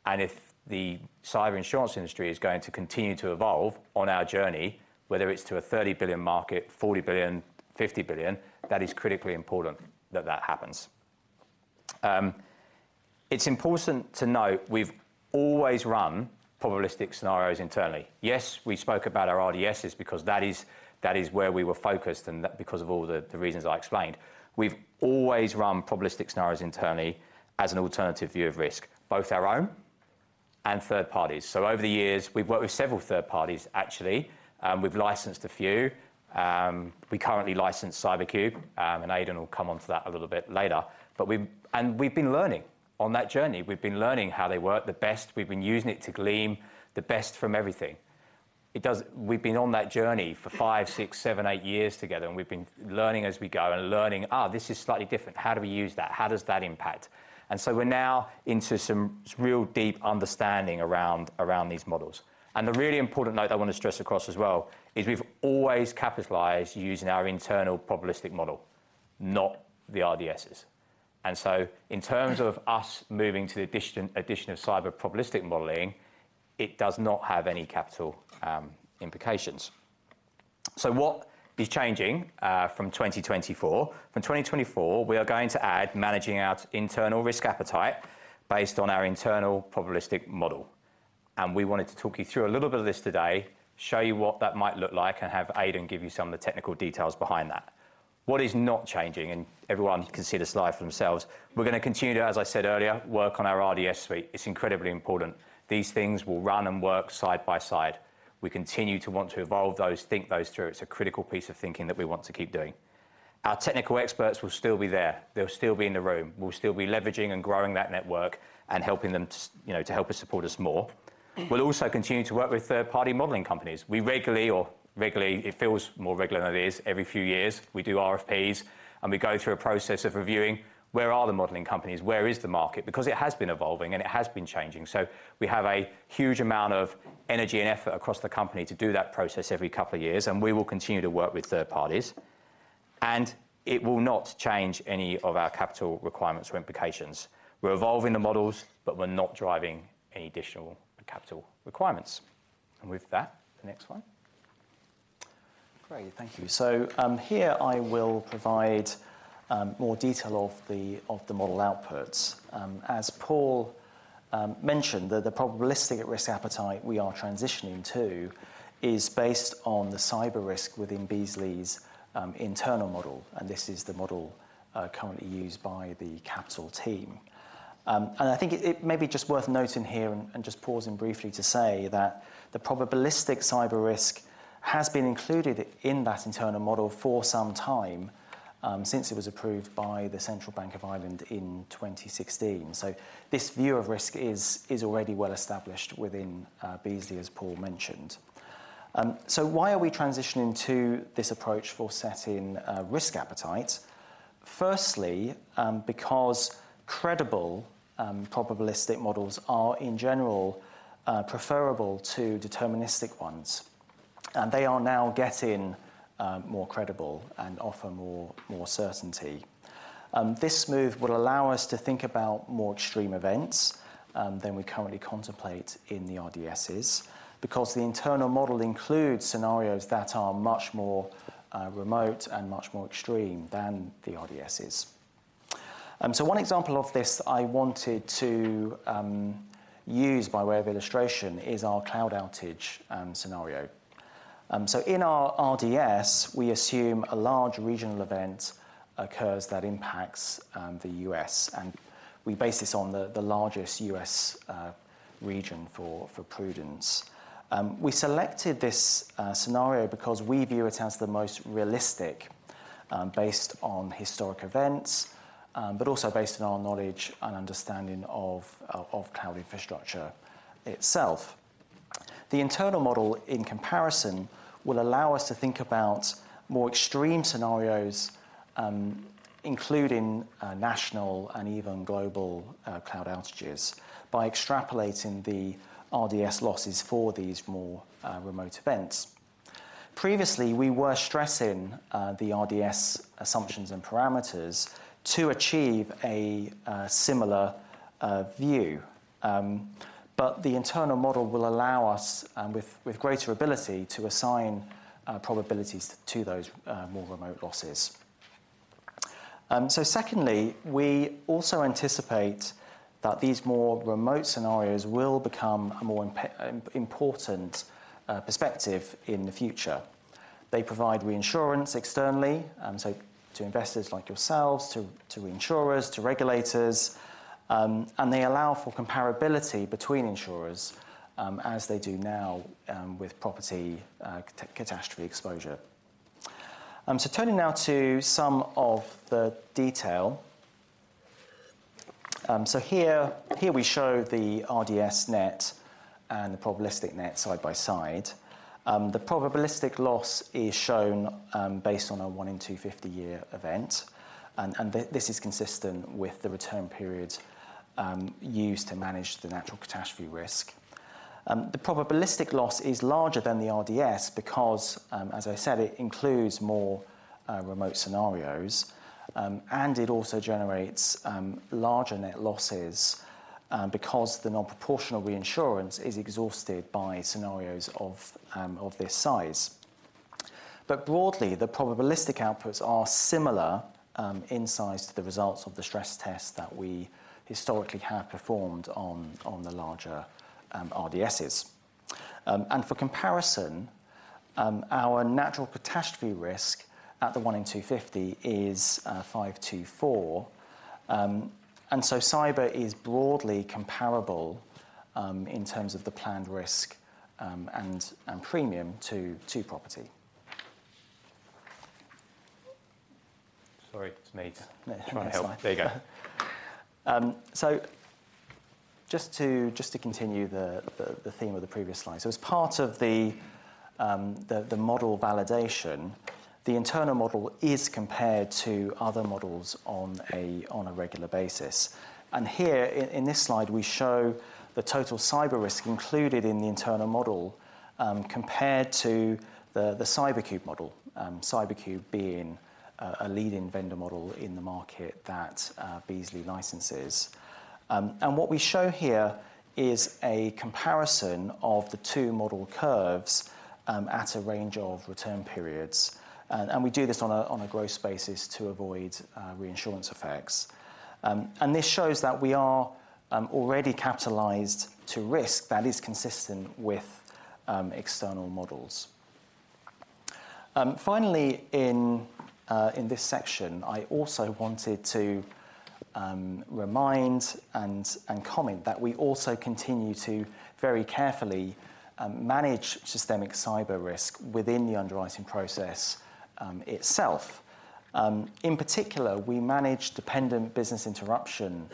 And if the cyber insurance industry is going to continue to evolve on our journey, whether it's to a $30 billion market, $40 billion, $50 billion, that is critically important that that happens. It's important to note we've always run probabilistic scenarios internally. Yes, we spoke about our RDSs because that is where we were focused, and that because of all the reasons I explained. We've always run probabilistic scenarios internally as an alternative view of risk, both our own and third parties. So over the years, we've worked with several third parties, actually, and we've licensed a few. We currently license CyberCube, and Aidan will come onto that a little bit later. And we've been learning on that journey. We've been learning how they work, the best. We've been using it to glean the best from everything. We've been on that journey for five, six, seven, eight years together, and we've been learning as we go and learning, "Ah, this is slightly different. How do we use that? How does that impact?" And so we're now into some real deep understanding around, around these models. The really important note I want to stress across as well is we've always capitalized using our internal probabilistic model, not the RDSs. So in terms of us moving to the addition of cyber probabilistic modeling, it does not have any capital implications. So what is changing from 2024? From 2024, we are going to add managing our internal risk appetite based on our internal probabilistic model, and we wanted to talk you through a little bit of this today, show you what that might look like, and have Aidan give you some of the technical details behind that. What is not changing, and everyone can see this slide for themselves, we're gonna continue to, as I said earlier, work on our RDS suite. It's incredibly important. These things will run and work side by side. We continue to want to evolve those, think those through. It's a critical piece of thinking that we want to keep doing. Our technical experts will still be there. They'll still be in the room. We'll still be leveraging and growing that network and helping them to, you know, to help us support us more. We'll also continue to work with third-party modeling companies. We regularly, it feels more regular than it is, every few years, we do RFPs, and we go through a process of reviewing, where are the modeling companies? Where is the market? Because it has been evolving, and it has been changing. So we have a huge amount of energy and effort across the company to do that process every couple of years, and we will continue to work with third parties. It will not change any of our capital requirements or implications. We're evolving the models, but we're not driving any additional capital requirements. And with that, the next one.... Great, thank you. So, here I will provide more detail of the model outputs. As Paul mentioned, the probabilistic risk appetite we are transitioning to is based on the cyber risk within Beazley's internal model, and this is the model currently used by the capital team. I think it may be just worth noting here and just pausing briefly to say that the probabilistic cyber risk has been included in that internal model for some time, since it was approved by the Central Bank of Ireland in 2016. So this view of risk is already well established within Beazley, as Paul mentioned. So why are we transitioning to this approach for setting risk appetite? Firstly, because credible, probabilistic models are, in general, preferable to deterministic ones, and they are now getting more credible and offer more certainty. This move will allow us to think about more extreme events than we currently contemplate in the RDSs, because the internal model includes scenarios that are much more remote and much more extreme than the RDSs. So one example of this I wanted to use by way of illustration is our cloud outage scenario. So in our RDS, we assume a large regional event occurs that impacts the U.S., and we base this on the largest U.S. region for prudence. We selected this scenario because we view it as the most realistic, based on historic events, but also based on our knowledge and understanding of cloud infrastructure itself. The internal model, in comparison, will allow us to think about more extreme scenarios, including national and even global cloud outages, by extrapolating the RDS losses for these more remote events. Previously, we were stressing the RDS assumptions and parameters to achieve a similar view. But the internal model will allow us with greater ability to assign probabilities to those more remote losses. So secondly, we also anticipate that these more remote scenarios will become a more important perspective in the future. They provide reinsurance externally, so to investors like yourselves, to insurers, to regulators, and they allow for comparability between insurers, as they do now, with property catastrophe exposure. So turning now to some of the detail. So here, here we show the RDS net and the probabilistic net side by side. The probabilistic loss is shown, based on a 1-in-250-year event, and this is consistent with the return periods used to manage the natural catastrophe risk. The probabilistic loss is larger than the RDS because, as I said, it includes more remote scenarios, and it also generates larger net losses, because the non-proportional reinsurance is exhausted by scenarios of this size. But broadly, the probabilistic outputs are similar in size to the results of the stress test that we historically have performed on the larger RDSs. And for comparison, our natural catastrophe risk at the 1-in-250 is 524. And so cyber is broadly comparable in terms of the planned risk and premium to property. Sorry, it's me. Yeah, it's fine. Trying to help. There you go. So just to continue the theme of the previous slide. So as part of the model validation, the internal model is compared to other models on a regular basis. And here, in this slide, we show the total cyber risk included in the internal model, compared to the CyberCube model, CyberCube being a leading vendor model in the market that Beazley licenses. And what we show here is a comparison of the two model curves, at a range of return periods. And we do this on a gross basis to avoid reinsurance effects. And this shows that we are already capitalized to risk that is consistent with external models. Finally, in this section, I also wanted to remind and comment that we also continue to very carefully manage systemic cyber risk within the underwriting process itself. In particular, we manage dependent business interruption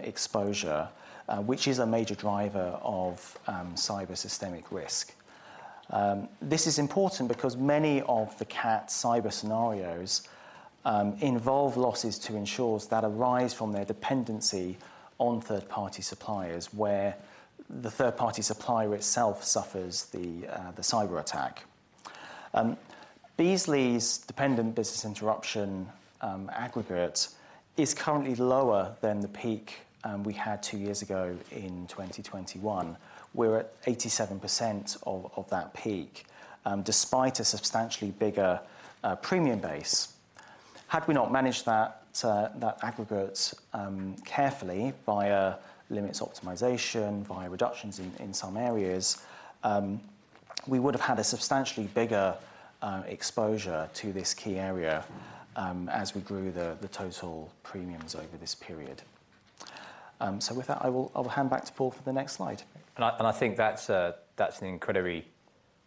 exposure, which is a major driver of cyber systemic risk. This is important because many of the cat cyber scenarios involve losses to insurers that arise from their dependency on third-party suppliers, where the third-party supplier itself suffers the cyberattack. Beazley's dependent business interruption aggregate is currently lower than the peak we had two years ago in 2021. We're at 87% of that peak, despite a substantially bigger premium base. Had we not managed that aggregate carefully via limits optimization, via reductions in some areas, we would have had a substantially bigger exposure to this key area, as we grew the total premiums over this period. So with that, I'll hand back to Paul for the next slide. And I, and I think that's a, that's an incredibly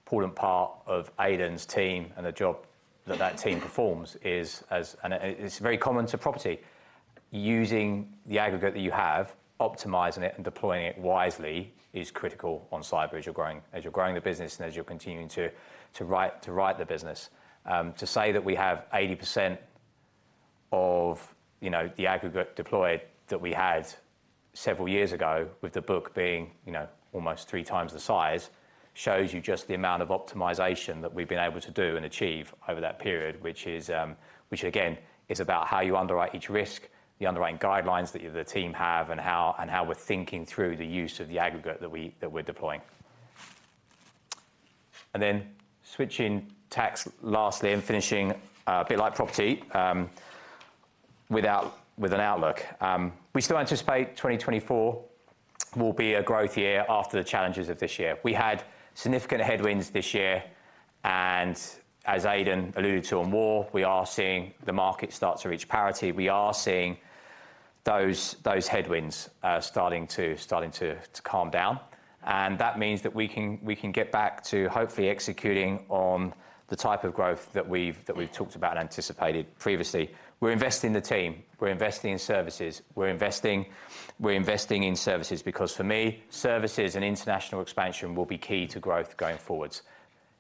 important part of Aidan's team and the job that that team performs is as... And, it's very common to property. Using the aggregate that you have, optimizing it, and deploying it wisely is critical on cyber as you're growing—as you're growing the business and as you're continuing to, to write, to write the business. To say that we have 80% of, you know, the aggregate deployed that we had several years ago, with the book being, you know, almost three times the size, shows you just the amount of optimization that we've been able to do and achieve over that period, which is... Which again is about how you underwrite each risk, the underwriting guidelines that you, the team have, and how we're thinking through the use of the aggregate that we're deploying. And then switching tax lastly and finishing, a bit like property, with an outlook. We still anticipate 2024 will be a growth year after the challenges of this year. We had significant headwinds this year, and as Aidan alluded to on more, we are seeing the market start to reach parity. We are seeing those headwinds starting to calm down, and that means that we can get back to hopefully executing on the type of growth that we've talked about and anticipated previously. We're investing in the team, we're investing in services, we're investing, we're investing in services because, for me, services and international expansion will be key to growth going forwards.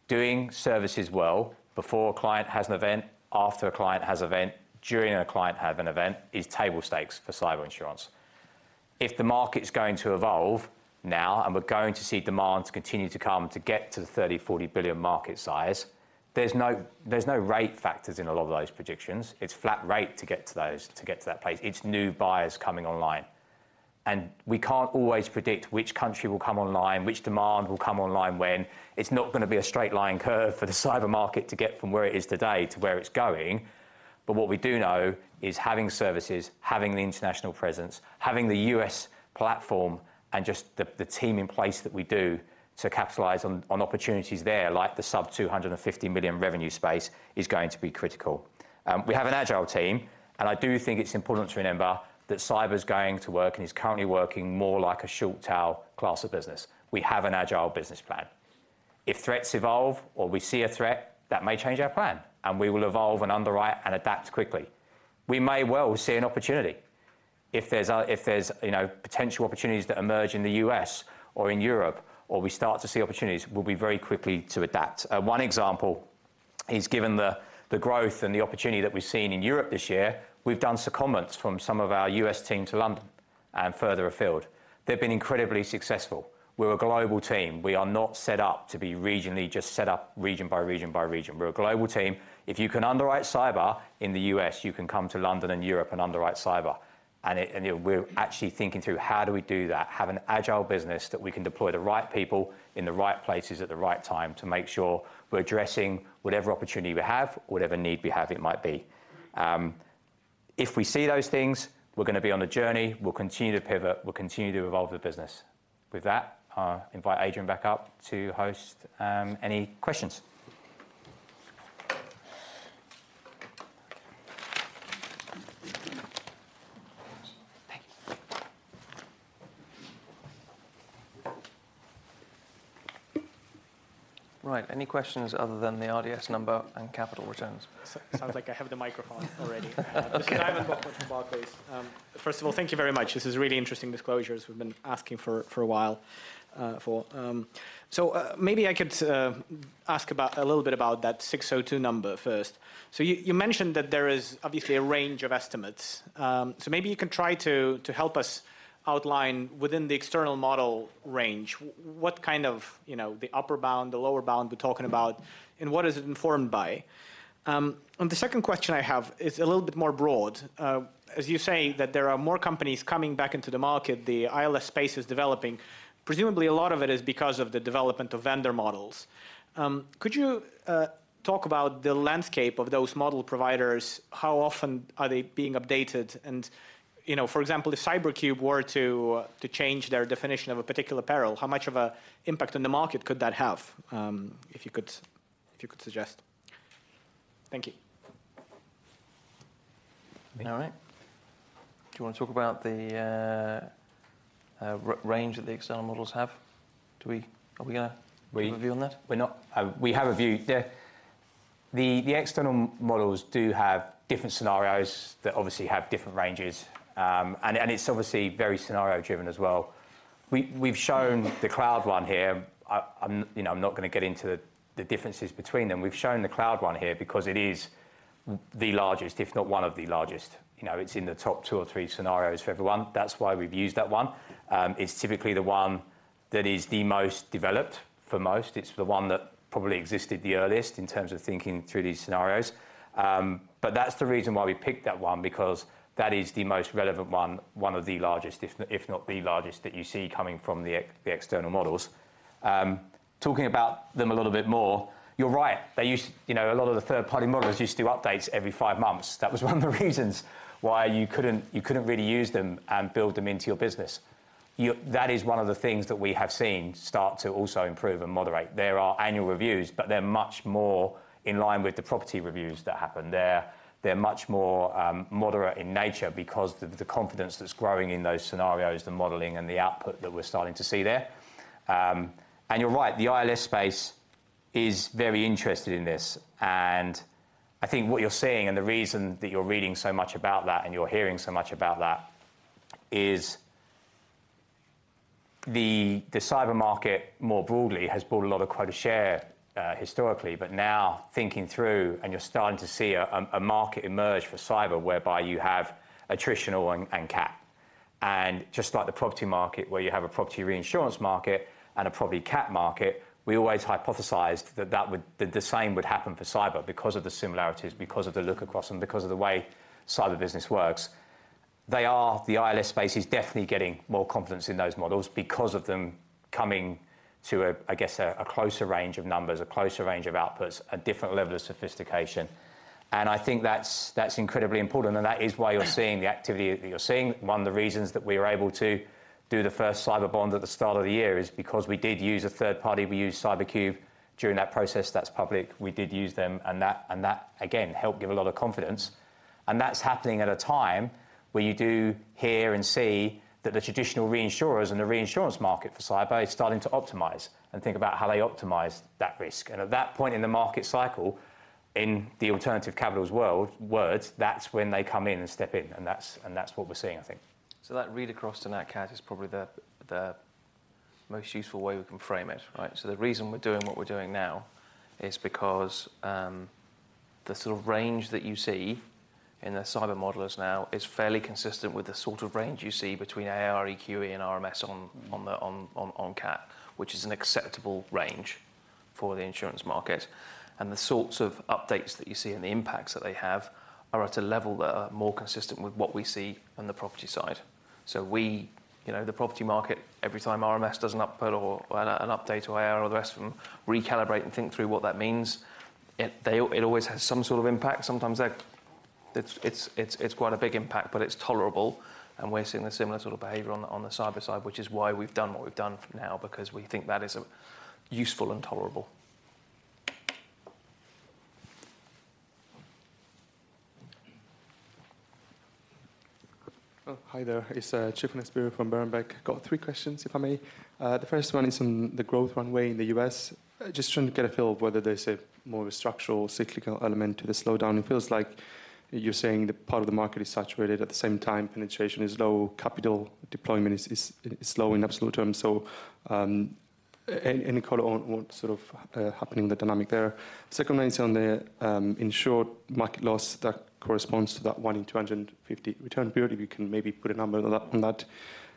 Doing services well before a client has an event, after a client has event, during a client have an event, is table stakes for cyber insurance. If the market is going to evolve now, and we're going to see demand continue to come to get to the $30 billion-$40 billion market size, there's no, there's no rate factors in a lot of those predictions. It's flat rate to get to those, to get to that place. It's new buyers coming online. And we can't always predict which country will come online, which demand will come online when. It's not gonna be a straight line curve for the cyber market to get from where it is today to where it's going. But what we do know is having services, having the international presence, having the U.S. platform, and just the team in place that we do to capitalize on opportunities there, like the sub-$250 million revenue space, is going to be critical. We have an agile team, and I do think it's important to remember that cyber is going to work and is currently working more like a short tail class of business. We have an agile business plan. If threats evolve or we see a threat, that may change our plan, and we will evolve and underwrite and adapt quickly. We may well see an opportunity. If there's, you know, potential opportunities that emerge in the U.S. or in Europe, or we start to see opportunities, we'll be very quickly to adapt. One example is, given the growth and the opportunity that we've seen in Europe this year, we've done some secondments from some of our U.S. team to London and further afield. They've been incredibly successful. We're a global team. We are not set up to be regionally, just set up region by region, by region. We're a global team. If you can underwrite cyber in the U.S., you can come to London and Europe and underwrite cyber. And, you know, we're actually thinking through how do we do that? Have an agile business that we can deploy the right people, in the right places, at the right time, to make sure we're addressing whatever opportunity we have, whatever need we have it might be. If we see those things, we're gonna be on a journey, we'll continue to pivot, we'll continue to evolve the business. With that, I'll invite Adrian back up to host any questions. Thank you. Right, any questions other than the RDS number and capital returns? Sounds like I have the microphone already. First of all, thank you very much. This is really interesting disclosures we've been asking for for a while. So maybe I could ask about a little bit about that 602 number first. So you mentioned that there is obviously a range of estimates. So maybe you can try to help us outline within the external model range, what kind of, you know, the upper bound, the lower bound we're talking about, and what is it informed by? And the second question I have is a little bit more broad. As you say, that there are more companies coming back into the market, the ILS space is developing. Presumably, a lot of it is because of the development of vendor models. Could you talk about the landscape of those model providers? How often are they being updated? And, you know, for example, if CyberCube were to change their definition of a particular peril, how much of an impact on the market could that have, if you could suggest? Thank you. All right. Do you want to talk about the range that the external models have? Are we gonna- We-... give a view on that? We're not. We have a view. The external models do have different scenarios that obviously have different ranges, and it's obviously very scenario-driven as well. We've shown the cloud one here. I'm, you know, I'm not gonna get into the differences between them. We've shown the cloud one here because it is the largest, if not one of the largest. You know, it's in the top two or three scenarios for everyone. That's why we've used that one. It's typically the one that is the most developed for most. It's the one that probably existed the earliest in terms of thinking through these scenarios. But that's the reason why we picked that one, because that is the most relevant one, one of the largest, if not the largest, that you see coming from the external models. Talking about them a little bit more, you're right, they used... You know, a lot of the third-party models used to do updates every five months. That was one of the reasons why you couldn't really use them and build them into your business. That is one of the things that we have seen start to also improve and moderate. There are annual reviews, but they're much more in line with the property reviews that happen. They're much more moderate in nature because the confidence that's growing in those scenarios, the modeling and the output that we're starting to see there. And you're right, the ILS space is very interested in this, and I think what you're seeing and the reason that you're reading so much about that, and you're hearing so much about that, is the cyber market, more broadly, has brought a lot of quota share, historically. But now, thinking through, and you're starting to see a market emerge for cyber, whereby you have attritional and cat. And just like the property market, where you have a property reinsurance market and a property cat market, we always hypothesized that that would- that the same would happen for cyber because of the similarities, because of the look-across, and because of the way cyber business works. They are... The ILS space is definitely getting more confidence in those models because of them coming to a, I guess, a closer range of numbers, a closer range of outputs, a different level of sophistication, and I think that's incredibly important, and that is why you're seeing the activity that you're seeing. One of the reasons that we were able to do the first cyber bond at the start of the year is because we did use a third party. We used CyberCube during that process. That's public. We did use them, and that, again, helped give a lot of confidence, and that's happening at a time where you do hear and see that the traditional reinsurers and the reinsurance market for cyber is starting to optimize and think about how they optimize that risk. At that point in the market cycle, in the alternative capital's world, in other words, that's when they come in and step in, and that's, and that's what we're seeing, I think. So that read across to nat cat is probably the most useful way we can frame it, right? The reason we're doing what we're doing now is because the sort of range that you see in the cyber modelers now is fairly consistent with the sort of range you see between AIR, EQE and RMS on- Mm... on the cat, which is an acceptable range for the insurance market. And the sorts of updates that you see and the impacts that they have are at a level that are more consistent with what we see on the property side. So we... You know, the property market, every time RMS does an output or an update to AIR or the rest of them, recalibrate and think through what that means, it always has some sort of impact. Sometimes, it's quite a big impact, but it's tolerable, and we're seeing a similar sort of behavior on the cyber side, which is why we've done what we've done for now, because we think that is useful and tolerable. Oh, hi there. It's Tryfonas Spyrou from Berenberg. Got three questions, if I may. The first one is on the growth runway in the U.S.. I just trying to get a feel of whether there's more of a structural, cyclical element to the slowdown. It feels like you're saying that part of the market is saturated, at the same time, penetration is low, capital deployment is low in absolute terms. So, any color on what's sort of happening in the dynamic there? Second one is on the insured market loss that corresponds to that 1-in-250 return period, if you can maybe put a number on that,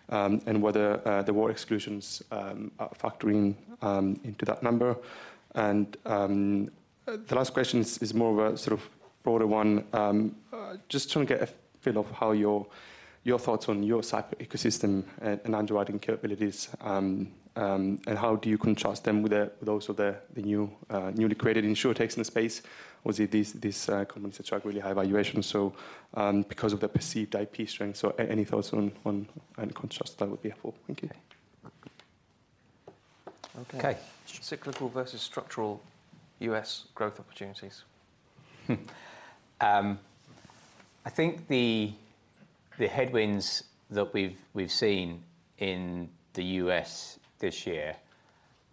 and whether the war exclusions are factoring into that number. And the last question is more of a sort of broader one. Just trying to get a feel of how your thoughts on your cyber ecosystem and underwriting capabilities, and how do you contrast them with those of the newly created insurer techs in the space? Obviously, these companies attract really high valuations, so, because of the perceived IP strength. So any thoughts on any contrast, that would be helpful. Thank you. Okay. Okay, cyclical versus structural U.S. growth opportunities. I think the headwinds that we've seen in the U.S. this year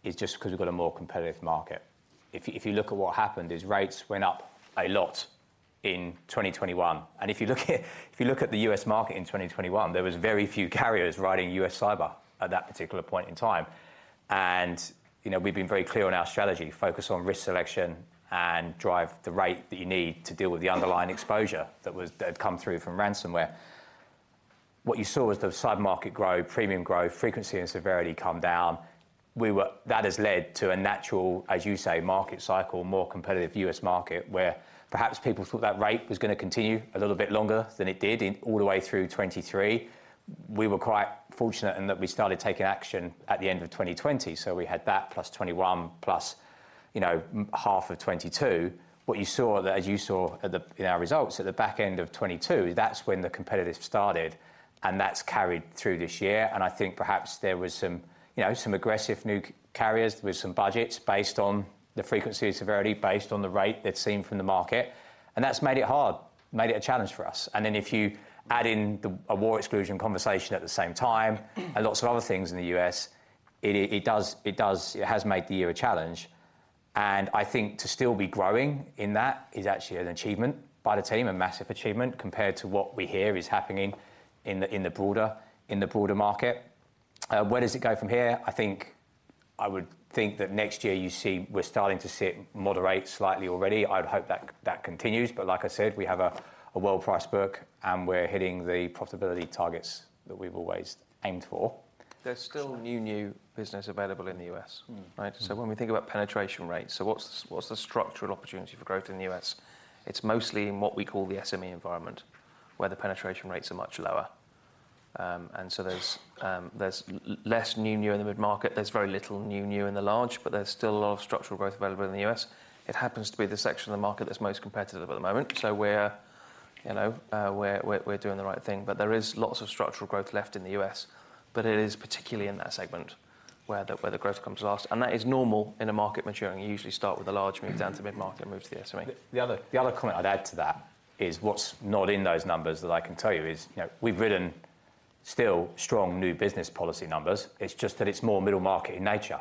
is just 'cause we've got a more competitive market. If you look at what happened, rates went up a lot in 2021. And if you look at the U.S. market in 2021, there was very few carriers writing U.S. cyber at that particular point in time. And, you know, we've been very clear on our strategy: focus on risk selection and drive the rate that you need to deal with the underlying exposure that had come through from ransomware. What you saw was the cyber market grow, premium growth, frequency and severity come down. That has led to a natural, as you say, market cycle, more competitive U.S. market, where perhaps people thought that rate was gonna continue a little bit longer than it did all the way through 2023. We were quite fortunate in that we started taking action at the end of 2020, so we had that plus 2021, plus, you know, half of 2022. What you saw, as you saw at the, in our results at the back end of 2022, that's when the competition started, and that's carried through this year, and I think perhaps there was some, you know, some aggressive new carriers with some budgets based on the frequency and severity, based on the rate they'd seen from the market, and that's made it hard, made it a challenge for us. And then if you add in a war exclusion conversation at the same time, and lots of other things in the U.S., it does... It has made the year a challenge, and I think to still be growing in that is actually an achievement by the team, a massive achievement compared to what we hear is happening in the broader market. Where does it go from here? I think-... I would think that next year you see we're starting to see it moderate slightly already. I'd hope that that continues, but like I said, we have a well-priced book, and we're hitting the profitability targets that we've always aimed for. There's still new, new business available in the U.S., right? Mm. So when we think about penetration rates, so what's the structural opportunity for growth in the U.S.? It's mostly in what we call the SME environment, where the penetration rates are much lower. And so there's less new, new in the mid-market. There's very little new, new in the large, but there's still a lot of structural growth available in the U.S.. It happens to be the section of the market that's most competitive at the moment. So we're, you know, we're doing the right thing. But there is lots of structural growth left in the U.S., but it is particularly in that segment where the growth comes last, and that is normal in a market maturing. You usually start with the large move down to mid-market, move to the SME. The other comment I'd add to that is, what's not in those numbers that I can tell you is, you know, we've written still strong new business policy numbers. It's just that it's more middle market in nature.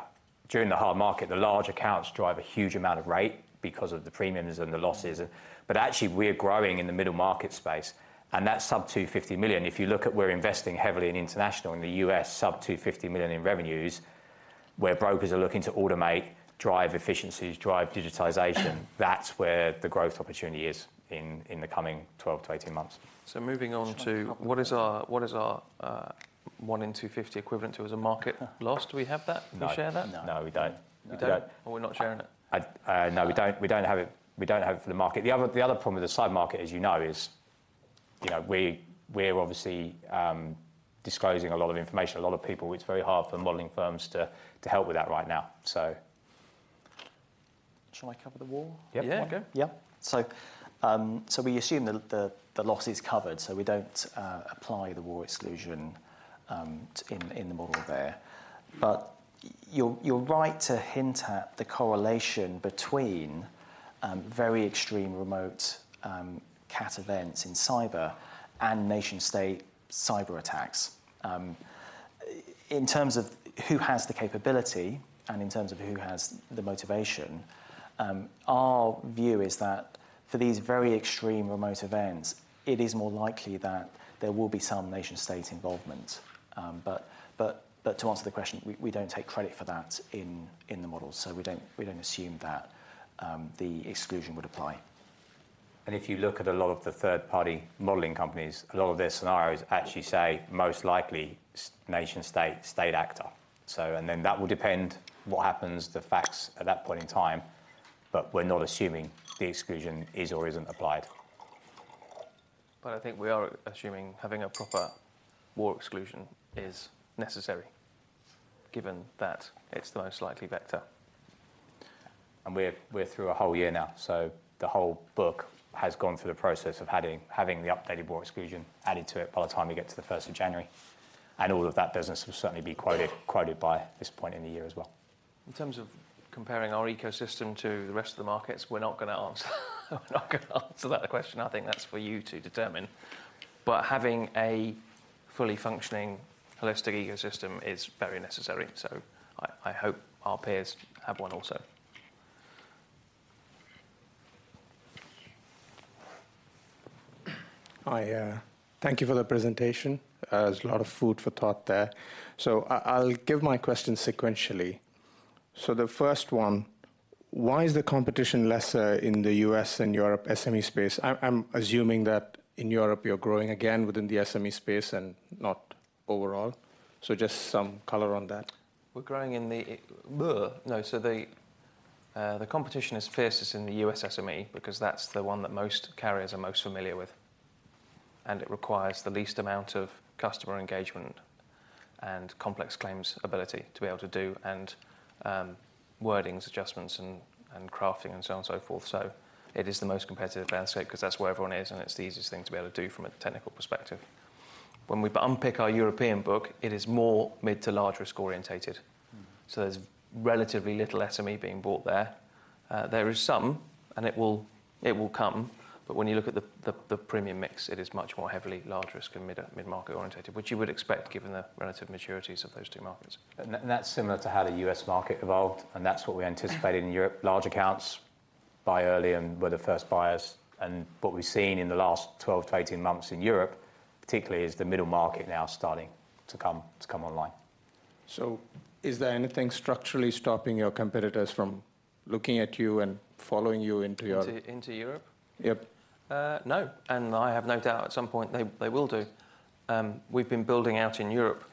During the hard market, the large accounts drive a huge amount of rate because of the premiums and the losses and. But actually, we're growing in the middle market space, and that's sub-$250 million. If you look at we're investing heavily in international, in the U.S., sub-$250 million in revenues, where brokers are looking to automate, drive efficiencies, drive digitization, that's where the growth opportunity is in, in the coming 12-18 months. Moving on to what is our one in 250 equivalent to as a market loss? Do we have that? No. Can we share that? No, we don't. We don't. We're not sharing it? I, no, we don't, we don't have it. We don't have it for the market. The other, the other problem with the side market, as you know, is, you know, we're obviously disclosing a lot of information, a lot of people. It's very hard for modeling firms to help with that right now, so... Shall I cover the war? Yeah, go. Yeah. So we assume the loss is covered, so we don't apply the war exclusion in the model there. But you're right to hint at the correlation between very extreme remote cat events in cyber and nation-state cyberattacks. In terms of who has the capability and in terms of who has the motivation, our view is that for these very extreme remote events, it is more likely that there will be some nation-state involvement. But to answer the question, we don't take credit for that in the model, so we don't assume that the exclusion would apply. If you look at a lot of the third-party modeling companies, a lot of their scenarios actually say, most likely, nation-state, state actor. So, and then that will depend what happens, the facts at that point in time, but we're not assuming the exclusion is or isn't applied. But I think we are assuming having a proper war exclusion is necessary, given that it's the most likely vector. We're through a whole year now, so the whole book has gone through the process of having the updated war exclusion added to it by the time we get to the first of January, and all of that business will certainly be quoted by this point in the year as well. In terms of comparing our ecosystem to the rest of the markets, we're not gonna answer, we're not gonna answer that question. I think that's for you to determine. But having a fully functioning holistic ecosystem is very necessary, so I, I hope our peers have one also. I thank you for the presentation. There's a lot of food for thought there. So I'll give my question sequentially. So the first one: Why is the competition lesser in the U.S. and Europe SME space? I'm assuming that in Europe, you're growing again within the SME space and not overall. So just some color on that. The competition is fiercest in the U.S. SME because that's the one that most carriers are most familiar with, and it requires the least amount of customer engagement and complex claims ability to be able to do, and wordings, adjustments, and crafting and so on, so forth. So it is the most competitive landscape because that's where everyone is, and it's the easiest thing to be able to do from a technical perspective. When we unpick our European book, it is more mid to large risk-oriented. Mm. So there's relatively little SME being bought there. There is some, and it will come, but when you look at the premium mix, it is much more heavily large risk and mid-market oriented, which you would expect given the relative maturities of those two markets. And that's similar to how the U.S. market evolved, and that's what we anticipated in Europe. Large accounts buy early and were the first buyers, and what we've seen in the last 12-18 months in Europe, particularly, is the middle market now starting to come online. Is there anything structurally stopping your competitors from looking at you and following you into your- Into Europe? Yep. No, and I have no doubt at some point they will do. We've been building out in Europe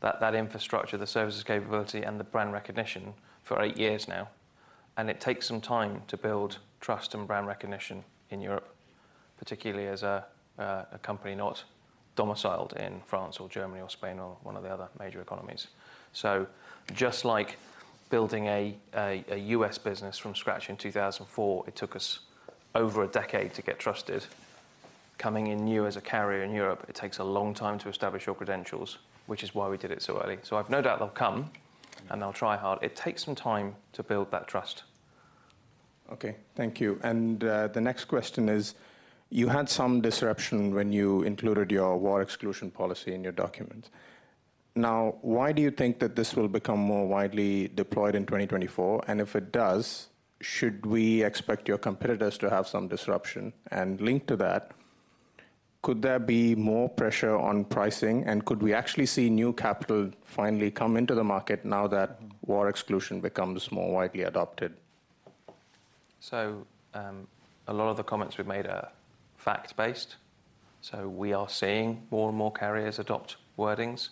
that infrastructure, the services capability, and the brand recognition for eight years now, and it takes some time to build trust and brand recognition in Europe, particularly as a company not domiciled in France or Germany or Spain or one of the other major economies. So just like building a U.S. business from scratch in 2004, it took us over a decade to get trusted. Coming in new as a carrier in Europe, it takes a long time to establish your credentials, which is why we did it so early. So I've no doubt they'll come, and they'll try hard. It takes some time to build that trust. Okay, thank you. And, the next question is: You had some disruption when you included your war exclusion policy in your documents. Now, why do you think that this will become more widely deployed in 2024? And if it does, should we expect your competitors to have some disruption? And linked to that, could there be more pressure on pricing? And could we actually see new capital finally come into the market now that war exclusion becomes more widely adopted? A lot of the comments we've made are fact-based. We are seeing more and more carriers adopt wordings,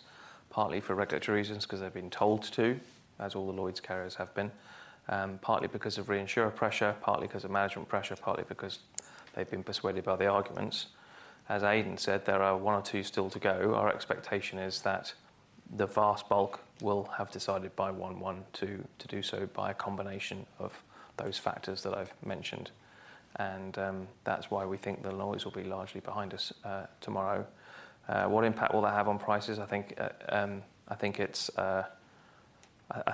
partly for regulatory reasons, 'cause they've been told to, as all the Lloyd's carriers have been. Partly because of reinsurer pressure, partly 'cause of management pressure, partly because they've been persuaded by the arguments. As Aidan said, there are one or two still to go. Our expectation is that the vast bulk will have decided by 1-1, to do so by a combination of those factors that I've mentioned. And that's why we think the Lloyd's will be largely behind us, tomorrow. What impact will that have on prices? I think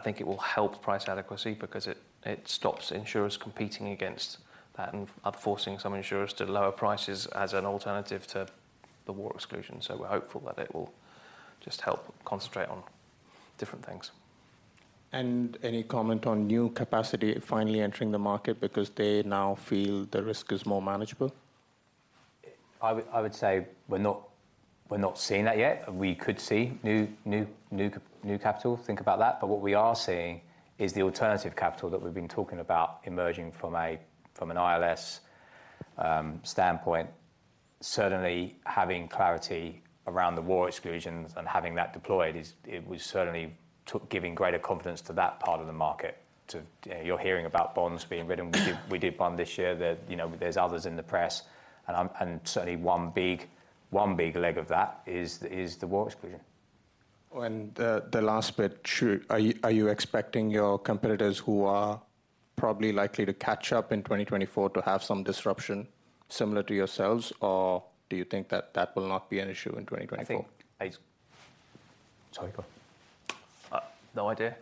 it will help price adequacy because it stops insurers competing against that and up forcing some insurers to lower prices as an alternative to the war exclusion. So we're hopeful that it will just help concentrate on different things. Any comment on new capacity finally entering the market because they now feel the risk is more manageable? I would, I would say we're not, we're not seeing that yet. We could see new capital. Think about that, but what we are seeing is the alternative capital that we've been talking about emerging from an ILS standpoint. Certainly, having clarity around the war exclusions and having that deployed is certainly giving greater confidence to that part of the market. You're hearing about bonds being written. We did bond this year, you know, there's others in the press, and certainly one big leg of that is the war exclusion. Are you expecting your competitors who are probably likely to catch up in 2024 to have some disruption similar to yourselves, or do you think that that will not be an issue in 2024? I think—sorry, go on. No idea.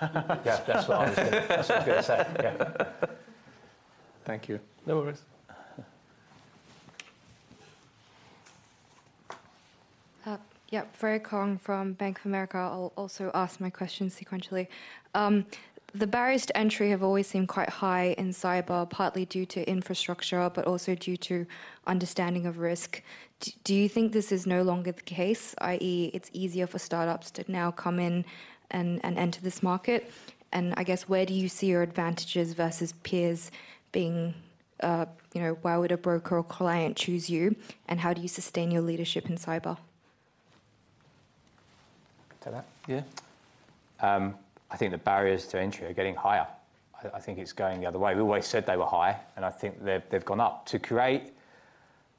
Yeah, that's what I was gonna say. Yeah. Thank you. No worries. Yeah, Freya Kong from Bank of America. I'll also ask my questions sequentially. The barriers to entry have always seemed quite high in cyber, partly due to infrastructure, but also due to understanding of risk. Do you think this is no longer the case, i.e., it's easier for start-ups to now come in and enter this market? I guess, where do you see your advantages versus peers being, why would a broker or client choose you, and how do you sustain your leadership in cyber? To that? Yeah. I think the barriers to entry are getting higher. I think it's going the other way. We always said they were high, and I think they've gone up. To create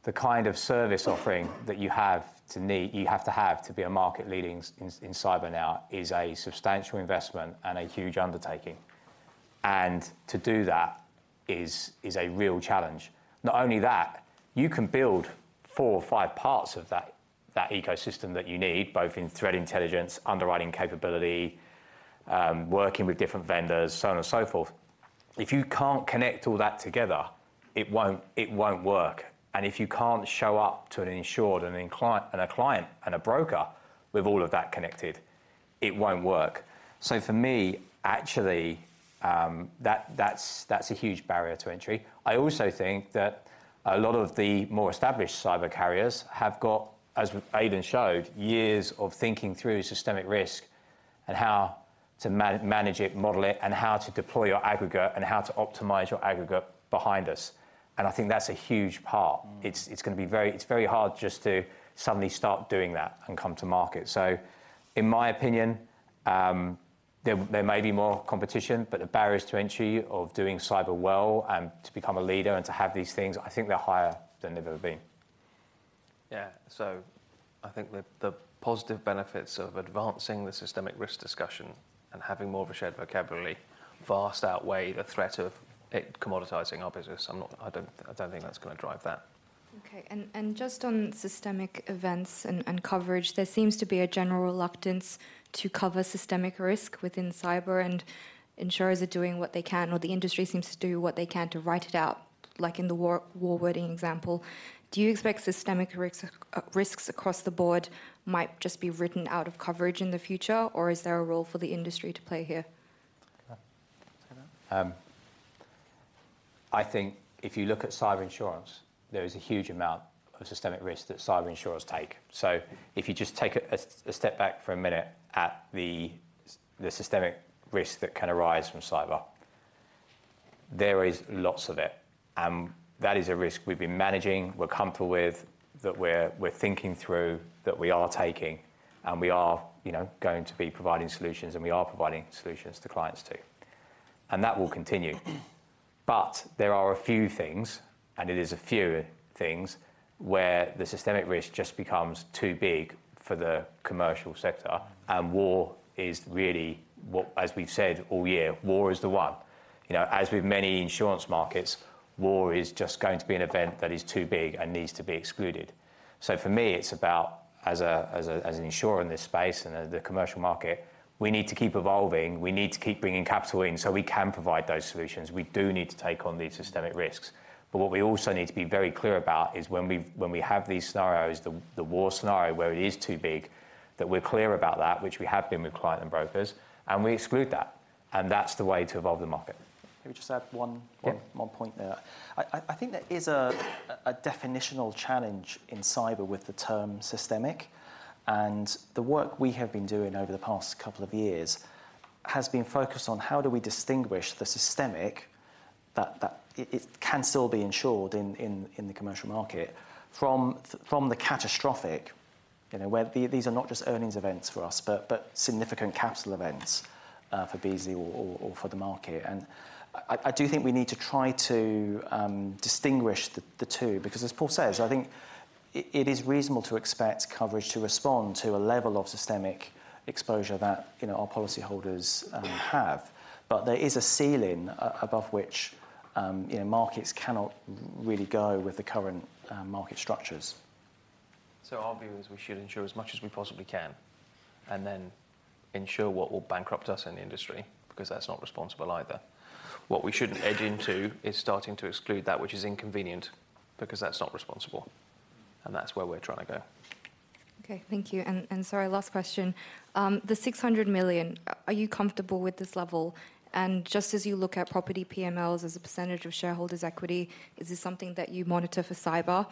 the kind of service offering that you have to have to be a market leading in cyber now is a substantial investment and a huge undertaking. And to do that is a real challenge. Not only that, you can build four or five parts of that ecosystem that you need, both in threat intelligence, underwriting capability, working with different vendors, so on and so forth. If you can't connect all that together, it won't work. And if you can't show up to an insured and a client and a broker with all of that connected, it won't work. So for me, actually, that's a huge barrier to entry. I also think that a lot of the more established cyber carriers have got, as Aidan showed, years of thinking through systemic risk and how to manage it, model it, and how to deploy your aggregate, and how to optimize your aggregate behind us. And I think that's a huge part. Mm. It's gonna be very hard just to suddenly start doing that and come to market. So in my opinion, there may be more competition, but the barriers to entry of doing cyber well and to become a leader and to have these things, I think they're higher than they've ever been. Yeah. So I think the positive benefits of advancing the systemic risk discussion and having more of a shared vocabulary vastly outweigh the threat of it commoditizing our business. I don't think that's gonna drive that. Okay. And just on systemic events and coverage, there seems to be a general reluctance to cover systemic risk within cyber, and insurers are doing what they can, or the industry seems to do what they can to write it out, like in the war wording example. Do you expect systemic risks, risks across the board might just be written out of coverage in the future, or is there a role for the industry to play here? I think if you look at cyber insurance, there is a huge amount of systemic risk that cyber insurers take. So if you just take a step back for a minute at the systemic risk that can arise from cyber, there is lots of it, and that is a risk we've been managing, we're comfortable with, that we're thinking through, that we are taking, and we are, you know, going to be providing solutions, and we are providing solutions to clients too. And that will continue. But there are a few things, and it is a few things, where the systemic risk just becomes too big for the commercial sector, and war is really as we've said all year, war is the one. You know, as with many insurance markets, war is just going to be an event that is too big and needs to be excluded. So for me, it's about, as an insurer in this space and as the commercial market, we need to keep evolving. We need to keep bringing capital in, so we can provide those solutions. We do need to take on these systemic risks. But what we also need to be very clear about is when we have these scenarios, the war scenario, where it is too big, that we're clear about that, which we have been with client and brokers, and we exclude that and that's the way to evolve the market. Let me just add one- Yeah... one, one point there. I think there is a definitional challenge in cyber with the term systemic, and the work we have been doing over the past couple of years has been focused on how do we distinguish the systemic, that it can still be insured in the commercial market from the catastrophic, you know, where these are not just earnings events for us, but significant capital events for Beazley or for the market. And I do think we need to try to distinguish the two, because as Paul says, I think it is reasonable to expect coverage to respond to a level of systemic exposure that, you know, our policyholders have. But there is a ceiling above which, you know, markets cannot really go with the current market structures. So our view is we should insure as much as we possibly can, and then insure what will bankrupt us in the industry, because that's not responsible either. What we shouldn't edge into is starting to exclude that which is inconvenient, because that's not responsible, and that's where we're trying to go. Okay, thank you. Sorry, last question. The $600 million, are you comfortable with this level? And just as you look at property PMLs as a percentage of shareholders' equity, is this something that you monitor for cyber?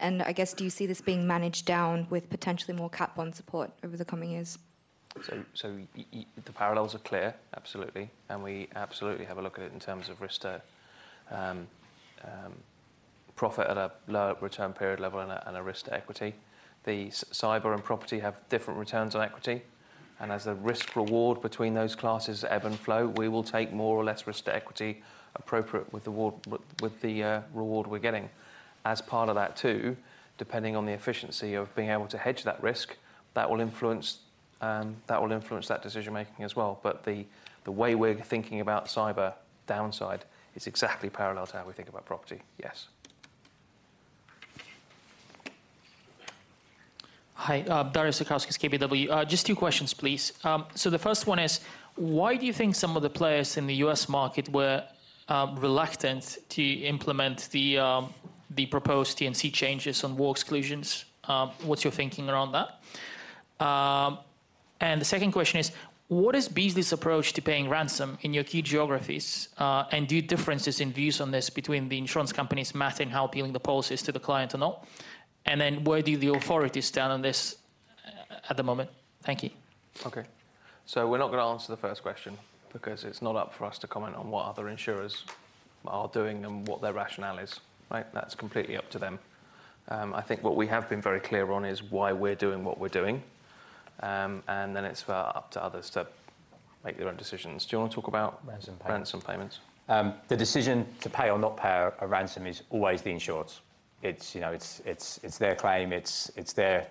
And I guess, do you see this being managed down with potentially more cat bond support over the coming years? The parallels are clear, absolutely, and we absolutely have a look at it in terms of risk to profit at a lower return period level and a risk to equity. The cyber and property have different returns on equity, and as the risk reward between those classes ebb and flow, we will take more or less risk to equity appropriate with the reward we're getting. As part of that too, depending on the efficiency of being able to hedge that risk, that will influence that decision-making as well. But the way we're thinking about cyber downside is exactly parallel to how we think about property. Yes. Hi, Darius Satkauskas, KBW. Just two questions, please. So the first one is: why do you think some of the players in the U.S. market were reluctant to implement the proposed T&C changes on war exclusions? What's your thinking around that? And the second question is: what is Beazley's approach to paying ransom in your key geographies, and do differences in views on this between the insurance companies matter in how appealing the policy is to the client or not? And then where do the authorities stand on this at the moment? Thank you. Okay. So we're not going to answer the first question, because it's not up for us to comment on what other insurers are doing and what their rationale is, right? That's completely up to them. I think what we have been very clear on is why we're doing what we're doing, and then it's up to others to make their own decisions. Do you want to talk about- Ransom payments... ransom payments? The decision to pay or not pay a ransom is always the insured's. It's, you know, it's their claim, it's their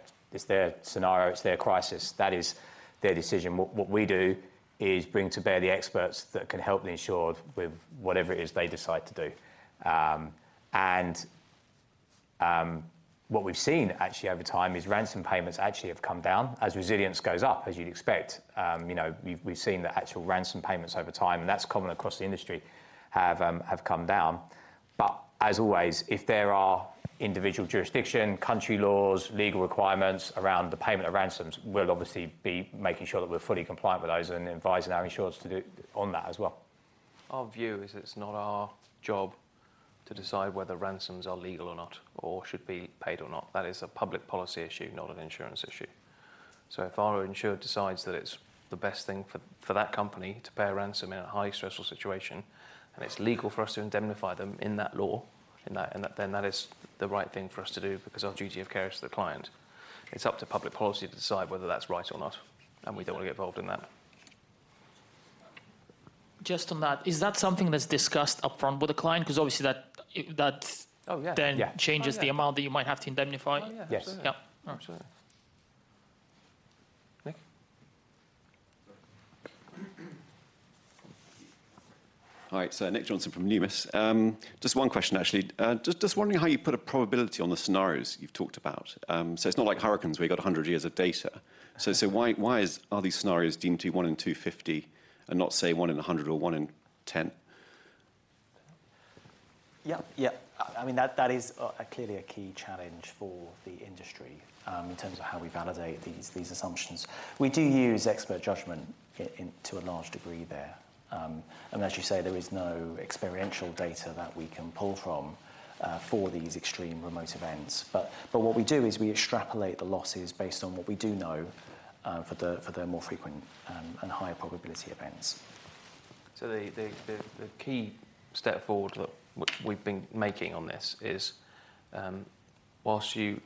scenario, it's their crisis. That is their decision. What we do is bring to bear the experts that can help the insured with whatever it is they decide to do. And what we've seen actually over time is ransom payments actually have come down as resilience goes up, as you'd expect. You know, we've seen the actual ransom payments over time, and that's common across the industry, have come down. But as always, if there are individual jurisdiction, country laws, legal requirements around the payment of ransoms, we'll obviously be making sure that we're fully compliant with those and advising our insureds to do on that as well. Our view is it's not our job to decide whether ransoms are legal or not, or should be paid or not. That is a public policy issue, not an insurance issue. So if our insurer decides that it's the best thing for that company to pay a ransom in a highly stressful situation, and it's legal for us to indemnify them in that law, then that is the right thing for us to do because our duty of care is to the client. It's up to public policy to decide whether that's right or not, and we don't want to get involved in that. Just on that, is that something that's discussed upfront with the client? Because obviously, that Oh, yeah... then changes the amount that you might have to indemnify. Oh, yeah. Yes. Yeah. Oh, sure. Nick? Hi, sir. Nick Johnson from Numis. Just one question, actually. Just wondering how you put a probability on the scenarios you've talked about. So it's not like hurricanes, where you've got 100 years of data. So why are these scenarios deemed to 1-in-250 and not, say, 1-in-100 or 1-in-10? Yeah, yeah. I mean, that is clearly a key challenge for the industry in terms of how we validate these assumptions. We do use expert judgment in to a large degree there. And as you say, there is no experiential data that we can pull from for these extreme remote events. But what we do is we extrapolate the losses based on what we do know for the more frequent and higher probability events. So the key step forward that we've been making on this is, whilst you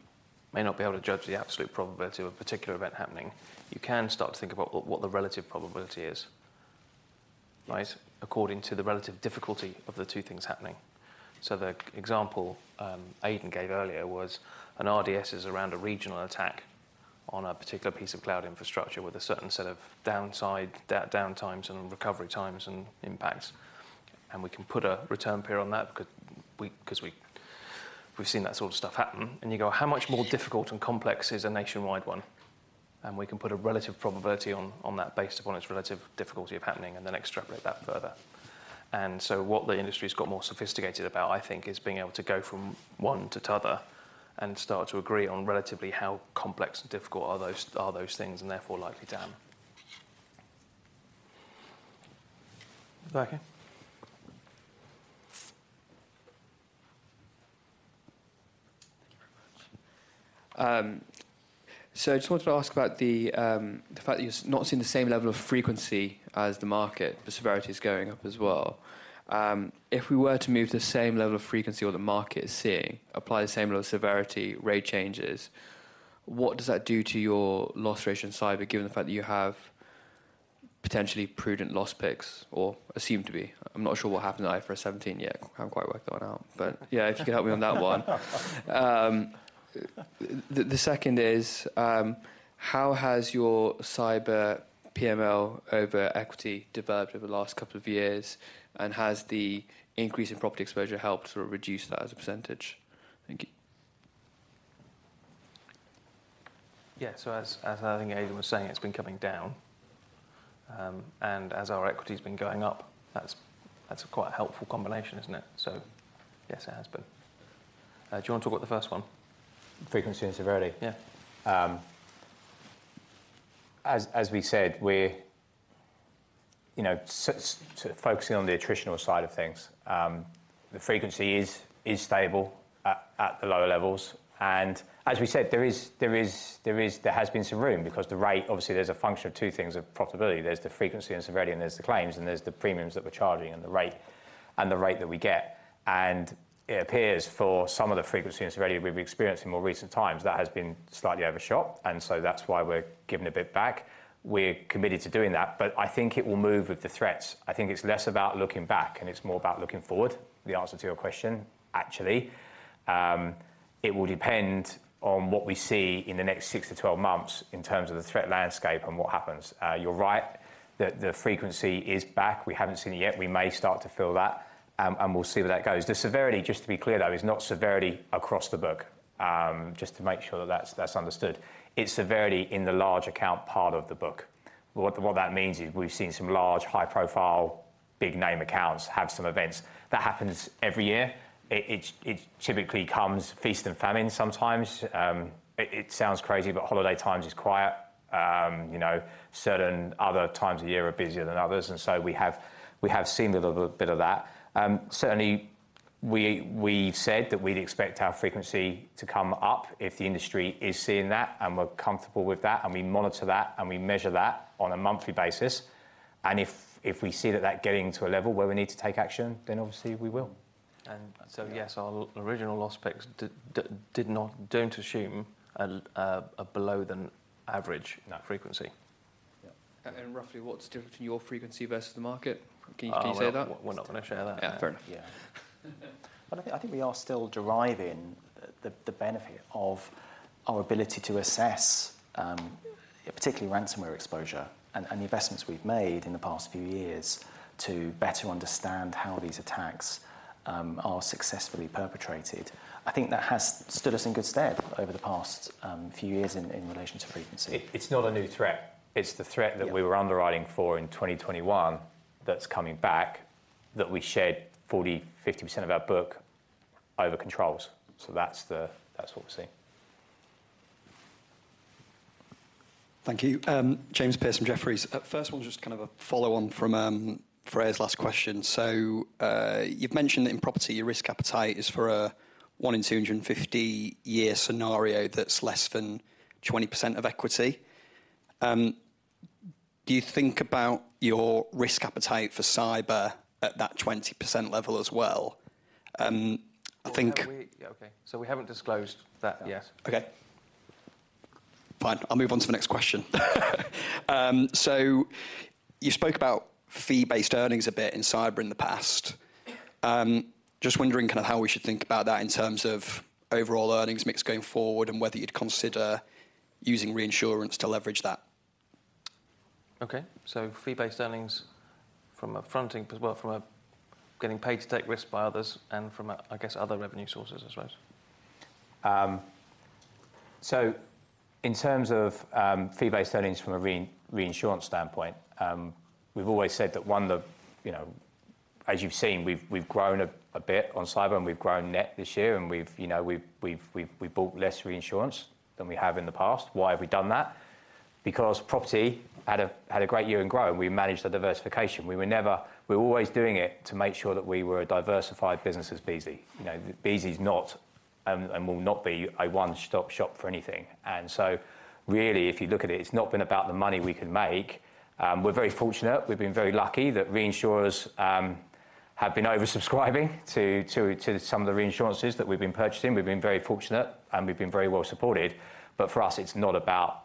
may not be able to judge the absolute probability of a particular event happening, you can start to think about what the relative probability is, right? According to the relative difficulty of the two things happening. So the example Aidan gave earlier was, an RDS is around a regional attack on a particular piece of cloud infrastructure with a certain set of downtimes and recovery times and impacts. And we can put a return period on that, because we've seen that sort of stuff happen, and you go: how much more difficult and complex is a nationwide one? And we can put a relative probability on that based upon its relative difficulty of happening and then extrapolate that further.... What the industry's got more sophisticated about, I think, is being able to go from one to t'other and start to agree on relatively how complex and difficult are those, are those things, and therefore likely to happen. Back here. Thank you very much. So I just wanted to ask about the, the fact that you're not seeing the same level of frequency as the market, the severity is going up as well. If we were to move the same level of frequency what the market is seeing, apply the same level of severity, rate changes, what does that do to your loss ratio in cyber, given the fact that you have potentially prudent loss picks or assumed to be? I'm not sure what happened in IFRS 17 yet. I haven't quite worked that one out. But yeah, if you could help me on that one. The, the second is, how has your cyber PML over equity developed over the last couple of years? And has the increase in property exposure helped sort of reduce that as a percentage? Thank you. Yeah. So as I think Aidan was saying, it's been coming down. And as our equity has been going up, that's quite a helpful combination, isn't it? So yes, it has been. Do you want to talk about the first one? Frequency and severity? Yeah. As we said, we're, you know, focusing on the attritional side of things. The frequency is stable at the lower levels, and as we said, there has been some room, because the rate, obviously, there's a function of two things of profitability. There's the frequency and severity, and there's the claims, and there's the premiums that we're charging, and the rate, and the rate that we get. And it appears for some of the frequency and severity we've experienced in more recent times, that has been slightly overshot, and so that's why we're giving a bit back. We're committed to doing that, but I think it will move with the threats. I think it's less about looking back, and it's more about looking forward, the answer to your question, actually. It will depend on what we see in the next six to 12 months in terms of the threat landscape and what happens. You're right that the frequency is back. We haven't seen it yet. We may start to feel that, and we'll see where that goes. The severity, just to be clear, though, is not severity across the book. Just to make sure that that's, that's understood. It's severity in the large account part of the book. What that means is we've seen some large, high-profile, big-name accounts have some events. That happens every year. It typically comes feast and famine sometimes. It sounds crazy, but holiday times is quiet. You know, certain other times of the year are busier than others, and so we have, we have seen a little bit of that. Certainly, we've said that we'd expect our frequency to come up if the industry is seeing that, and we're comfortable with that, and we monitor that, and we measure that on a monthly basis. And if we see that getting to a level where we need to take action, then obviously we will. And so, yes, our original loss picks don't assume a below than average in that frequency. Yeah. And roughly, what's different to your frequency versus the market? Can you say that? We're not going to share that. Yeah, fair enough. Yeah. But I think we are still deriving the benefit of our ability to assess particularly ransomware exposure and the investments we've made in the past few years to better understand how these attacks are successfully perpetrated. I think that has stood us in good stead over the past few years in relation to frequency. It's not a new threat. It's the threat- Yeah... that we were underwriting for in 2021 that's coming back, that we shared 40%-50% of our book over controls. So that's the, that's what we're seeing. Thank you. James Pearce from Jefferies. First one, just kind of a follow-on from Freya's last question. So, you've mentioned that in property, your risk appetite is for a 1-in-250-year scenario that's less than 20% of equity. Do you think about your risk appetite for cyber at that 20% level as well? I think- Yeah, okay. So we haven't disclosed that yet. Okay. Fine. I'll move on to the next question. So you spoke about fee-based earnings a bit in cyber in the past. Just wondering kind of how we should think about that in terms of overall earnings mix going forward, and whether you'd consider using reinsurance to leverage that? Okay. So fee-based earnings from a fronting, as well, from getting paid to take risk by others and from, I guess, other revenue sources, I suppose. So in terms of fee-based earnings from a reinsurance standpoint, we've always said that one of... You know, as you've seen, we've grown a bit on cyber, and we've grown net this year, and we've, you know, we've bought less reinsurance than we have in the past. Why have we done that? Because property had a great year in growth. We managed a diversification. We were never. We were always doing it to make sure that we were a diversified business as Beazley. You know, Beazley is not, and will not be a one-stop shop for anything. And so really, if you look at it, it's not been about the money we can make. We're very fortunate. We've been very lucky that reinsurers have been oversubscribing to some of the reinsurances that we've been purchasing. We've been very fortunate, and we've been very well supported. But for us, it's not about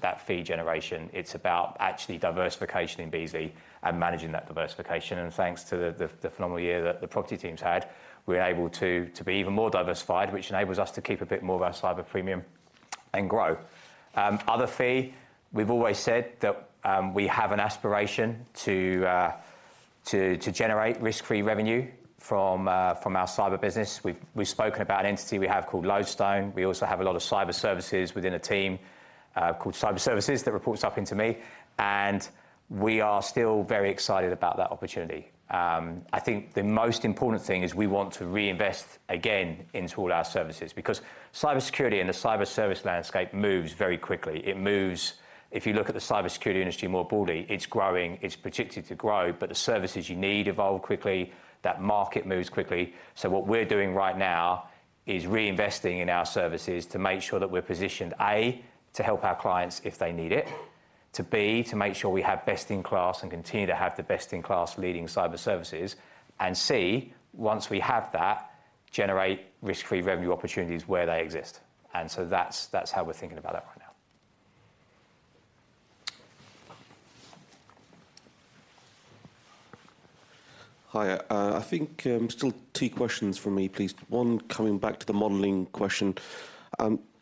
that fee generation. It's about actually diversification in Beazley and managing that diversification, and thanks to the phenomenal year that the property teams had, we're able to be even more diversified, which enables us to keep a bit more of our cyber premium and grow. We've always said that we have an aspiration to generate risk-free revenue from our cyber business. We've spoken about an entity we have called Lodestone. We also have a lot of cyber services within a team called Cyber Services, that reports up into me, and we are still very excited about that opportunity. I think the most important thing is we want to reinvest again into all our services, because cybersecurity and the cyber service landscape moves very quickly. It moves. If you look at the cybersecurity industry more broadly, it's growing, it's predicted to grow, but the services you need evolve quickly, that market moves quickly. So what we're doing right now is reinvesting in our services to make sure that we're positioned, A, to help our clients if they need it, to B, to make sure we have best-in-class and continue to have the best-in-class leading cyber services, and C, once we have that, generate risk-free revenue opportunities where they exist. That's, that's how we're thinking about that right now. Hi, I think, still two questions from me, please. One, coming back to the modeling question.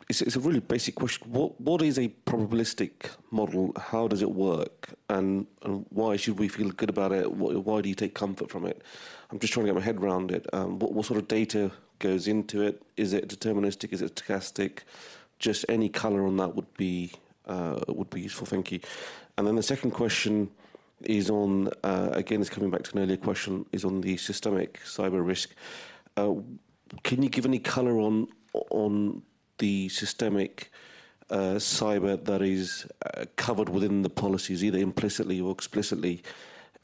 It's a really basic question: What is a probabilistic model? How does it work, and why should we feel good about it? Why do you take comfort from it? I'm just trying to get my head around it. What sort of data goes into it? Is it deterministic? Is it stochastic? Just any color on that would be useful. Thank you. And then the second question is on, again, it's coming back to an earlier question, is on the systemic cyber risk. Can you give any color on the systemic cyber that is covered within the policies, either implicitly or explicitly?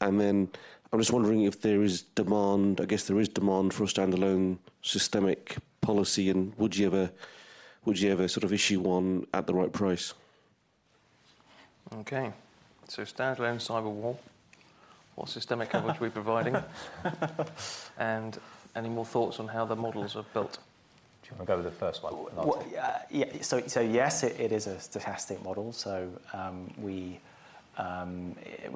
And then I'm just wondering if there is demand... I guess there is demand for a standalone systemic policy, and would you ever, would you ever sort of issue one at the right price? Okay. So standalone cyber war, what systemic coverage are we providing? And any more thoughts on how the models are built? Do you want to go with the first one? Well, yeah. So, yes, it is a stochastic model. So, we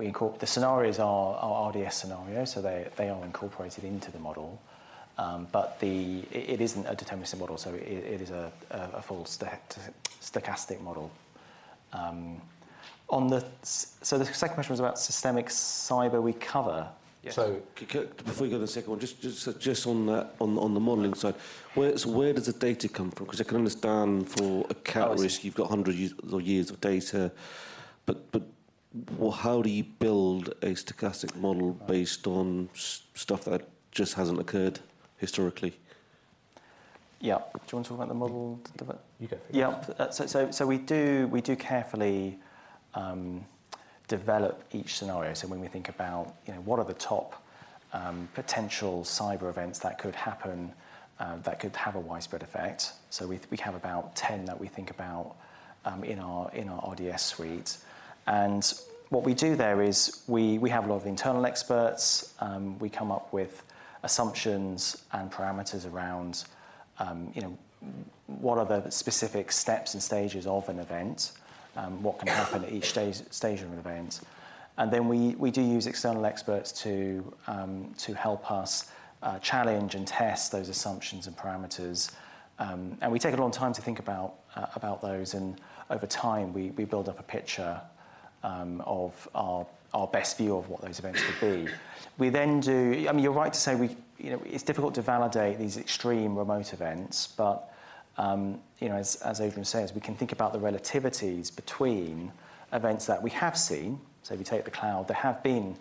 incorporate the scenarios. They are RDS scenarios, so they are incorporated into the model. But it isn't a deterministic model, so it is a full stochastic model. So the second question was about systemic cyber we cover? So before you go to the second one, just on the modeling side, so where does the data come from? Because I can understand for a cat risk, you've got hundred years of data, but well, how do you build a stochastic model based on stuff that just hasn't occurred historically? Yeah. Do you want to talk about the model, develop it? You go for it. Yeah. So, so, so we do, we do carefully develop each scenario. So when we think about, you know, what are the top potential cyber events that could happen that could have a widespread effect? So we, we have about 10 that we think about in our RDS suite. And what we do there is we, we have a lot of internal experts. We come up with assumptions and parameters around, you know, what are the specific steps and stages of an event? What can happen at each stage of an event? And then we, we do use external experts to help us challenge and test those assumptions and parameters. And we take a long time to think about those, and over time, we build up a picture of our best view of what those events could be. We then do—I mean, you're right to say we, you know, it's difficult to validate these extreme remote events, but, you know, as Adrian says, we can think about the relativities between events that we have seen. So if you take the cloud, there have been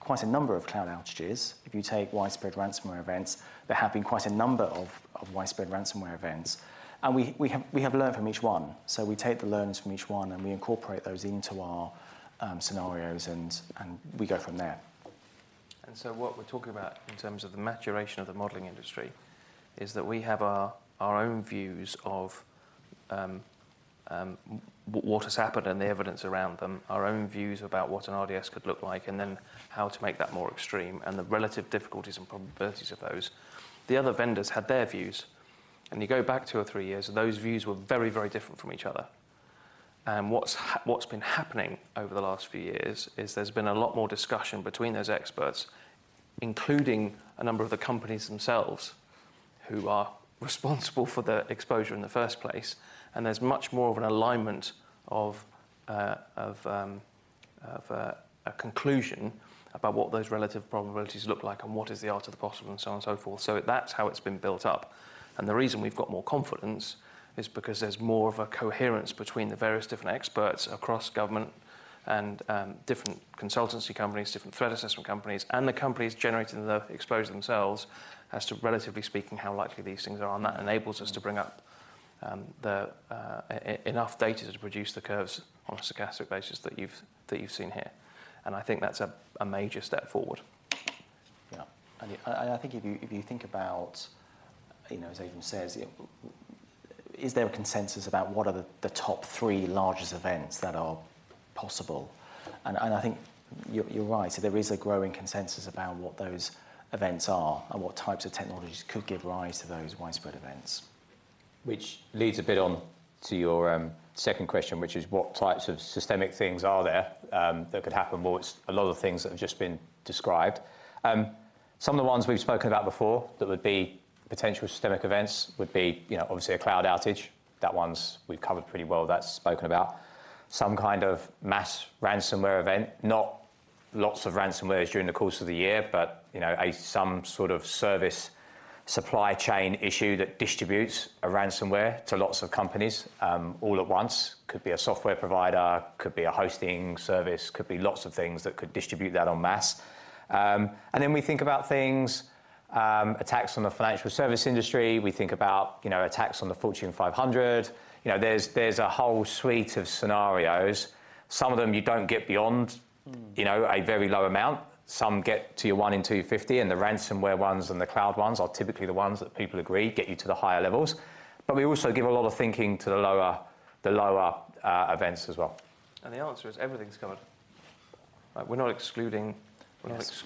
quite a number of cloud outages. If you take widespread ransomware events, there have been quite a number of widespread ransomware events, and we have learned from each one. So we take the learnings from each one, and we incorporate those into our scenarios, and we go from there. And so what we're talking about in terms of the maturation of the modeling industry is that we have our, our own views of, what has happened and the evidence around them, our own views about what an RDS could look like, and then how to make that more extreme, and the relative difficulties and probabilities of those. The other vendors had their views, and you go back two or three years, and those views were very, very different from each other. And what's been happening over the last few years is there's been a lot more discussion between those experts, including a number of the companies themselves, who are responsible for the exposure in the first place. And there's much more of an alignment of a conclusion about what those relative probabilities look like and what is the art of the possible and so on and so forth. So that's how it's been built up. And the reason we've got more confidence is because there's more of a coherence between the various different experts across government and different consultancy companies, different threat assessment companies, and the companies generating the exposure themselves, as to, relatively speaking, how likely these things are. And that enables us to bring up enough data to produce the curves on a stochastic basis that you've seen here. And I think that's a major step forward. Yeah, and I think if you think about, you know, as Adrian says, is there a consensus about what are the top three largest events that are possible? And I think you're right. So there is a growing consensus about what those events are and what types of technologies could give rise to those widespread events. Which leads a bit on to your, second question, which is what types of systemic things are there, that could happen? Well, it's a lot of things that have just been described. Some of the ones we've spoken about before that would be potential systemic events would be, you know, obviously a cloud outage. That one's we've covered pretty well, that's spoken about. Some kind of mass ransomware event, not lots of ransomwares during the course of the year, but, you know, a, some sort of service supply chain issue that distributes a ransomware to lots of companies, all at once. Could be a software provider, could be a hosting service, could be lots of things that could distribute that en masse. And then we think about things, attacks on the financial service industry. We think about, you know, attacks on the Fortune 500. You know, there's a whole suite of scenarios. Some of them, you don't get beyond- Mm. You know, a very low amount. Some get to your 1-in-250, and the ransomware ones and the cloud ones are typically the ones that people agree get you to the higher levels. But we also give a lot of thinking to the lower events as well. The answer is, everything's covered. Like, we're not excluding- Yes.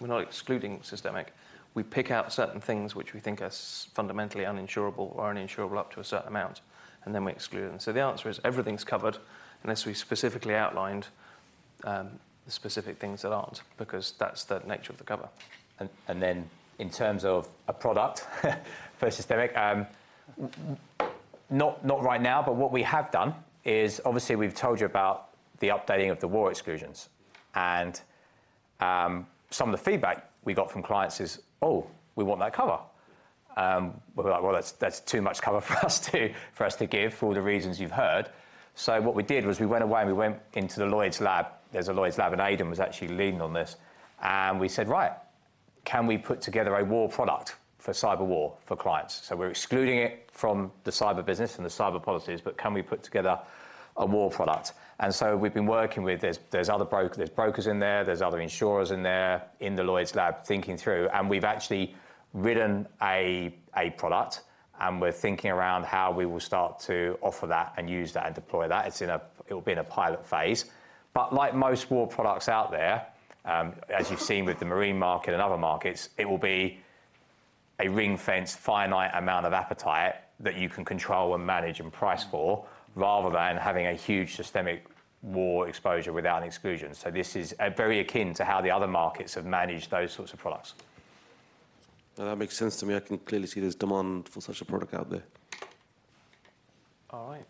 We're not excluding systemic. We pick out certain things which we think are fundamentally uninsurable or uninsurable up to a certain amount, and then we exclude them. So the answer is, everything's covered, unless we specifically outlined the specific things that aren't, because that's the nature of the cover. And then in terms of a product, for systemic, not right now, but what we have done is, obviously, we've told you about the updating of the war exclusions. And some of the feedback we got from clients is: "Oh, we want that cover." We're like: "Well, that's too much cover for us to give for the reasons you've heard." So what we did was we went away, and we went into the Lloyd's Lab. There's a Lloyd's Lab, and Adam was actually leading on this. And we said: "Right, can we put together a war product for cyber war for clients? So we're excluding it from the cyber business and the cyber policies, but can we put together a war product?" And so we've been working with... There are other brokers in there, there are other insurers in there, in the Lloyd's Lab, thinking through, and we've actually written a product, and we're thinking around how we will start to offer that, and use that, and deploy that. It's in a pilot phase. But like most war products out there, as you've seen with the marine market and other markets, it will be a ring-fence, finite amount of appetite that you can control, and manage, and price for, rather than having a huge systemic war exposure without an exclusion. So this is very akin to how the other markets have managed those sorts of products. Now, that makes sense to me. I can clearly see there's demand for such a product out there. All right.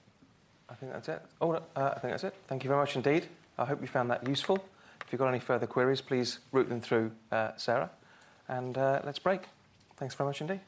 I think that's it. Oh, no, I think that's it. Thank you very much indeed. I hope you found that useful. If you've got any further queries, please route them through Sarah, and let's break. Thanks very much indeed.